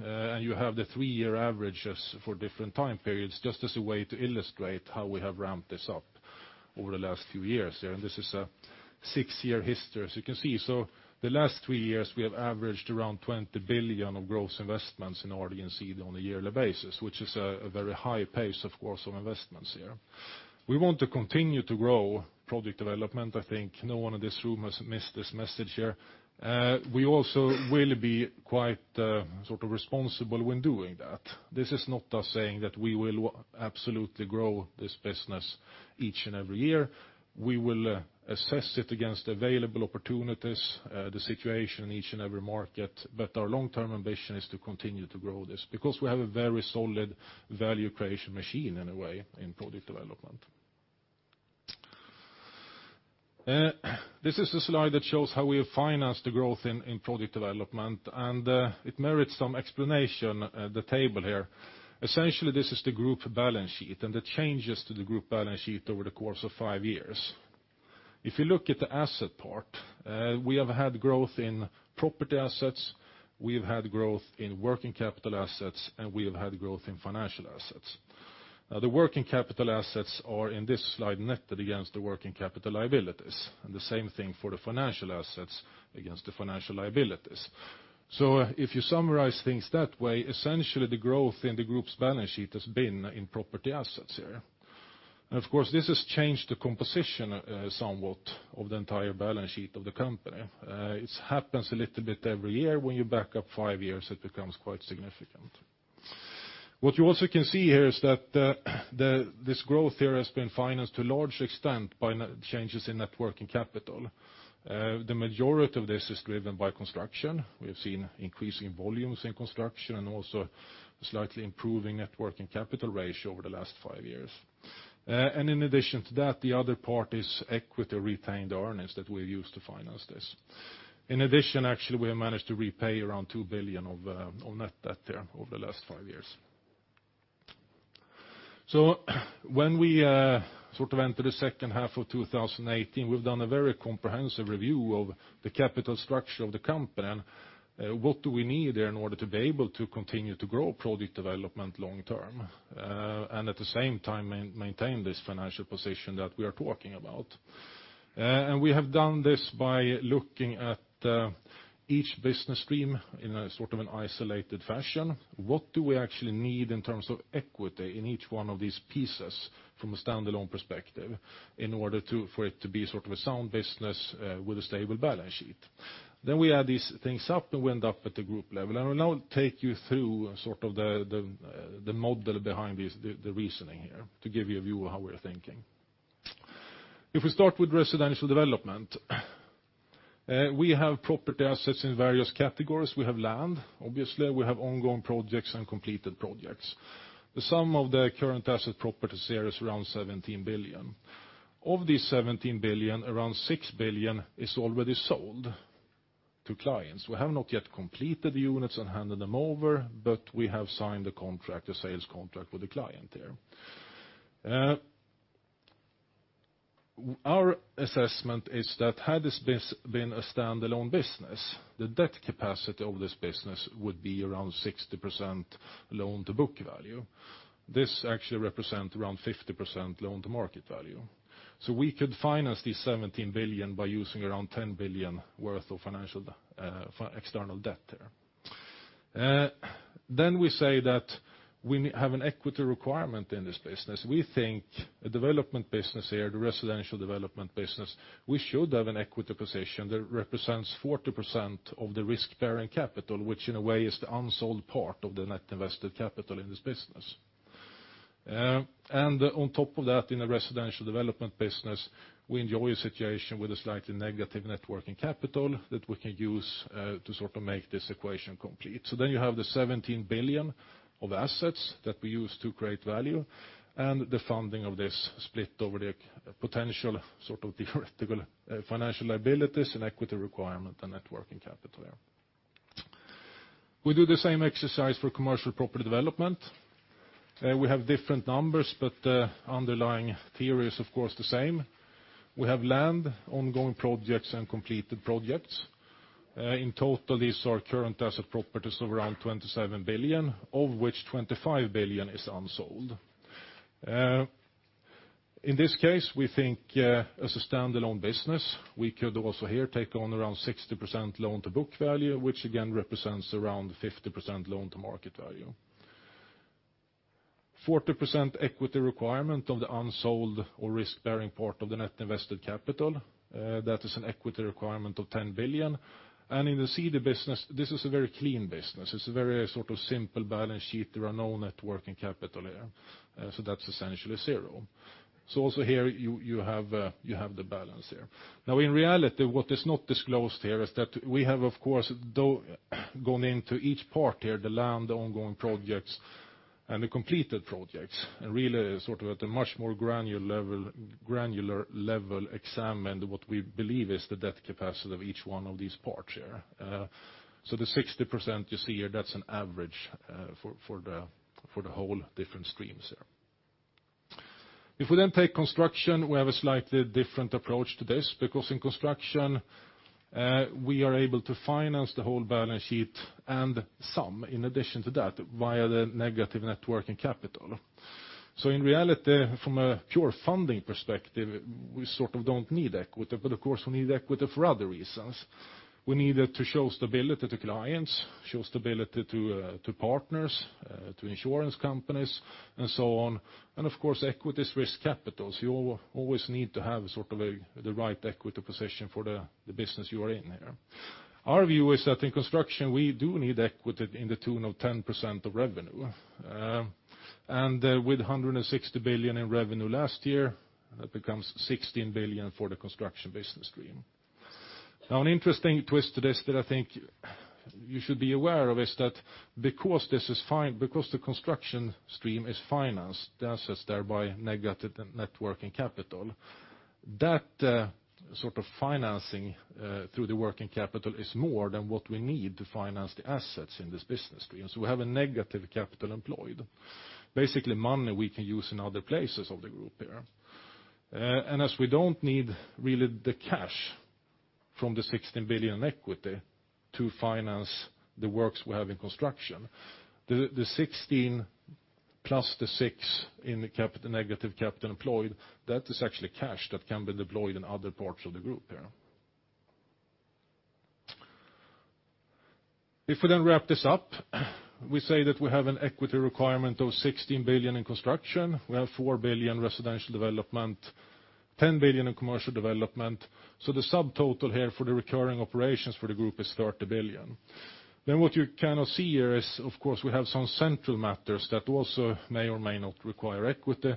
And you have the three-year averages for different time periods, just as a way to illustrate how we have ramped this up over the last few years there. And this is a six-year history, as you can see. So the last three years, we have averaged around 20 billion of gross investments in RD and CD on a yearly basis, which is a very high pace, of course, of investments here. We want to continue to grow project development. I think no one in this room has missed this message here. We also will be quite sort of responsible when doing that. This is not us saying that we will absolutely grow this business each and every year. We will assess it against available opportunities, the situation in each and every market, but our long-term ambition is to continue to grow this, because we have a very solid value creation machine, in a way, in project development. This is a slide that shows how we have financed the growth in project development, and it merits some explanation, the table here. Essentially, this is the group balance sheet, and the changes to the group balance sheet over the course of five years. If you look at the asset part, we have had growth in property assets, we have had growth in working capital assets, and we have had growth in financial assets. The working capital assets are, in this slide, netted against the working capital liabilities, and the same thing for the financial assets against the financial liabilities. So if you summarize things that way, essentially the growth in the group's balance sheet has been in property assets here. And of course, this has changed the composition somewhat of the entire balance sheet of the company. It happens a little bit every year. When you back up five years, it becomes quite significant. What you also can see here is that this growth here has been financed to a large extent by net changes in Net Working Capital. The majority of this is driven by construction. We have seen increasing volumes in construction, and also slightly improving Net Working Capital ratio over the last five years. And in addition to that, the other part is equity retained earnings that we use to finance this. In addition, actually, we have managed to repay around 2 billion of net debt there over the last five years. So when we sort of entered the second half of 2018, we've done a very comprehensive review of the capital structure of the company, and what do we need in order to be able to continue to grow project development long term, and at the same time, maintain this financial position that we are talking about? And we have done this by looking at each business stream in a sort of an isolated fashion. What do we actually need in terms of equity in each one of these pieces from a standalone perspective, in order to, for it to be sort of a sound business with a stable balance sheet? Then we add these things up, and we end up at the group level. And I will now take you through sort of the model behind this, the reasoning here, to give you a view of how we're thinking. If we start with residential development, we have property assets in various categories. We have land, obviously, we have ongoing projects, and completed projects. The sum of the current asset properties here is around 17 billion. Of this 17 billion, around 6 billion is already sold to clients. We have not yet completed the units and handed them over, but we have signed a contract, a sales contract with the client there. Our assessment is that had this been a standalone business, the debt capacity of this business would be around 60% loan to book value. This actually represent around 50% loan to market value. So we could finance this 17 billion by using around 10 billion worth of financial external debt there. Then we say that we have an equity requirement in this business. We think a development business here, the residential development business, we should have an equity position that represents 40% of the risk-bearing capital, which in a way is the unsold part of the net invested capital in this business. And on top of that, in the residential development business, we enjoy a situation with a slightly negative Net Working Capital that we can use to sort of make this equation complete. So then you have the 17 billion of assets that we use to create value, and the funding of this split over the potential, sort of, the financial liabilities and equity requirement, the Net Working Capital. We do the same exercise for commercial property development. We have different numbers, but the underlying theory is, of course, the same. We have land, ongoing projects, and completed projects. In total, these are current asset properties of around 27 billion, of which 25 billion is unsold. In this case, we think, as a standalone business, we could also here take on around 60% loan to book value, which again represents around 50% loan to market value. 40% equity requirement of the unsold or risk-bearing part of the net invested capital, that is an equity requirement of 10 billion. In the CD business, this is a very clean business. It's a very sort of simple balance sheet. There are no Net Working Capital here, so that's essentially zero. So also here, you have the balance here. Now, in reality, what is not disclosed here is that we have, of course, though, gone into each part here, the land, the ongoing projects, and the completed projects, and really sort of at a much more granular level examined what we believe is the debt capacity of each one of these parts here. So the 60% you see here, that's an average, for the whole different streams here. If we then take construction, we have a slightly different approach to this, because in construction, we are able to finance the whole balance sheet and some, in addition to that, via the negative Net Working Capital. So in reality, from a pure funding perspective, we sort of don't need equity, but of course, we need equity for other reasons. We need it to show stability to clients, show stability to, to partners, to insurance companies, and so on. And of course, equity is risk capital, so you always need to have sort of a, the right equity position for the, the business you are in here. Our view is that in construction, we do need equity in the tune of 10% of revenue. And with 160 billion in revenue last year, that becomes 16 billion for the construction business stream. Now, an interesting twist to this that I think you should be aware of is that because this is fine, because the construction stream is financed, the assets thereby negative Net Working Capital, that sort of financing through the working capital is more than what we need to finance the assets in this business stream. So we have a negative capital employed. Basically, money we can use in other places of the group here. And as we don't need really the cash from the 16 billion equity to finance the works we have in construction, the 16 plus the 6 in the capital, negative capital employed, that is actually cash that can be deployed in other parts of the group here. If we then wrap this up, we say that we have an equity requirement of 16 billion in construction. We have 4 billion residential development, 10 billion in commercial development. So the subtotal here for the recurring operations for the group is 30 billion. Then what you cannot see here is, of course, we have some central matters that also may or may not require equity.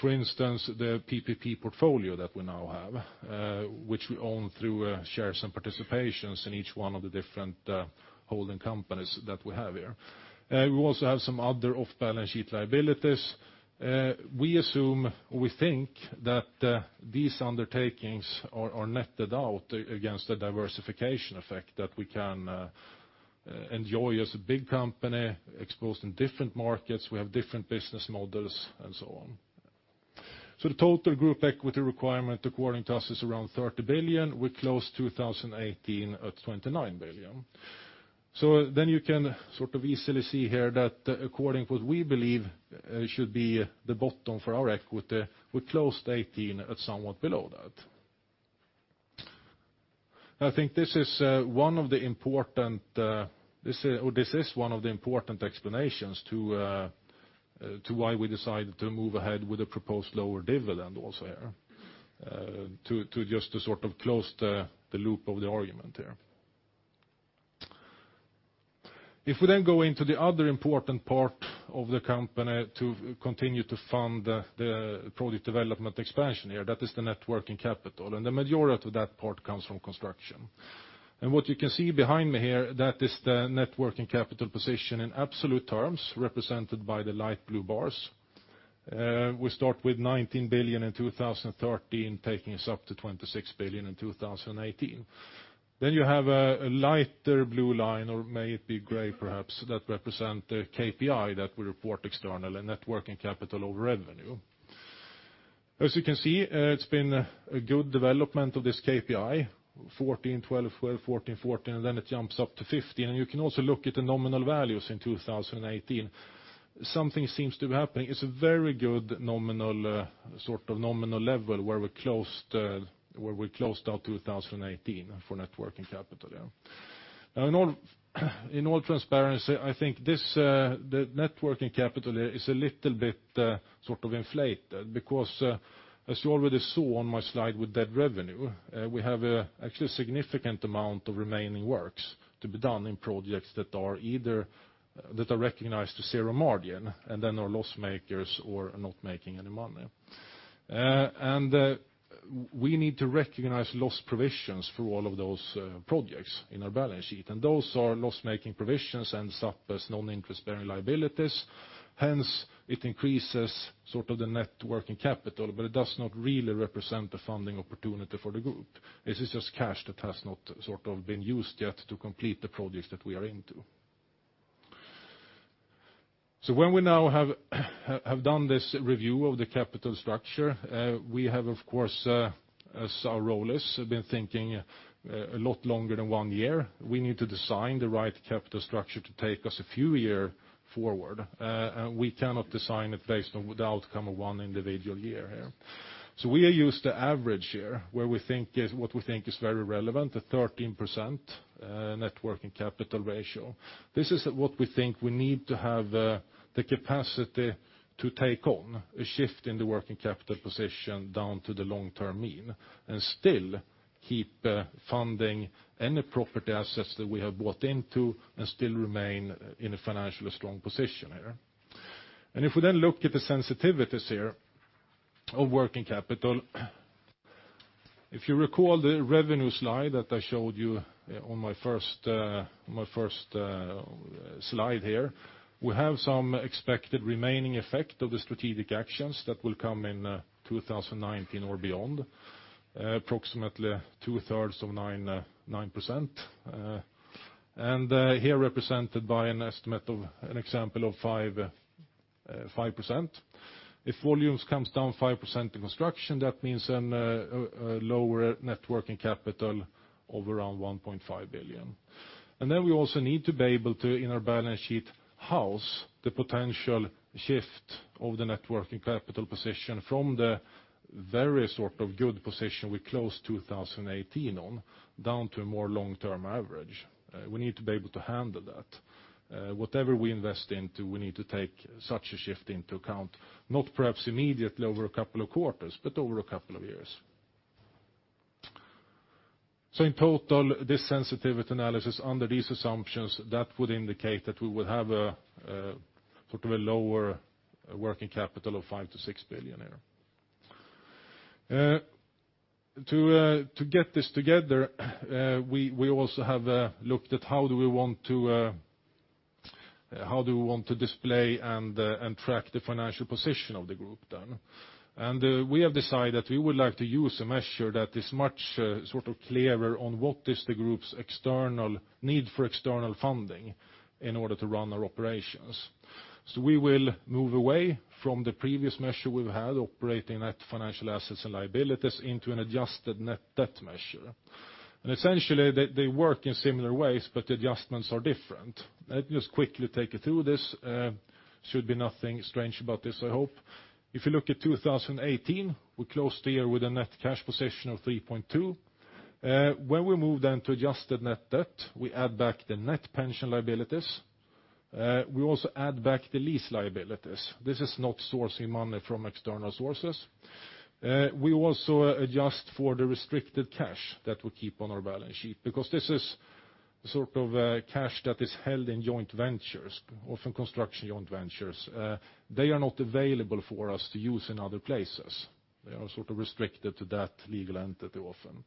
For instance, the PPP portfolio that we now have, which we own through shares and participations in each one of the different holding companies that we have here. We also have some other off-balance sheet liabilities. We assume, we think that these undertakings are netted out against the diversification effect, that we can enjoy as a big company exposed in different markets. We have different business models, and so on. So the total group equity requirement, according to us, is around 30 billion. We closed 2018 at 29 billion. Then you can sort of easily see here that according to what we believe should be the bottom for our equity, we closed 2018 at somewhat below that. I think this is one of the important explanations to why we decided to move ahead with a proposed lower dividend also here, to just sort of close the loop of the argument here. If we then go into the other important part of the company to continue to fund the product development expansion here, that is the Net Working Capital, and the majority of that part comes from construction. And what you can see behind me here, that is the Net Working Capital position in absolute terms, represented by the light blue bars. We start with 19 billion in 2013, taking us up to 26 billion in 2018. Then you have a lighter blue line, or may it be gray perhaps, that represent the KPI that we report external, a Net Working Capital over revenue. As you can see, it's been a good development of this KPI, 14%, 12%, 12%, 14%, 14%, and then it jumps up to 15%. And you can also look at the nominal values in 2018. Something seems to be happening. It's a very good nominal, sort of nominal level where we closed, where we closed out 2018 for Net Working Capital, yeah. Now, in all transparency, I think this, the Net Working Capital is a little bit, sort of inflated, because, as you already saw on my slide with that revenue, we have actually significant amount of remaining works to be done in projects that are recognized to zero margin, and then are loss makers or are not making any money. And, we need to recognize loss provisions for all of those, projects in our balance sheet, and those are loss-making provisions and surplus non-interest-bearing liabilities. Hence, it increases sort of the Net Working Capital, but it does not really represent the funding opportunity for the group. This is just cash that has not sort of been used yet to complete the projects that we are into. So when we now have done this review of the capital structure, we have, of course, as our role is, been thinking a lot longer than one year. We need to design the right capital structure to take us a few years forward. And we cannot design it based on the outcome of one individual year here. So we use the average year, where we think is what we think is very relevant, the 13% net working capital ratio. This is what we think we need to have, the capacity to take on a shift in the working capital position down to the long-term mean, and still keep, funding any property assets that we have bought into, and still remain in a financially strong position here. If we then look at the sensitivities here of working capital, if you recall the revenue slide that I showed you on my first, my first, slide here, we have some expected remaining effect of the strategic actions that will come in, 2019 or beyond, approximately 2/3 of 9%. And, here represented by an estimate of an example of five, 5%. If volumes comes down 5% in construction, that means then, a lower net working capital of around 1.5 billion. Then we also need to be able to, in our balance sheet, house the potential shift of the net working capital position from the very sort of good position we closed 2018 on, down to a more long-term average. We need to be able to handle that. Whatever we invest into, we need to take such a shift into account, not perhaps immediately over a couple of quarters, but over a couple of years. So in total, this sensitivity analysis under these assumptions, that would indicate that we would have a sort of lower working capital of 5 billion-6 billion here. To get this together, we also have looked at how do we want to display and track the financial position of the group then? We have decided that we would like to use a measure that is much, sort of clearer on what is the group's external need for external funding in order to run our operations. So we will move away from the previous measure we've had, operating net financial assets and liabilities, into an adjusted net debt measure. And essentially, they, they work in similar ways, but the adjustments are different. Let me just quickly take you through this. Should be nothing strange about this, I hope. If you look at 2018, we closed the year with a net cash position of 3.2. When we move then to adjusted net debt, we add back the net pension liabilities. We also add back the lease liabilities. This is not sourcing money from external sources. We also adjust for the restricted cash that we keep on our balance sheet, because this is sort of, cash that is held in joint ventures, often construction joint ventures. They are not available for us to use in other places. They are sort of restricted to that legal entity often.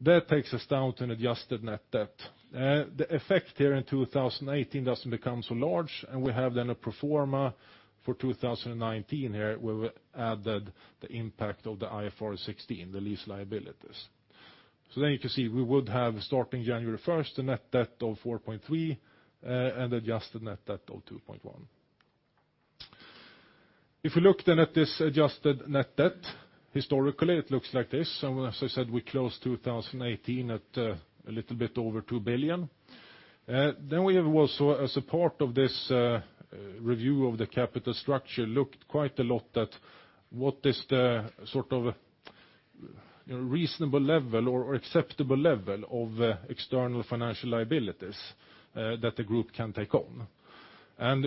That takes us down to an adjusted net debt. The effect here in 2018 doesn't become so large, and we have then a pro forma for 2019 here, where we added the impact of the IFRS 16, the lease liabilities. So there you can see, we would have, starting January 1st, a net debt of 4.3 billion and adjusted net debt of 2.1 billion. If we look then at this adjusted net debt, historically, it looks like this. And as I said, we closed 2018 at a little bit over 2 billion. Then we have also, as a part of this, review of the capital structure, looked quite a lot at what is the sort of, reasonable level or, or acceptable level of, external financial liabilities, that the group can take on.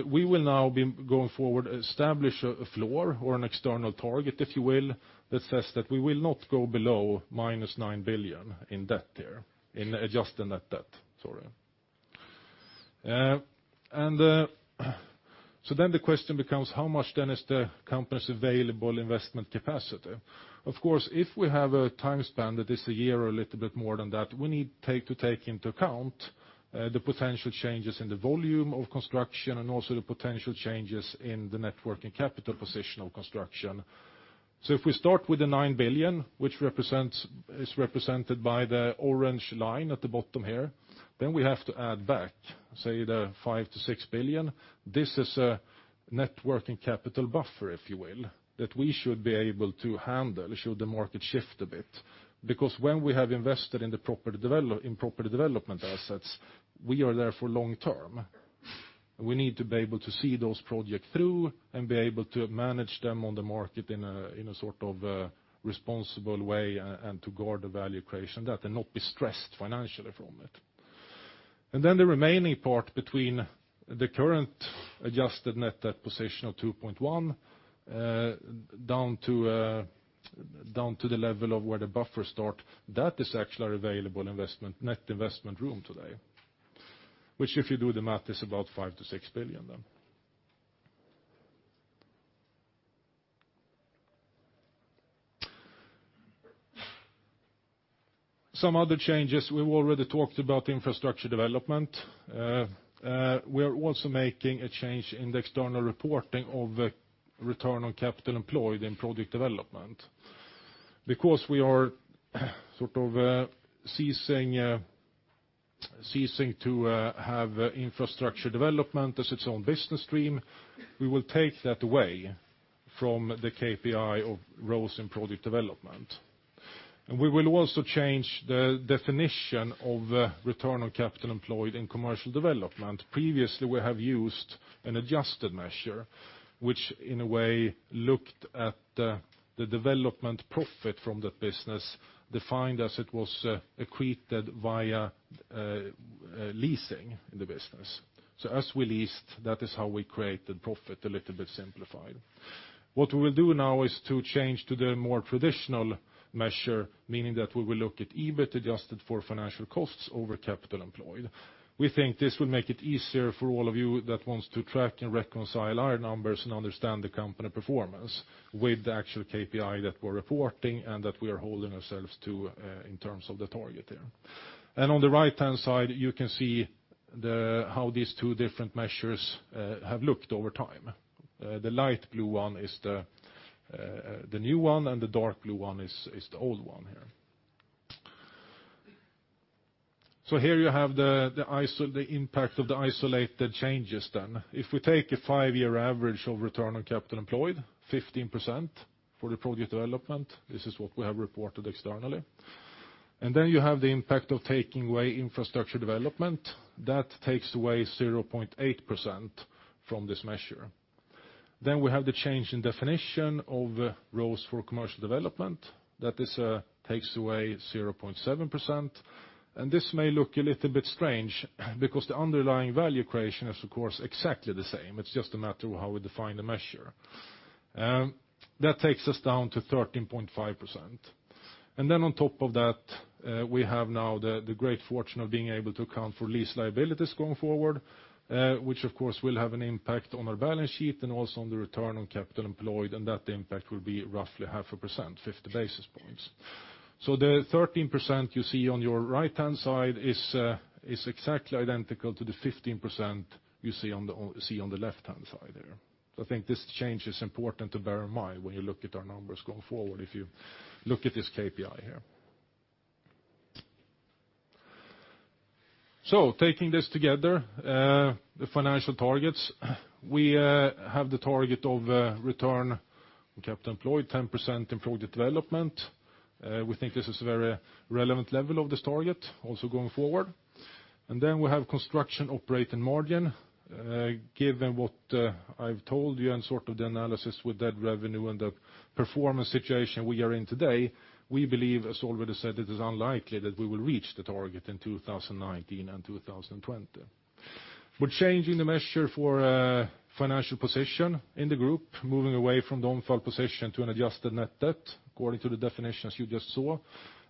We will now be going forward, establish a, a floor or an external target, if you will, that says that we will not go below -9 billion in debt here, in adjusted net debt, sorry. Then the question becomes: How much then is the company's available investment capacity? Of course, if we have a time span that is a year or a little bit more than that, we need to take into account, the potential changes in the volume of construction and also the potential changes in the net working capital position of construction. So if we start with the 9 billion, which represents- is represented by the orange line at the bottom here, then we have to add back, say, the 5 billion-6 billion. This is a net working capital buffer, if you will, that we should be able to handle, should the market shift a bit. Because when we have invested in the property development assets, we are there for long term. We need to be able to see those projects through and be able to manage them on the market in a, in a sort of, responsible way, and to guard the value creation, that and not be stressed financially from it. Then the remaining part between the current adjusted net debt position of 2.1 billion down to down to the level of where the buffer start, that is actually our available investment net investment room today, which, if you do the math, is about 5 billion-6 billion then. Some other changes, we've already talked about infrastructure development. We are also making a change in the external reporting of return on capital employed in project development. Because we are sort of ceasing to have infrastructure development as its own business stream, we will take that away from the KPI of ROCE in project development. And we will also change the definition of return on capital employed in commercial development. Previously, we have used an adjusted measure, which in a way, looked at, the development profit from that business, defined as it was, equated via, leasing in the business. So as we leased, that is how we created profit, a little bit simplified. What we will do now is to change to the more traditional measure, meaning that we will look at EBIT adjusted for financial costs over capital employed. We think this will make it easier for all of you that wants to track and reconcile our numbers and understand the company performance with the actual KPI that we're reporting and that we are holding ourselves to, in terms of the target there. And on the right-hand side, you can see how these two different measures, have looked over time. The light blue one is the new one, and the dark blue one is the old one here. So here you have the impact of the isolated changes then. If we take a five-year average of return on capital employed, 15% for the project development, this is what we have reported externally. And then you have the impact of taking away infrastructure development. That takes away 0.8% from this measure. Then we have the change in definition of ROCE for commercial development. That is, takes away 0.7%, and this may look a little bit strange because the underlying value creation is, of course, exactly the same. It's just a matter of how we define the measure. That takes us down to 13.5%. And then on top of that, we have now the great fortune of being able to account for lease liabilities going forward, which of course will have an impact on our balance sheet and also on the return on capital employed, and that impact will be roughly half a percent, fifty basis points. So the 13% you see on your right-hand side is exactly identical to the 15% you see on the one you see on the left-hand side there. So I think this change is important to bear in mind when you look at our numbers going forward, if you look at this KPI here. So taking this together, the financial targets, we have the target of return on capital employed, 10% in project development. We think this is a very relevant level of this target, also going forward. Then we have construction operating margin. Given what I've told you and sort of the analysis with that revenue and the performance situation we are in today, we believe, as already said, it is unlikely that we will reach the target in 2019 and 2020. We're changing the measure for financial position in the group, moving away from the on-balance sheet position to an adjusted net debt, according to the definitions you just saw.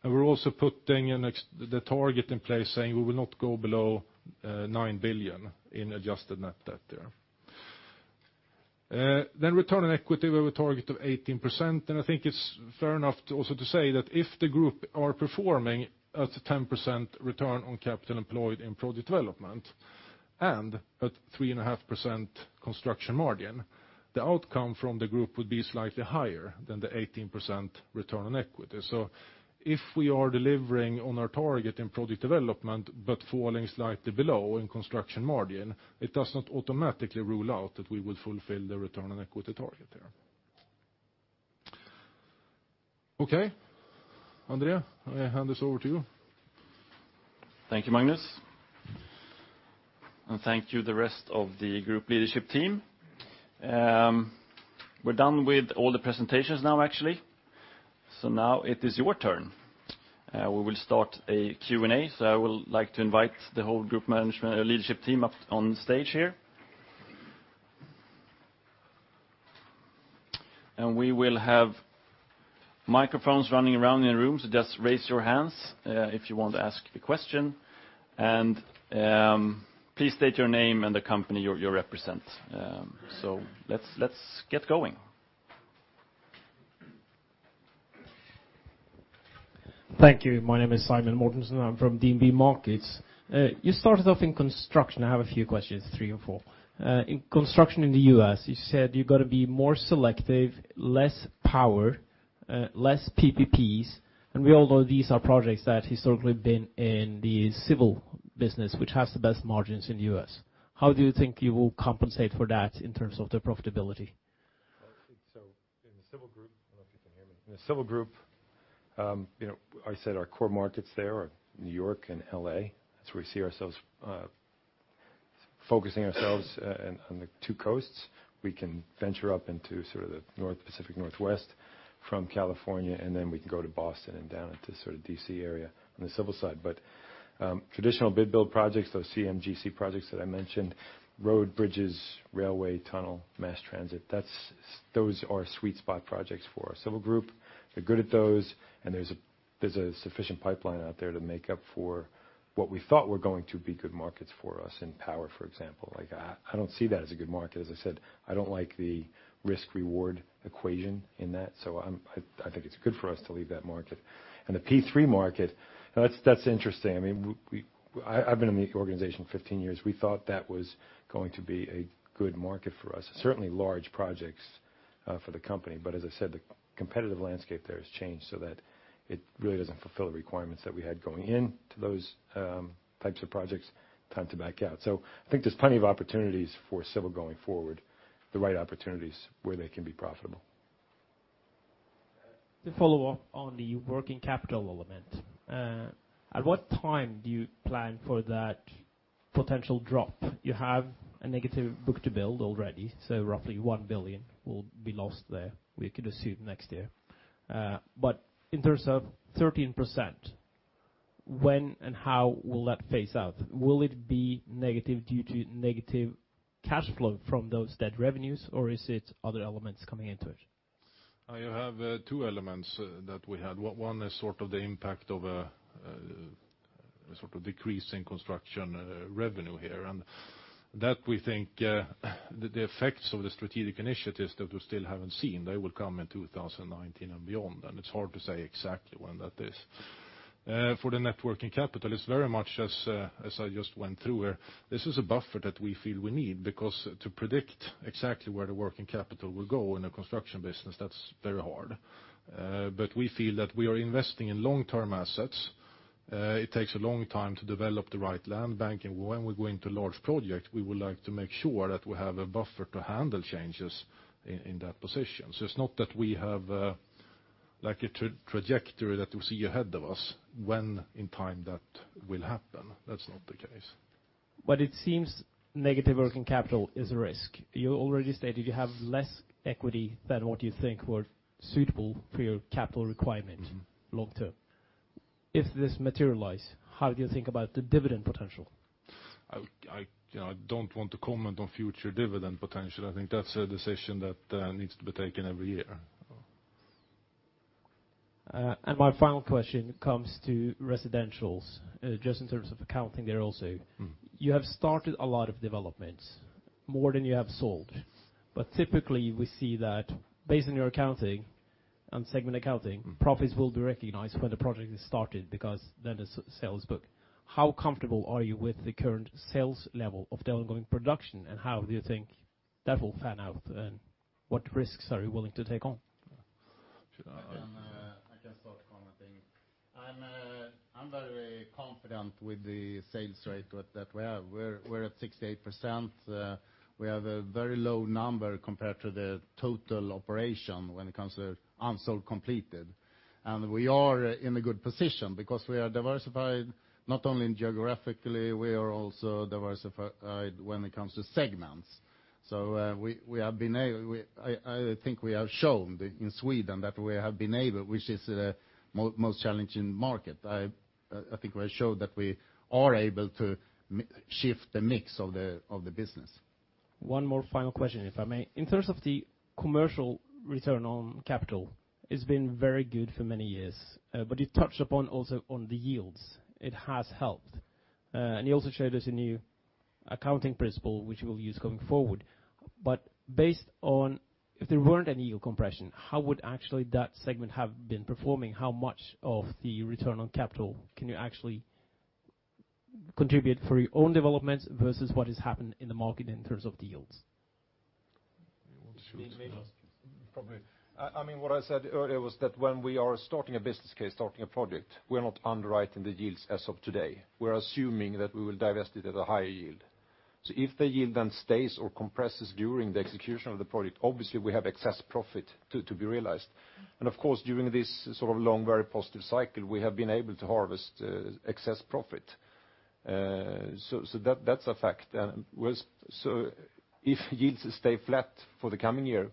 And we're also putting an exit target in place, saying we will not go below 9 billion in adjusted net debt there. Then return on equity, we have a target of 18%, and I think it's fair enough to also say that if the group are performing at a 10% return on capital employed in project development and at 3.5% construction margin, the outcome from the group would be slightly higher than the 18% return on equity. So if we are delivering on our target in project development, but falling slightly below in construction margin, it does not automatically rule out that we will fulfill the return on equity target there. Okay, André, I hand this over to you. Thank you, Magnus. Thank you, the rest of the group leadership team. We're done with all the presentations now, actually. Now it is your turn. We will start a Q&A, so I will like to invite the whole group management leadership team up on stage here. We will have microphones running around in the room, so just raise your hands if you want to ask a question. Please state your name and the company you represent. So let's get going. Thank you. My name is Simen Mortensen. I'm from DNB Markets. You started off in construction. I have a few questions, three or four. In construction in the U.S., you said you're gonna be more selective, less power, less PPPs, and we all know these are projects that historically been in the civil business, which has the best margins in the U.S. How do you think you will compensate for that in terms of the profitability? So in the civil group, I don't know if you can hear me. In the civil group, you know, I said our core markets there are New York and L.A. That's where we see ourselves focusing ourselves on the two coasts. We can venture up into sort of the North Pacific Northwest from California, and then we can go to Boston and down into sort of D.C. area on the civil side. But traditional bid build projects, those CMGC projects that I mentioned, road, bridges, railway, tunnel, mass transit, that's those are sweet spot projects for our civil group. They're good at those, and there's a sufficient pipeline out there to make up for what we thought were going to be good markets for us in power, for example, like I don't see that as a good market. As I said, I don't like the risk/reward equation in that, so I think it's good for us to leave that market. And the P3 market, that's interesting. I mean, we. I've been in the organization 15 years. We thought that was going to be a good market for us. Certainly, large projects for the company. But as I said, the competitive landscape there has changed so that it really doesn't fulfill the requirements that we had going in to those types of projects, time to back out. So I think there's plenty of opportunities for civil going forward, the right opportunities where they can be profitable. To follow up on the working capital element, at what time do you plan for that potential drop? You have a negative book-to-bill already, so roughly 1 billion will be lost there. We could assume next year. In terms of 13%, when and how will that phase out? Will it be negative due to negative cash flow from those dead revenues, or is it other elements coming into it? I have two elements that we had. One is sort of the impact of sort of decreasing construction revenue here. And that we think the effects of the strategic initiatives that we still haven't seen, they will come in 2019 and beyond, and it's hard to say exactly when that is. For the Net Working Capital, it's very much as I just went through here. This is a buffer that we feel we need, because to predict exactly where the working capital will go in a construction business, that's very hard. But we feel that we are investing in long-term assets. It takes a long time to develop the right land banking. When we go into large project, we would like to make sure that we have a buffer to handle changes in that position. So it's not that we have, like a trajectory that we see ahead of us, when in time that will happen. That's not the case. It seems negative working capital is a risk. You already stated you have less equity than what you think were suitable for your capital requirement- Mm-hmm. Long term. If this materialize, how do you think about the dividend potential? You know, I don't want to comment on future dividend potential. I think that's a decision that needs to be taken every year. My final question comes to residentials, just in terms of accounting there also. Mm. You have started a lot of developments, more than you have sold. But typically, we see that based on your accounting, on segment accounting- Mm -profits will be recognized when the project is started, because then it's sales book. How comfortable are you with the current sales level of the ongoing production, and how do you think that will pan out, and what risks are you willing to take on? Should I... I can, I can start commenting. I'm, I'm very confident with the sales rate that, that we have. We're, we're at 68%. We have a very low number compared to the total operation when it comes to unsold completed. And we are in a good position because we are diversified, not only in geographically, we are also diversified when it comes to segments. So, we have been able. I think we have shown that in Sweden, that we have been able, which is the most challenging market. I think we showed that we are able to shift the mix of the, of the business. One more final question, if I may. In terms of the commercial return on capital, it's been very good for many years. But you touched upon also on the yields. It has helped. And you also showed us a new accounting principle, which you will use going forward. But based on if there weren't any yield compression, how would actually that segment have been performing? How much of the return on capital can you actually contribute through your own developments versus what has happened in the market in terms of the yields? You want to choose? Me. Probably. I mean, what I said earlier was that when we are starting a business case, starting a project, we're not underwriting the yields as of today. We're assuming that we will divest it at a higher yield. So if the yield then stays or compresses during the execution of the project, obviously, we have excess profit to be realized. And of course, during this sort of long, very positive cycle, we have been able to harvest excess profit. So that, that's a fact. So if yields stay flat for the coming year,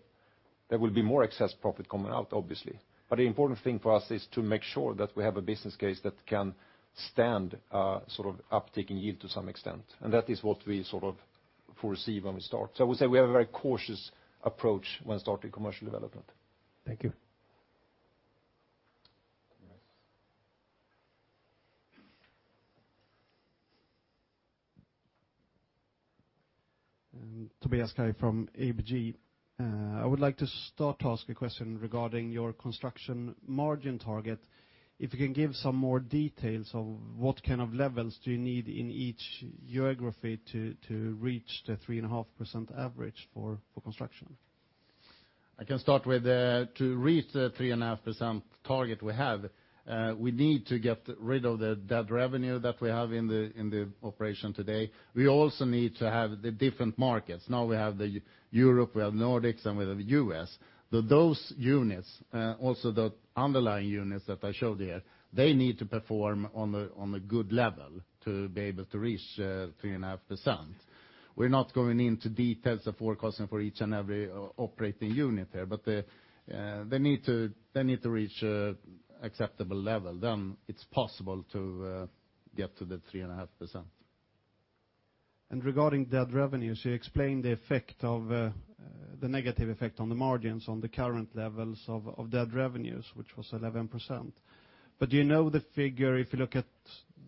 there will be more excess profit coming out, obviously. But the important thing for us is to make sure that we have a business case that can stand sort of uptaking yield to some extent, and that is what we sort of foresee when we start. I would say we have a very cautious approach when starting commercial development. Thank you. Yes. Tobias Kaj from ABG. I would like to start to ask a question regarding your construction margin target. If you can give some more details of what kind of levels do you need in each geography to reach the 3.5% average for construction? I can start with, to reach the 3.5% target we have, we need to get rid of the dead revenue that we have in the, in the operation today. We also need to have the different markets. Now we have Europe, we have Nordics, and we have U.S. So those units, also the underlying units that I showed here, they need to perform on a good level to be able to reach 3.5%. We're not going into details of forecasting for each and every operating unit here, but, they need to, they need to reach a acceptable level, then it's possible to get to the 3.5%. Regarding dead revenues, you explained the effect of the negative effect on the margins on the current levels of dead revenues, which was 11%. Do you know the figure, if you look at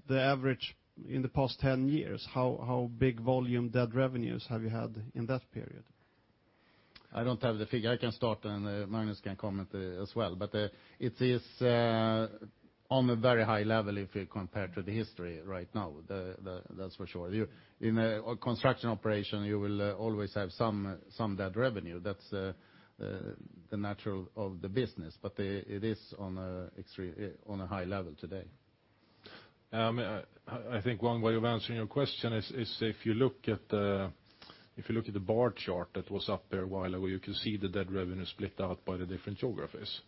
the average in the past 10 years, how big volume dead revenues have you had in that period? ... I don't have the figure. I can start, and, Magnus can comment, as well. But, it is on a very high level if you compare to the history right now, that's for sure. You, in a construction operation, you will always have some dead revenue. That's the natural of the business, but, it is on a extreme, on a high level today. I think one way of answering your question is if you look at the bar chart that was up there a while ago, you can see the dead revenue split out by the different geographies.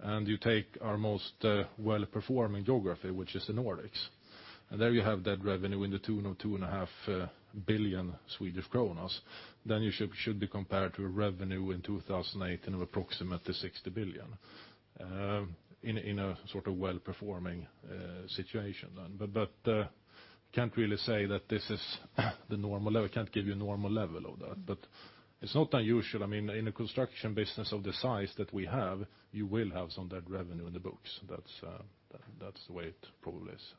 And you take our most well-performing geography, which is the Nordics, and there you have dead revenue to the tune of 2.5 billion Swedish kronor, then you should be compared to a revenue in 2018 of approximately 60 billion. In a sort of well-performing situation then. But can't really say that this is the normal level, can't give you a normal level of that. But it's not unusual. I mean, in a construction business of the size that we have, you will have some dead revenue in the books. That's the way it probably is.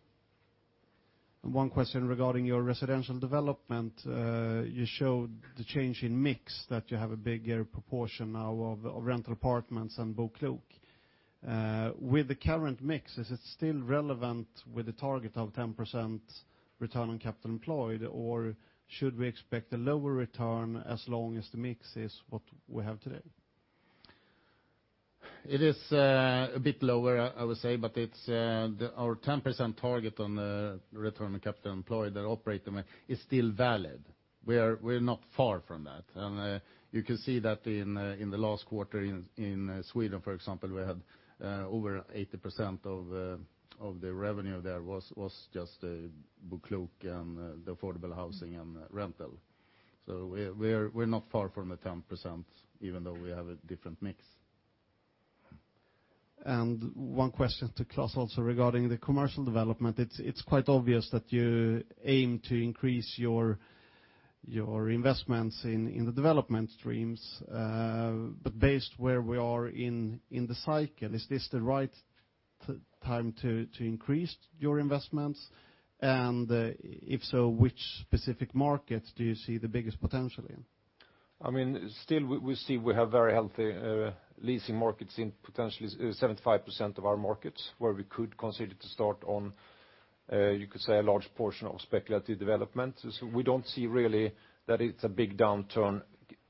One question regarding your residential development. You showed the change in mix, that you have a bigger proportion now of, of rental apartments than BoKlok. With the current mix, is it still relevant with the target of 10% return on capital employed, or should we expect a lower return as long as the mix is what we have today? It is a bit lower, I would say, but it's the our 10% target on return on capital employed, that operating, is still valid. We're not far from that. And you can see that in the last quarter in Sweden, for example, we had over 80% of the revenue there was just BoKlok and the affordable housing and rental. So we're not far from the 10%, even though we have a different mix. One question to Claes also regarding the commercial development. It's quite obvious that you aim to increase your investments in the development streams. But based where we are in the cycle, is this the right time to increase your investments? And if so, which specific markets do you see the biggest potential in? I mean, still we see we have very healthy leasing markets in potentially 75% of our markets, where we could consider to start on, you could say, a large portion of speculative development. So we don't see really that it's a big downturn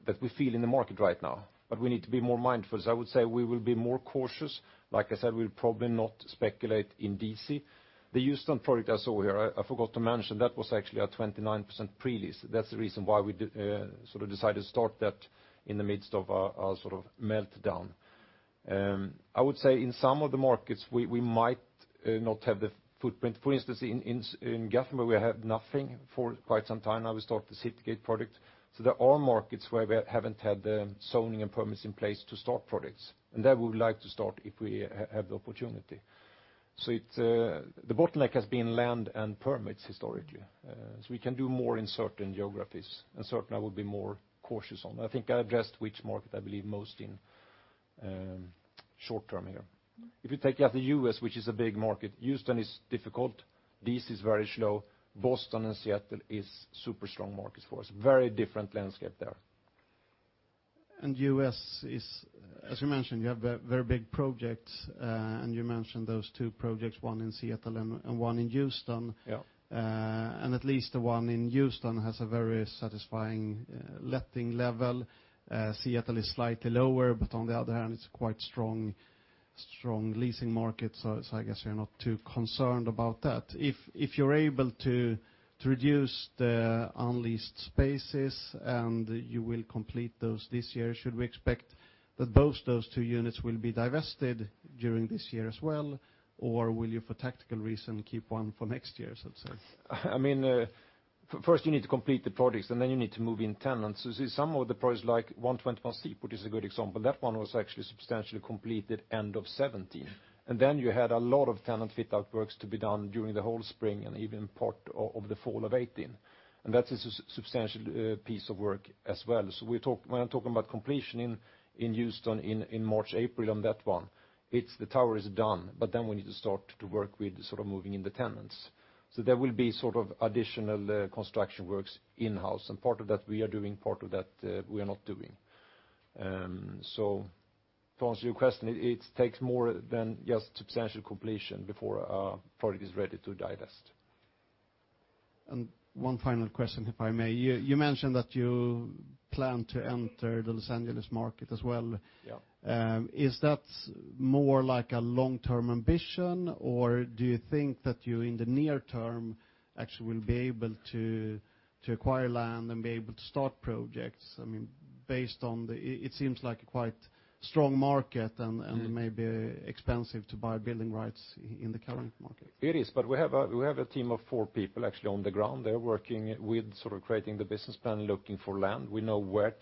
that we feel in the market right now, but we need to be more mindful. So I would say we will be more cautious. Like I said, we'll probably not speculate in D.C. The Houston project I saw here, I forgot to mention, that was actually a 29% pre-lease. That's the reason why we sort of decided to start that in the midst of a sort of meltdown. I would say in some of the markets, we might not have the footprint. For instance, in Gothenburg, we have nothing for quite some time. Now we start the Citygate project. So there are markets where we haven't had the zoning and permits in place to start projects, and there we would like to start if we have the opportunity. So it's, the bottleneck has been land and permits historically. So we can do more in certain geographies, and certain I will be more cautious on. I think I addressed which market I believe most in, short term here. If you take out the U.S., which is a big market, Houston is difficult. D.C. is very slow. Boston and Seattle is super strong markets for us. Very different landscape there. U.S. is, as you mentioned, you have very, very big projects, and you mentioned those two projects, one in Seattle and one in Houston. Yeah. And at least the one in Houston has a very satisfying letting level. Seattle is slightly lower, but on the other hand, it's quite strong, strong leasing market, so I guess you're not too concerned about that. If you're able to reduce the unleased spaces, and you will complete those this year, should we expect that both those two units will be divested during this year as well, or will you, for tactical reason, keep one for next year, so to say? I mean, first you need to complete the projects, and then you need to move in tenants. So see, some of the projects, like 121 Seaport, is a good example. That one was actually substantially completed end of 2017, and then you had a lot of tenant fit-out works to be done during the whole spring and even part of the fall of 2018, and that is a substantial piece of work as well. So we talk when I'm talking about completion in Houston in March, April on that one, it's the tower is done, but then we need to start to work with sort of moving in the tenants. So there will be sort of additional construction works in-house, and part of that we are doing, part of that we are not doing. To answer your question, it takes more than just substantial completion before a project is ready to divest. One final question, if I may. You mentioned that you plan to enter the Los Angeles market as well. Yeah. Is that more like a long-term ambition, or do you think that you, in the near term, actually will be able to acquire land and be able to start projects? I mean, based on the... it seems like a quite strong market- Yeah... and maybe expensive to buy building rights in the current market. It is, but we have a team of four people actually on the ground. They're working with sort of creating the business plan, looking for land. We know which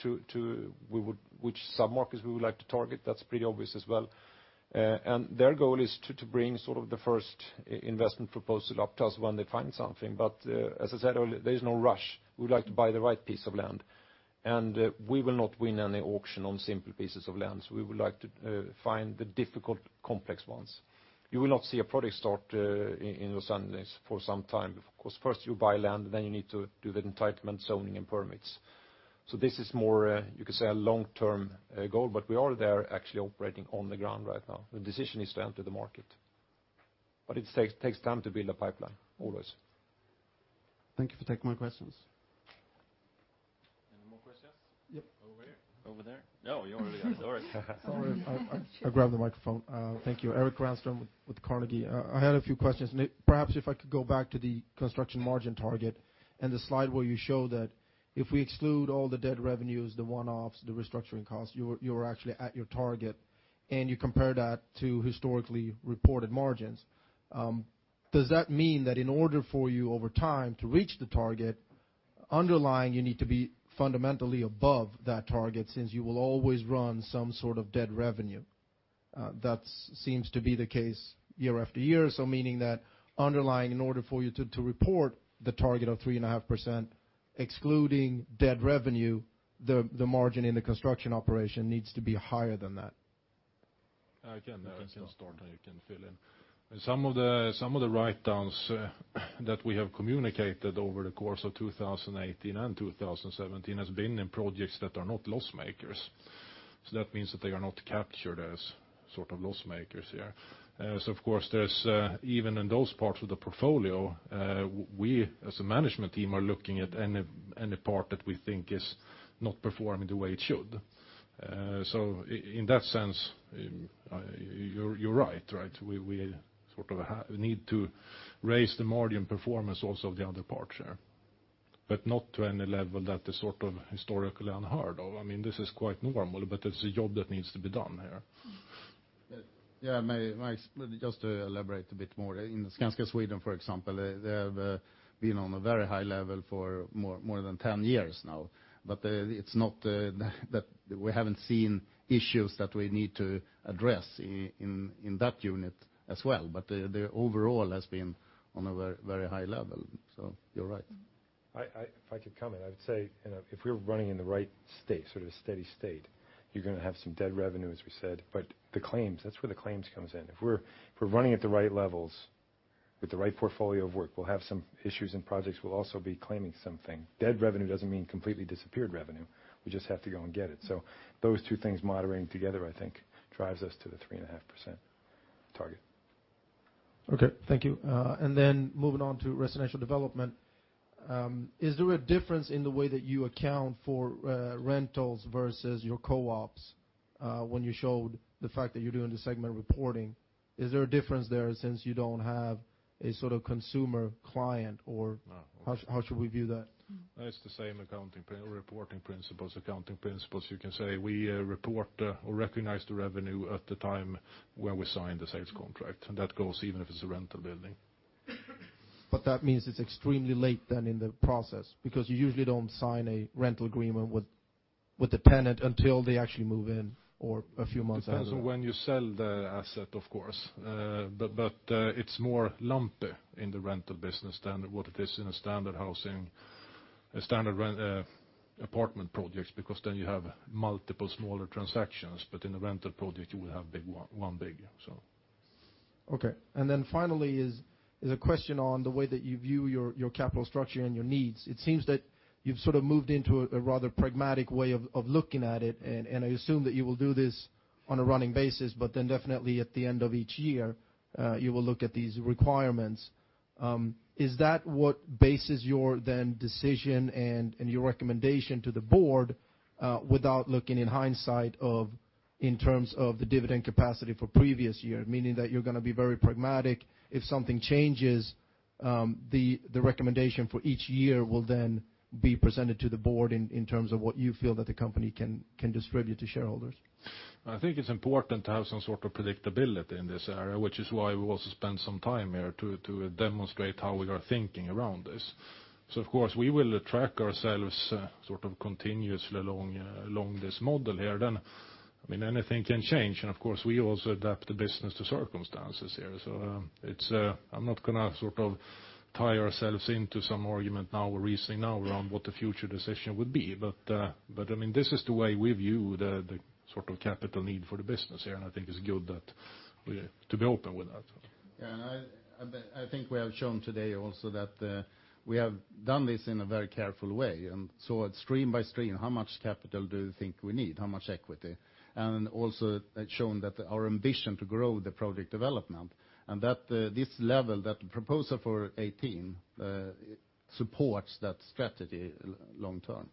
submarkets we would like to target. That's pretty obvious as well. And their goal is to bring sort of the first investment proposal up to us when they find something. But, as I said earlier, there is no rush. We would like to buy the right piece of land, and we will not win any auction on simple pieces of lands. We would like to find the difficult, complex ones. You will not see a project start in Los Angeles for some time. Of course, first you buy land, then you need to do the entitlement, zoning, and permits.... So this is more, you could say, a long-term goal, but we are there actually operating on the ground right now. The decision is to enter the market. But it takes time to build a pipeline, always. Thank you for taking my questions. Any more questions? Yep. Over here. Over there? Oh, you already are. Sorry. Sorry, I'll grab the microphone. Thank you. Erik Granström with Carnegie. I had a few questions, and perhaps if I could go back to the construction margin target and the slide where you show that if we exclude all the dead revenues, the one-offs, the restructuring costs, you were actually at your target, and you compare that to historically reported margins. Does that mean that in order for you, over time, to reach the target, underlying, you need to be fundamentally above that target, since you will always run some sort of dead revenue? That seems to be the case year after year, so meaning that underlying, in order for you to report the target of 3.5%, excluding dead revenue, the margin in the construction operation needs to be higher than that. I can start, and you can fill in. Some of the writedowns that we have communicated over the course of 2018 and 2017 has been in projects that are not loss makers. So that means that they are not captured as sort of loss makers here. So of course, there's even in those parts of the portfolio, we, as a management team, are looking at any part that we think is not performing the way it should. So in that sense, you're right, right? We need to raise the margin performance also of the other parts here, but not to any level that is sort of historically unheard of. I mean, this is quite normal, but it's a job that needs to be done here. Yeah, may I just to elaborate a bit more. In Skanska Sweden, for example, they have been on a very high level for more than 10 years now. But it's not that we haven't seen issues that we need to address in that unit as well. But the overall has been on a very, very high level, so you're right. If I could comment, I would say, you know, if we're running in the right state, sort of steady state, you're gonna have some Dead Revenue, as we said. But the claims, that's where the claims comes in. If we're, if we're running at the right levels with the right portfolio of work, we'll have some issues and projects, we'll also be claiming something. Dead Revenue doesn't mean completely disappeared revenue, we just have to go and get it. So those two things moderating together, I think, drives us to the 3.5% target. Okay, thank you. And then moving on to residential development, is there a difference in the way that you account for rentals versus your co-ops? When you showed the fact that you're doing the segment reporting, is there a difference there, since you don't have a sort of consumer client or- No. How should we view that? It's the same accounting reporting principles, accounting principles. You can say we report or recognize the revenue at the time when we sign the sales contract, and that goes even if it's a rental building. But that means it's extremely late then in the process, because you usually don't sign a rental agreement with the tenant until they actually move in or a few months after. Depends on when you sell the asset, of course. But, but, it's more lumpy in the rental business than what it is in a standard housing, a standard rental apartment projects, because then you have multiple smaller transactions, but in a rental project, you will have one big one, so. Okay. Then finally is a question on the way that you view your capital structure and your needs. It seems that you've sort of moved into a rather pragmatic way of looking at it, and I assume that you will do this on a running basis, but then definitely at the end of each year, you will look at these requirements. Is that what bases your then decision and your recommendation to the board, without looking in hindsight of, in terms of the dividend capacity for previous year? Meaning that you're gonna be very pragmatic. If something changes, the recommendation for each year will then be presented to the board in terms of what you feel that the company can distribute to shareholders. I think it's important to have some sort of predictability in this area, which is why we also spend some time here to demonstrate how we are thinking around this. So of course, we will track ourselves sort of continuously along this model here. Then, I mean, anything can change, and of course, we also adapt the business to circumstances here. So, it's... I'm not gonna sort of tie ourselves into some argument now, reasoning now around what the future decision would be, but, but, I mean, this is the way we view the sort of capital need for the business here, and I think it's good that we, to be open with that. Yeah, and I think we have shown today also that we have done this in a very careful way. And so stream by stream, how much capital do you think we need? How much equity? And also, it's shown that our ambition to grow the project development, and that this level, that proposal for 18 supports that strategy long term.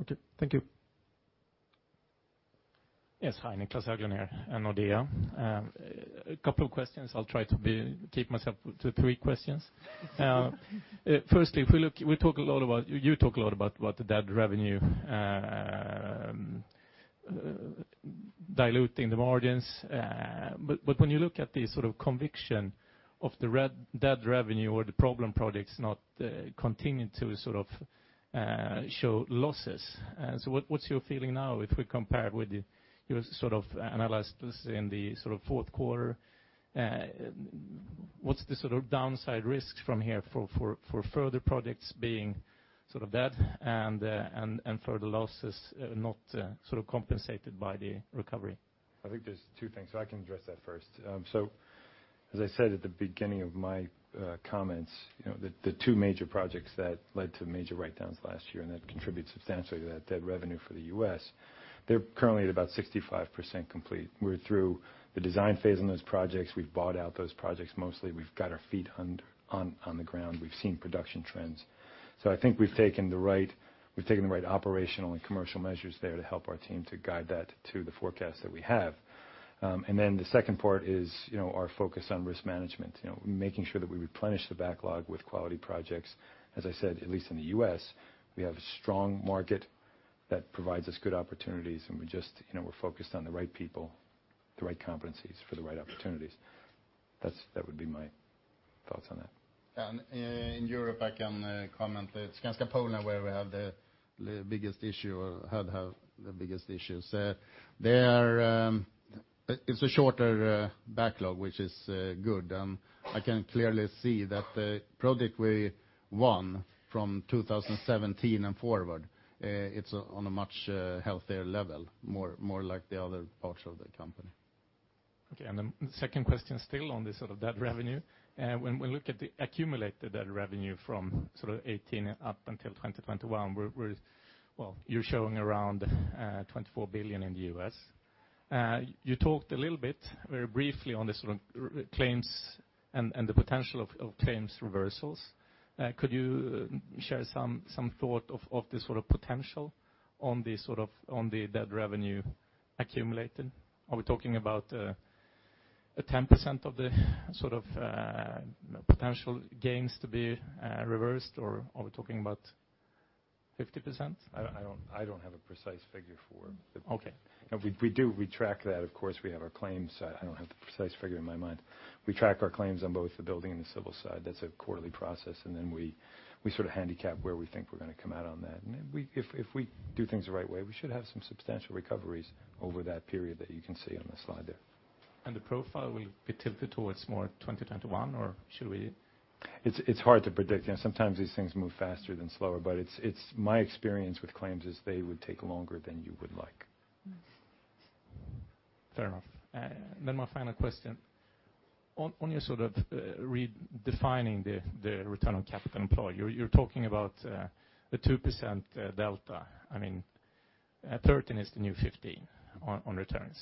Okay. Thank you. Yes. Hi, Niclas Höglund here, and Nordea. A couple of questions. I'll try to be, keep myself to three questions. Firstly, if we look, we talk a lot about... You talk a lot about what the Dead Revenue diluting the margins. But when you look at the sort of conviction of the remaining Dead Revenue or the problem projects not continuing to sort of show losses, so what's your feeling now if we compare it with your sort of analysis in the sort of fourth quarter? What's the sort of downside risks from here for further projects being sort of dead and further losses not sort of compensated by the recovery? I think there's two things, so I can address that first. As I said at the beginning of my comments, you know, the two major projects that led to major write-downs last year, and that contribute substantially to that dead revenue for the U.S., they're currently at about 65% complete. We're through the design phase on those projects. We've bought out those projects mostly. We've got our feet on the ground. We've seen production trends. So I think we've taken the right, we've taken the right operational and commercial measures there to help our team to guide that to the forecast that we have. And then the second part is, you know, our focus on risk management, you know, making sure that we replenish the backlog with quality projects. As I said, at least in the U.S., we have a strong market that provides us good opportunities, and we just, you know, we're focused on the right people, the right competencies for the right opportunities. That's, that would be my thoughts on that. In Europe, I can comment. It's Skanska Poland where we have the, the biggest issue or had, have the biggest issues. There, it's a shorter backlog, which is good. I can clearly see that the project we won from 2017 and forward, it's on a much healthier level, more, more like the other parts of the company. Okay. And then the second question, still on this sort of dead revenue. When we look at the accumulated dead revenue from sort of 2018 up until 2021, we're... Well, you're showing around $24 billion in the U.S. You talked a little bit, very briefly on the sort of claims and the potential of claims reversals. Could you share some thought of the sort of potential on the sort of- on the dead revenue accumulated? Are we talking about a 10% of the sort of potential gains to be reversed, or are we talking about 50%? I don't have a precise figure for it. Okay. We do track that, of course. We have our claims side. I don't have the precise figure in my mind. We track our claims on both the building and the civil side. That's a quarterly process, and then we sort of handicap where we think we're going to come out on that. And then we, if we do things the right way, we should have some substantial recoveries over that period that you can see on the slide there. The profile will be tilted towards more 2021, or should we? It's hard to predict, and sometimes these things move faster than slower, but it's my experience with claims is they would take longer than you would like. Fair enough. Then my final question. On your sort of redefining the return on capital employed, you're talking about the 2% delta. I mean, 13 is the new 15 on returns.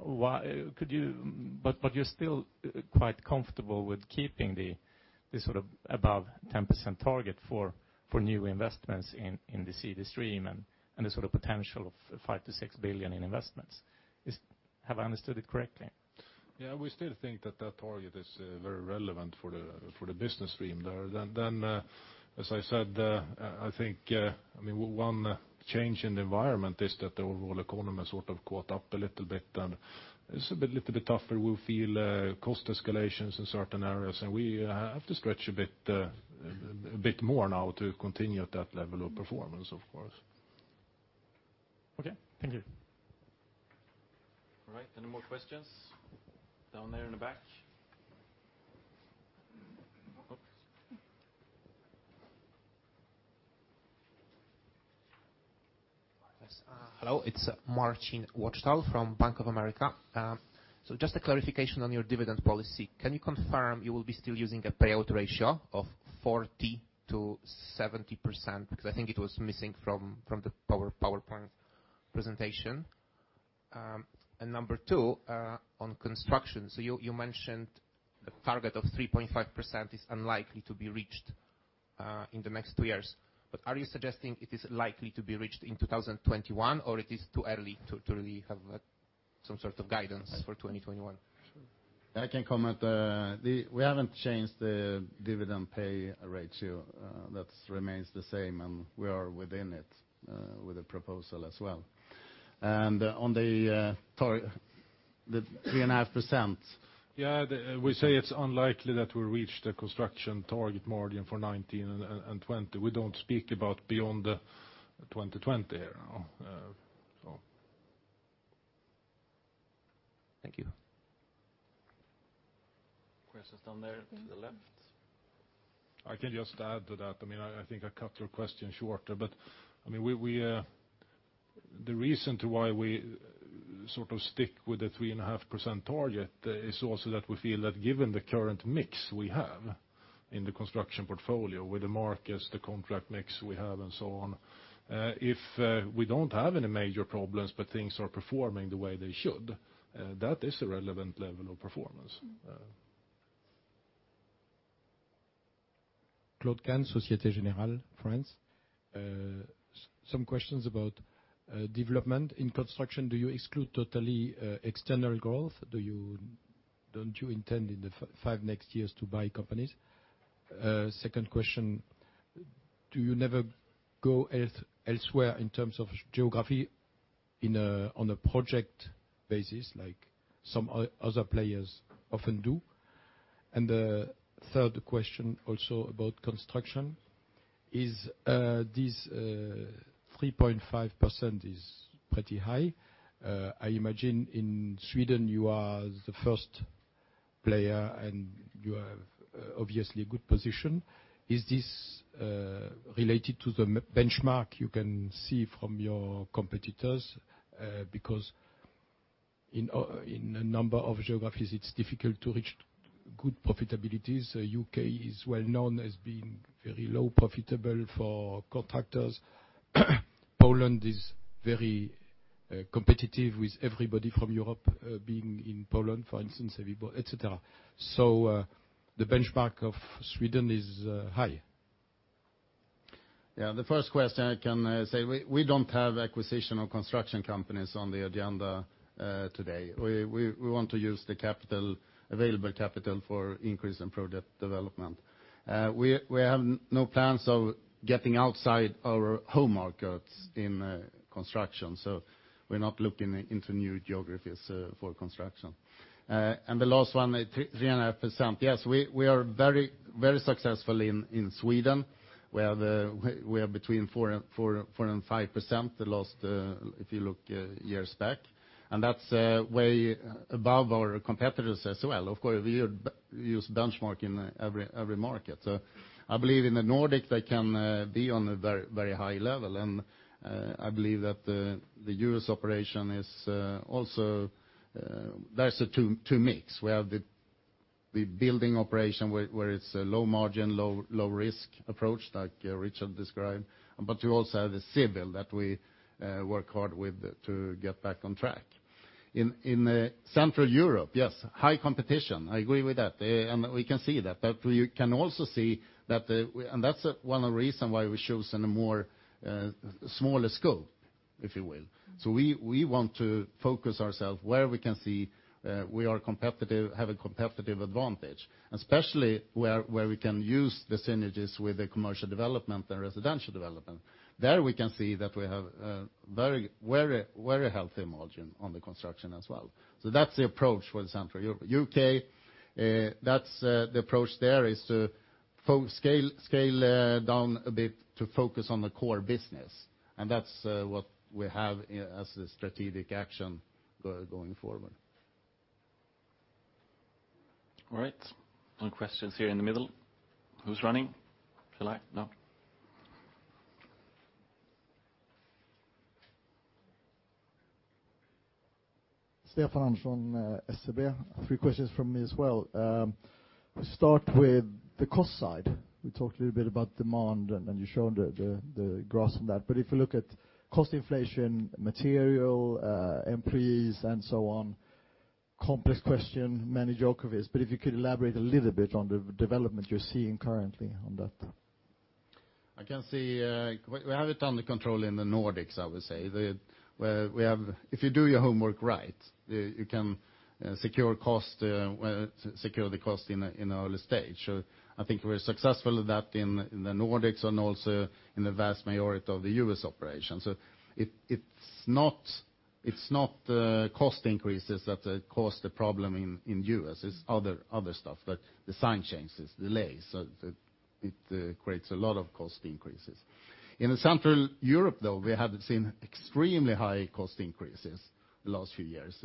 Why... Could you. But you're still quite comfortable with keeping the sort of above 10% target for new investments in the CD stream and the sort of potential of 5 billion-6 billion in investments. Is. Have I understood it correctly? Yeah, we still think that that target is very relevant for the business stream there. Then, as I said, I think, I mean, one change in the environment is that the overall economy has sort of caught up a little bit, and it's a bit little bit tougher. We feel cost escalations in certain areas, and we have to stretch a bit a bit more now to continue at that level of performance, of course. Okay. Thank you. All right. Any more questions? Down there in the back. Oops. Yes. Hello, it's Marcin Wojtal from Bank of America. So just a clarification on your dividend policy. Can you confirm you will be still using a payout ratio of 40%-70%? Because I think it was missing from the PowerPoint presentation. And number two, on construction, so you mentioned the target of 3.5% is unlikely to be reached in the next two years. But are you suggesting it is likely to be reached in 2021, or it is too early to really have some sort of guidance for 2021? I can comment. We haven't changed the dividend pay ratio. That remains the same, and we are within it, with the proposal as well. And on the target, the 3.5%- Yeah, we say it's unlikely that we'll reach the construction target margin for 2019 and 2020. We don't speak about beyond 2020 here, so. Thank you. Questions down there to the left. I can just add to that. I mean, I think I cut your question short, but I mean, the reason why we sort of stick with the 3.5% target is also that we feel that given the current mix we have in the construction portfolio, with the markets, the contract mix we have and so on, if we don't have any major problems, but things are performing the way they should, that is a relevant level of performance. Claude Kahn, Société Générale, France. Some questions about development. In construction, do you exclude totally external growth? Do you... Don't you intend in the five next years to buy companies? Second question, do you never go elsewhere in terms of geography on a project basis, like some other players often do? And the third question, also about construction, is this 3.5% is pretty high. I imagine in Sweden, you are the first player, and you have obviously a good position. Is this related to the benchmark you can see from your competitors? Because in a number of geographies, it's difficult to reach good profitabilities. So U.K. is well known as being very low profitable for contractors. Poland is very competitive with everybody from Europe being in Poland, for instance, everybody, et cetera. So, the benchmark of Sweden is high. Yeah, the first question I can say, we don't have acquisition or construction companies on the agenda today. We want to use the capital, available capital for increase in product development. We have no plans of getting outside our home markets in construction, so we're not looking into new geographies for construction. And the last one, 3.5%. Yes, we are very, very successful in Sweden, where we are between 4%-4.5%, the last if you look years back. And that's way above our competitors as well. Of course, we use benchmark in every market. So I believe in the Nordic, they can be on a very, very high level, and I believe that the U.S. operation is also. There's two mix, where the building operation, where it's a low margin, low risk approach, like Richard described, but you also have the civil that we work hard with to get back on track. In Central Europe, yes, high competition. I agree with that, and we can see that, but we can also see that, and that's one of the reason why we chosen a more smaller scope, if you will. So we want to focus ourselves where we can see we are competitive, have a competitive advantage, especially where we can use the synergies with the commercial development and residential development. There, we can see that we have a very, very, very healthy margin on the construction as well. So that's the approach for the Central Europe. U.K., that's the approach there is to scale down a bit to focus on the core business, and that's what we have as a strategic action going forward. All right. One question here in the middle. Who's running? Shall I? No. Stefan Andersson, SEB. Three questions from me as well. Start with the cost side. We talked a little bit about demand, and you showed the graphs on that. But if you look at cost inflation, material, employees, and so on, complex question, many jokers, but if you could elaborate a little bit on the development you're seeing currently on that. I can see. We have it under control in the Nordics, I would say. Where we have—if you do your homework right, you can secure the cost in an early stage. So I think we're successful at that in the Nordics and also in the vast majority of the U.S. operations. So it's not cost increases that cause the problem in the U.S., it's other stuff, but design changes, delays, so it creates a lot of cost increases. In Central Europe, though, we have seen extremely high cost increases the last few years.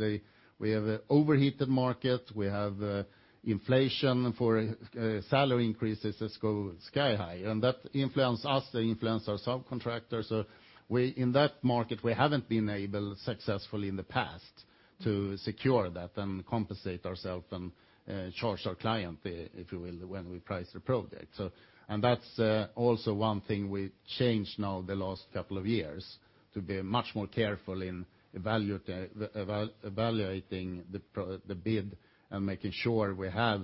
We have an overheated market, we have inflation for salary increases that go sky high, and that influence us, they influence our subcontractors. So, in that market, we haven't been able successfully in the past to secure that and compensate ourselves and charge our client, if you will, when we price the project. That's also one thing we changed now the last couple of years, to be much more careful in evaluating the bid and making sure we have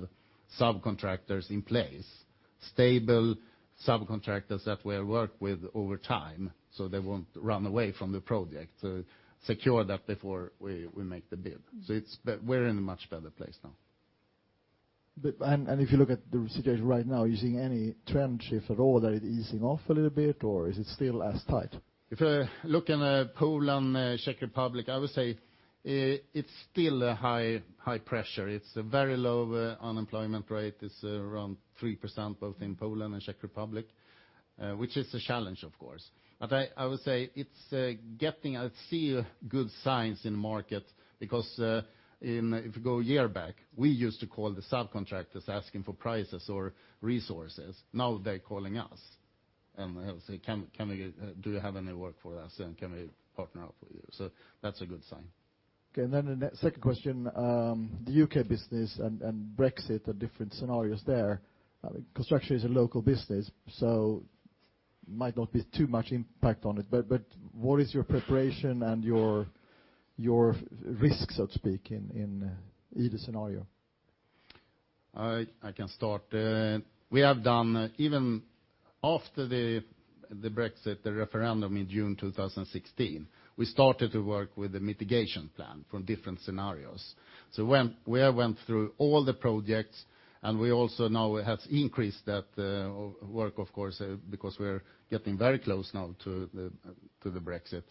subcontractors in place, stable subcontractors that we work with over time, so they won't run away from the project, to secure that before we make the bid. But we're in a much better place now. If you look at the situation right now, are you seeing any trend, if at all, that it easing off a little bit, or is it still as tight? If I look in Poland, Czech Republic, I would say it's still a high, high pressure. It's a very low unemployment rate. It's around 3%, both in Poland and Czech Republic, which is a challenge, of course. But I would say it's getting, I see good signs in market because, in, if you go a year back, we used to call the subcontractors asking for prices or resources. Now, they're calling us, and they'll say: "Can we get, do you have any work for us, and can we partner up with you?" So that's a good sign. Okay, and then the second question, the U.K. business and Brexit are different scenarios there. Construction is a local business, so might not be too much impact on it, but what is your preparation and your risk, so to speak, in either scenario? I can start. We have done, even after the Brexit referendum in June 2016, we started to work with the mitigation plan from different scenarios. So when we went through all the projects, and we also now have increased that work, of course, because we're getting very close now to the Brexit.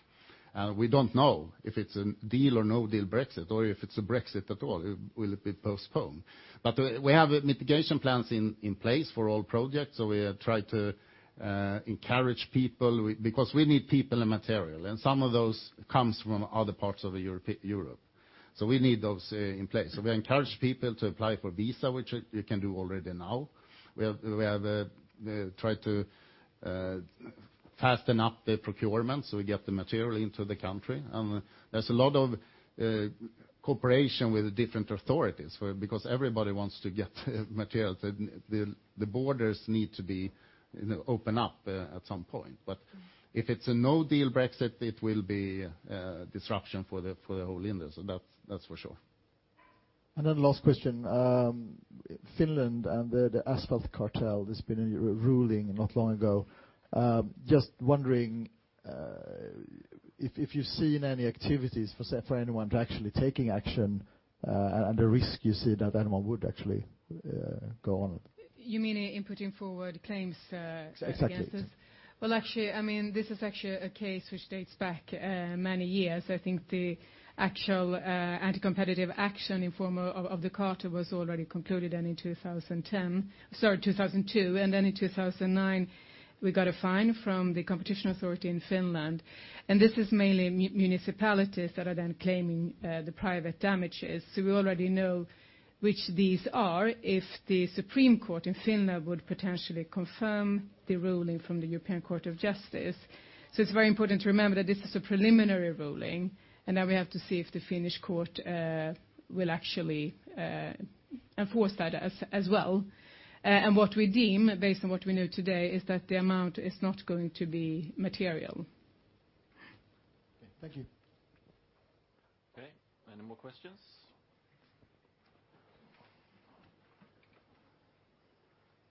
And we don't know if it's a deal or no-deal Brexit, or if it's a Brexit at all, it will be postponed. But we have mitigation plans in place for all projects, so we try to encourage people. Because we need people and material, and some of those comes from other parts of Europe. So we need those in place. So we encourage people to apply for visa, which you can do already now. We have tried to... Fasten up the procurement, so we get the material into the country. And there's a lot of cooperation with the different authorities, where because everybody wants to get materials, the borders need to be, you know, open up at some point. But if it's a no-deal Brexit, it will be disruption for the whole industry, so that's for sure. And then last question. Finland and the asphalt cartel, there's been a ruling not long ago. Just wondering if you've seen any activities for, say, for anyone to actually taking action, and the risk you see that anyone would actually go on it? You mean in putting forward claims against us? Exactly. Well, actually, I mean, this is actually a case which dates back many years. I think the actual anti-competitive action in form of the cartel was already concluded then in 2010, sorry, 2002. And then in 2009, we got a fine from the competition authority in Finland, and this is mainly municipalities that are then claiming the private damages. So we already know which these are, if the Supreme Court in Finland would potentially confirm the ruling from the European Court of Justice. So it's very important to remember that this is a preliminary ruling, and then we have to see if the Finnish court will actually enforce that as well. And what we deem, based on what we know today, is that the amount is not going to be material. Thank you. Okay. Any more questions?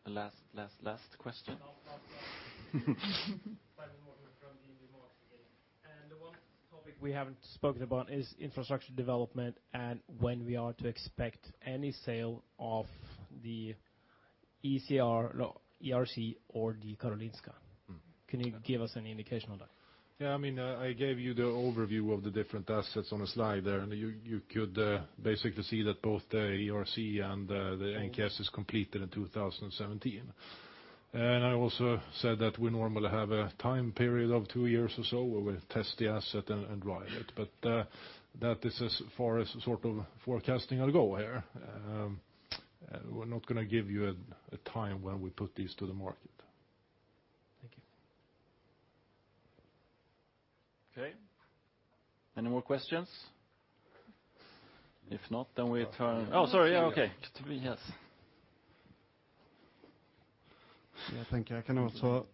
The last, last, last question. The one topic we haven't spoken about is infrastructure development, and when we are to expect any sale of the ERC, no, ERC or the Karolinska. Mm. Can you give us any indication on that? Yeah, I mean, I gave you the overview of the different assets on the slide there, and you could basically see that both the ERC and the NKS is completed in 2017. I also said that we normally have a time period of two years or so, where we test the asset and drive it. That is as far as sort of forecasting will go here. We're not gonna give you a time when we put these to the market. Thank you. Okay. Any more questions? If not, then we turn... Oh, sorry, yeah, okay. Tobias. Yeah, thank you. I can also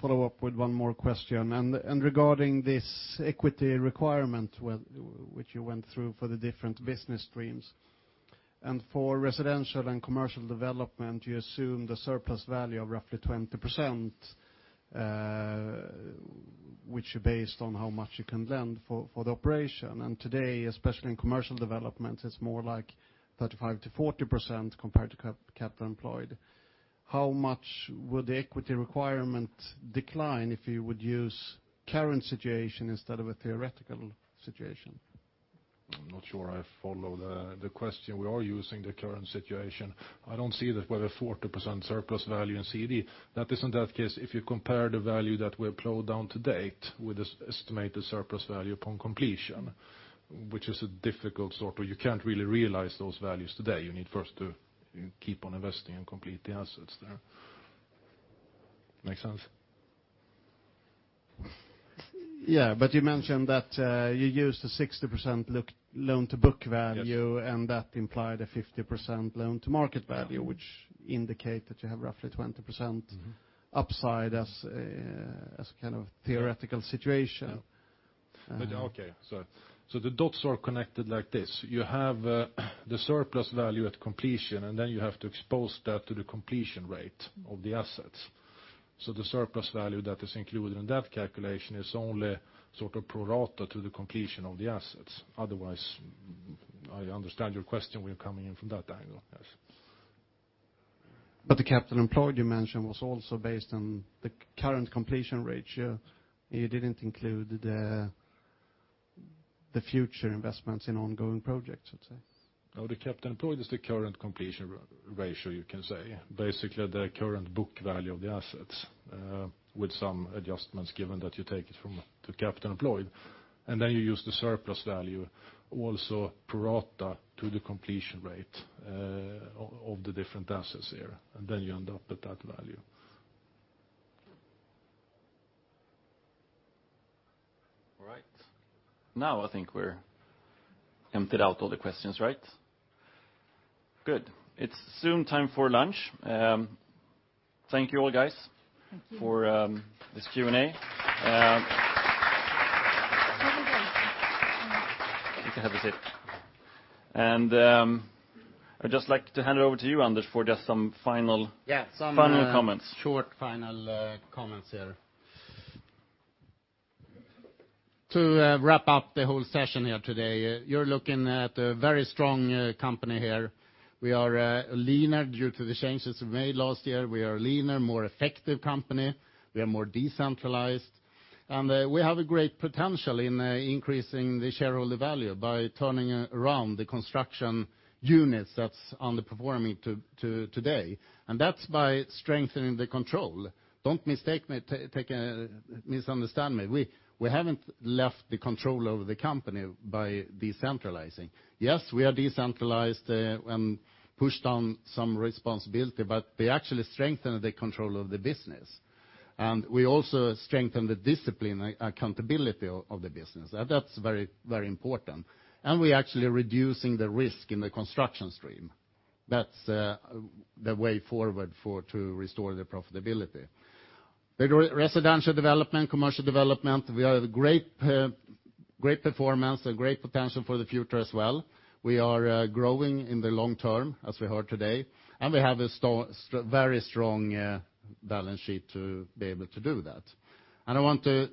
follow up with one more question. And regarding this equity requirement, which you went through for the different business streams. For residential and commercial development, you assume the surplus value of roughly 20%, which is based on how much you can lend for the operation. And today, especially in commercial development, it's more like 35%-40% compared to capital employed. How much would the equity requirement decline if you would use current situation instead of a theoretical situation? I'm not sure I follow the question. We are using the current situation. I don't see that we're at a 40% surplus value in CD. That is in that case, if you compare the value that we allocated to date, with this estimated surplus value upon completion, which is a difficult sort, but you can't really realize those values today. You need first to keep on investing and complete the assets there. Make sense? Yeah, but you mentioned that, you used a 60% loan-to-book value- Yes. - and that implied a 50% loan to market value, which indicate that you have roughly 20%- Mm-hmm. - upside as, as kind of theoretical situation. Yeah. But okay, so the dots are connected like this: You have the surplus value at completion, and then you have to expose that to the completion rate of the assets. So the surplus value that is included in that calculation is only sort of pro rata to the completion of the assets. Otherwise, I understand your question, we're coming in from that angle, yes. But the capital employed, you mentioned, was also based on the current completion rate. You didn't include the future investments in ongoing projects, let's say. No, the capital employed is the current completion ratio, you can say. Basically, the current book value of the assets, with some adjustments, given that you take it from the capital employed, and then you use the surplus value, also pro rata, to the completion rate, of the different assets there, and then you end up with that value. All right. Now, I think we're emptied out all the questions, right? Good. It's soon time for lunch. Thank you all, guys- Thank you. - for this Q&A. You can have a seat. And, I'd just like to hand it over to you, Anders, for just some final- Yeah, some- Final comments. Short, final comments here. To wrap up the whole session here today, you're looking at a very strong company here. We are leaner due to the changes we made last year. We are a leaner, more effective company. We are more decentralized, and we have a great potential in increasing the shareholder value by turning around the construction units that's underperforming today. And that's by strengthening the control. Don't mistake me, misunderstand me. We haven't left the control over the company by decentralizing. Yes, we are decentralized, and pushed on some responsibility, but we actually strengthened the control of the business. And we also strengthened the discipline and accountability of the business. And that's very, very important. And we're actually reducing the risk in the construction stream. That's the way forward to restore the profitability. The residential development, commercial development, we have a great, great performance and great potential for the future as well. We are, growing in the long term, as we heard today, and we have a very strong, balance sheet to be able to do that. And I want to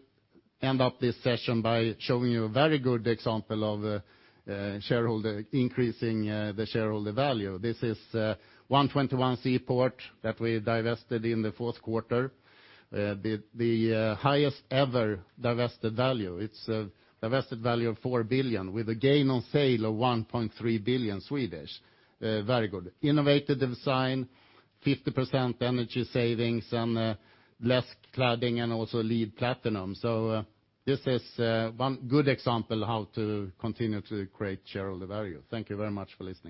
end up this session by showing you a very good example of increasing shareholder value. This is, 121 Seaport that we divested in the fourth quarter. The highest ever divested value. It's a divested value of 4 billion, with a gain on sale of 1.3 billion Swedish. Very good. Innovative design, 50% energy savings, and, less cladding, and also LEED Platinum. So, this is, one good example how to continue to create shareholder value. Thank you very much for listening.